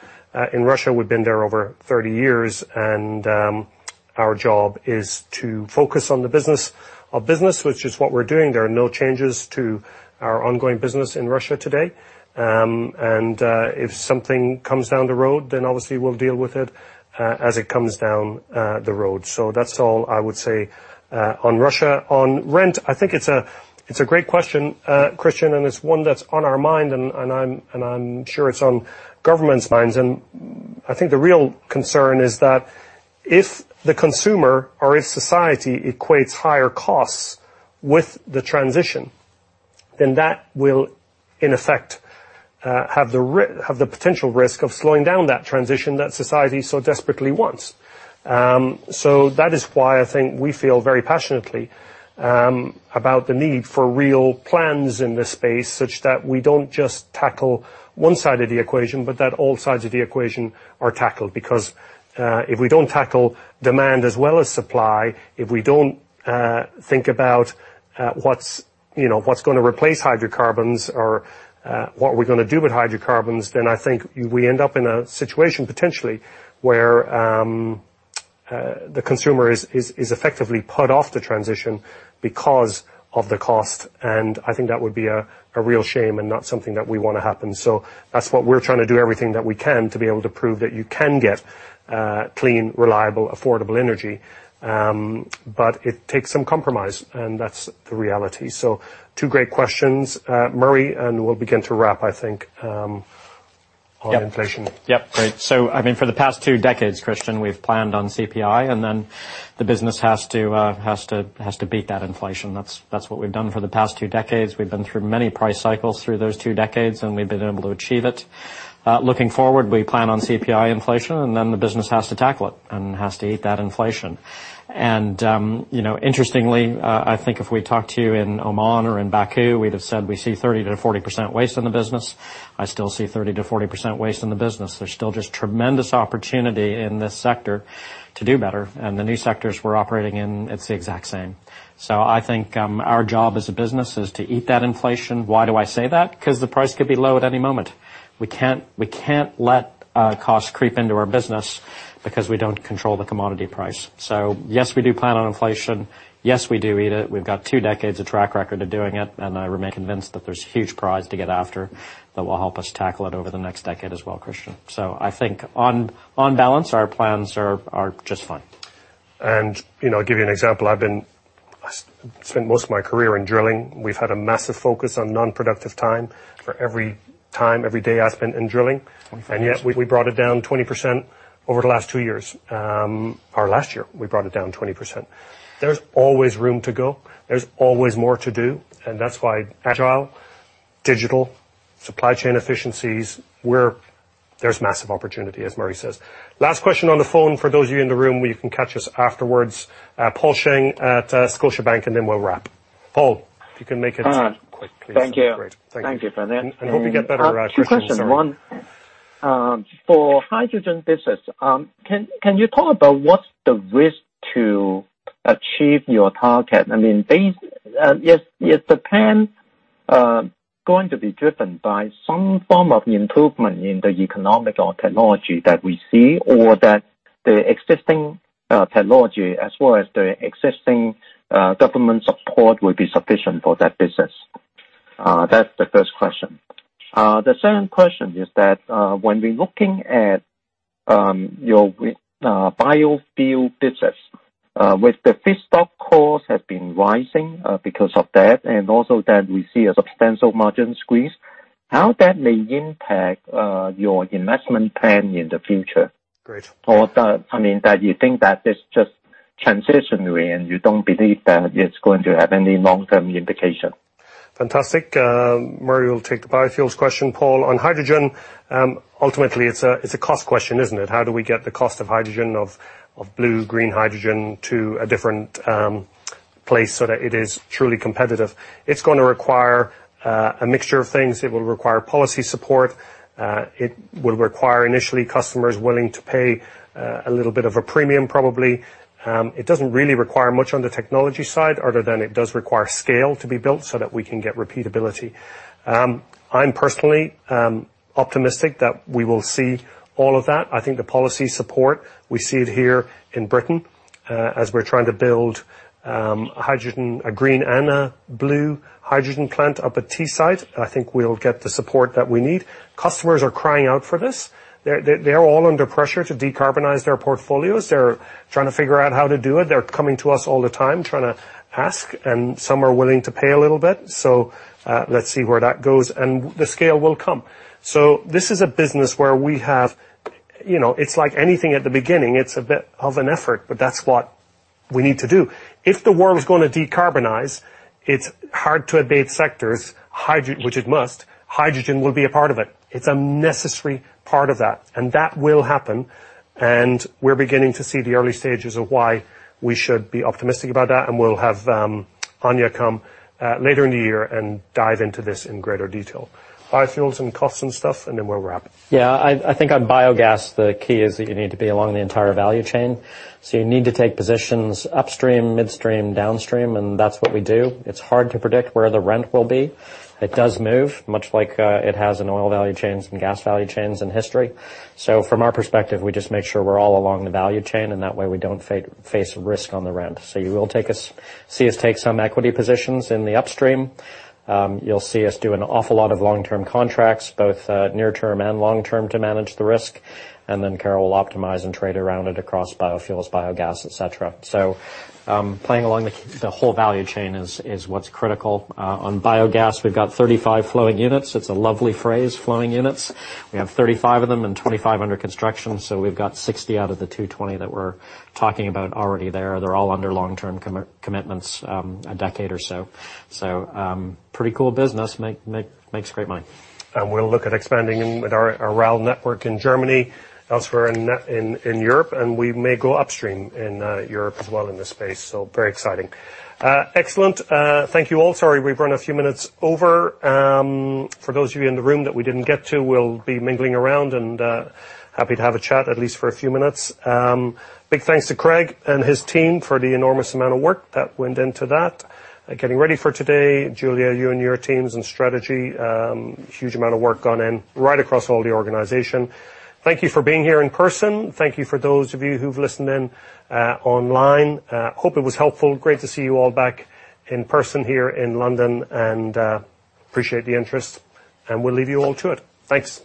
in Russia. We've been there over 30 years, and our job is to focus on the business of business, which is what we're doing. There are no changes to our ongoing business in Russia today. If something comes down the road, then obviously we'll deal with it as it comes down the road. That's all I would say on Russia. On Brent, I think it's a great question, Christyan, and it's one that's on our mind, and I'm sure it's on government's minds. I think the real concern is that if the consumer or if society equates higher costs with the transition, then that will, in effect, have the potential risk of slowing down that transition that society so desperately wants. That is why I think we feel very passionately about the need for real plans in this space such that we don't just tackle one side of the equation, but that all sides of the equation are tackled. Because if we don't tackle demand as well as supply, if we don't think about what's, you know, what's gonna replace hydrocarbons or what we're gonna do with hydrocarbons, then I think we end up in a situation potentially where the consumer is effectively put off the transition because of the cost, and I think that would be a real shame and not something that we want to happen. That's what we're trying to do everything that we can to be able to prove that you can get clean, reliable, affordable energy. It takes some compromise, and that's the reality. Two great questions. Murray, and we'll begin to wrap, I think, on inflation. Yep. Great. I mean, for the past two decades, Christyan, we've planned on CPI, and then the business has to beat that inflation. That's what we've done for the past two decades. We've been through many price cycles through those two decades, and we've been able to achieve it. Looking forward, we plan on CPI inflation, and then the business has to tackle it and has to eat that inflation. You know, interestingly, I think if we talk to you in Oman or in Baku, we'd have said we see 30%-40% waste in the business. I still see 30%-40% waste in the business. There's still just tremendous opportunity in this sector to do better. The new sectors we're operating in, it's the exact same. I think our job as a business is to eat that inflation. Why do I say that? 'Cause the price could be low at any moment. We can't let costs creep into our business because we don't control the commodity price. Yes, we do plan on inflation. Yes, we do eat it. We've got two decades of track record of doing it, and I remain convinced that there's huge prize to get after that will help us tackle it over the next decade as well, Christyan. I think on balance, our plans are just fine. You know, I'll give you an example. I've spent most of my career in drilling. We've had a massive focus on non-productive time for every time, every day I've spent in drilling. 24 years. Yet we brought it down 20% over the last two years. Or last year, we brought it down 20%. There's always room to go. There's always more to do, and that's why agile, digital, supply chain efficiencies, there's massive opportunity, as Murray says. Last question on the phone for those of you in the room, well, you can catch us afterwards. Paul Cheng at Scotiabank, and then we'll wrap. Paul, if you can make it quick, please. Thank you. That'd be great. Thank you. Thank you for that. Hope you get better, Christyan. Sorry. Two questions. One, for hydrogen business, can you talk about what's the risk to achieve your target? I mean, is the plan going to be driven by some form of improvement in the economic or technology that we see or that the existing technology as well as the existing government support will be sufficient for that business? That's the first question. The second question is that, when we're looking at, your biofuel business, with the feedstock costs have been rising, because of that, and also that we see a substantial margin squeeze, how that may impact, your investment plan in the future? Great. I mean, that you think that it's just transitory and you don't believe that it's going to have any long-term implication. Fantastic. Murray will take the biofuels question. Paul, on hydrogen, ultimately it's a cost question, isn't it? How do we get the cost of hydrogen of blue, green hydrogen to a different place so that it is truly competitive? It's gonna require a mixture of things. It will require policy support. It will require initially customers willing to pay a little bit of a premium probably. It doesn't really require much on the technology side other than it does require scale to be built so that we can get repeatability. I'm personally optimistic that we will see all of that. I think the policy support, we see it here in Britain, as we're trying to build hydrogen, a green and a blue hydrogen plant up at Teesside. I think we'll get the support that we need. Customers are crying out for this. They're all under pressure to decarbonize their portfolios. They're trying to figure out how to do it. They're coming to us all the time trying to ask, and some are willing to pay a little bit. Let's see where that goes, and the scale will come. This is a business where we have, you know, it's like anything at the beginning. It's a bit of an effort, but that's what we need to do. If the world is gonna decarbonize its hard to abate sectors, which it must, hydrogen will be a part of it. It's a necessary part of that, and that will happen. We're beginning to see the early stages of why we should be optimistic about that, and we'll have Anya come later in the year and dive into this in greater detail. Biofuels and costs and stuff, and then we'll wrap. Yeah. I think on biogas, the key is that you need to be along the entire value chain. You need to take positions upstream, midstream, downstream, and that's what we do. It's hard to predict where the rent will be. It does move, much like, it has in oil value chains and gas value chains in history. From our perspective, we just make sure we're all along the value chain, and that way we don't face risk on the rent. You will see us take some equity positions in the upstream. You'll see us do an awful lot of long-term contracts, both near term and long term to manage the risk. Then Carol will optimize and trade around it across biofuels, biogas, et cetera. Playing along the whole value chain is what's critical. On biogas, we've got 35 flowing units. It's a lovely phrase, flowing units. We have 35 of them and 25 under construction. We've got 60 out of the 220 that we're talking about already there. They're all under long-term commitments, a decade or so. Pretty cool business. Makes great money. We'll look at expanding in with our Aral network in Germany, elsewhere in Europe, and we may go upstream in Europe as well in this space, so very exciting. Excellent. Thank you all. Sorry, we've run a few minutes over. For those of you in the room that we didn't get to, we'll be mingling around and happy to have a chat at least for a few minutes. Big thanks to Craig and his team for the enormous amount of work that went into that. Getting ready for today, Julia, you and your teams in strategy, huge amount of work gone in right across all the organization. Thank you for being here in person. Thank you for those of you who've listened in online. Hope it was helpful. Great to see you all back in person here in London, and, appreciate the interest, and we'll leave you all to it. Thanks.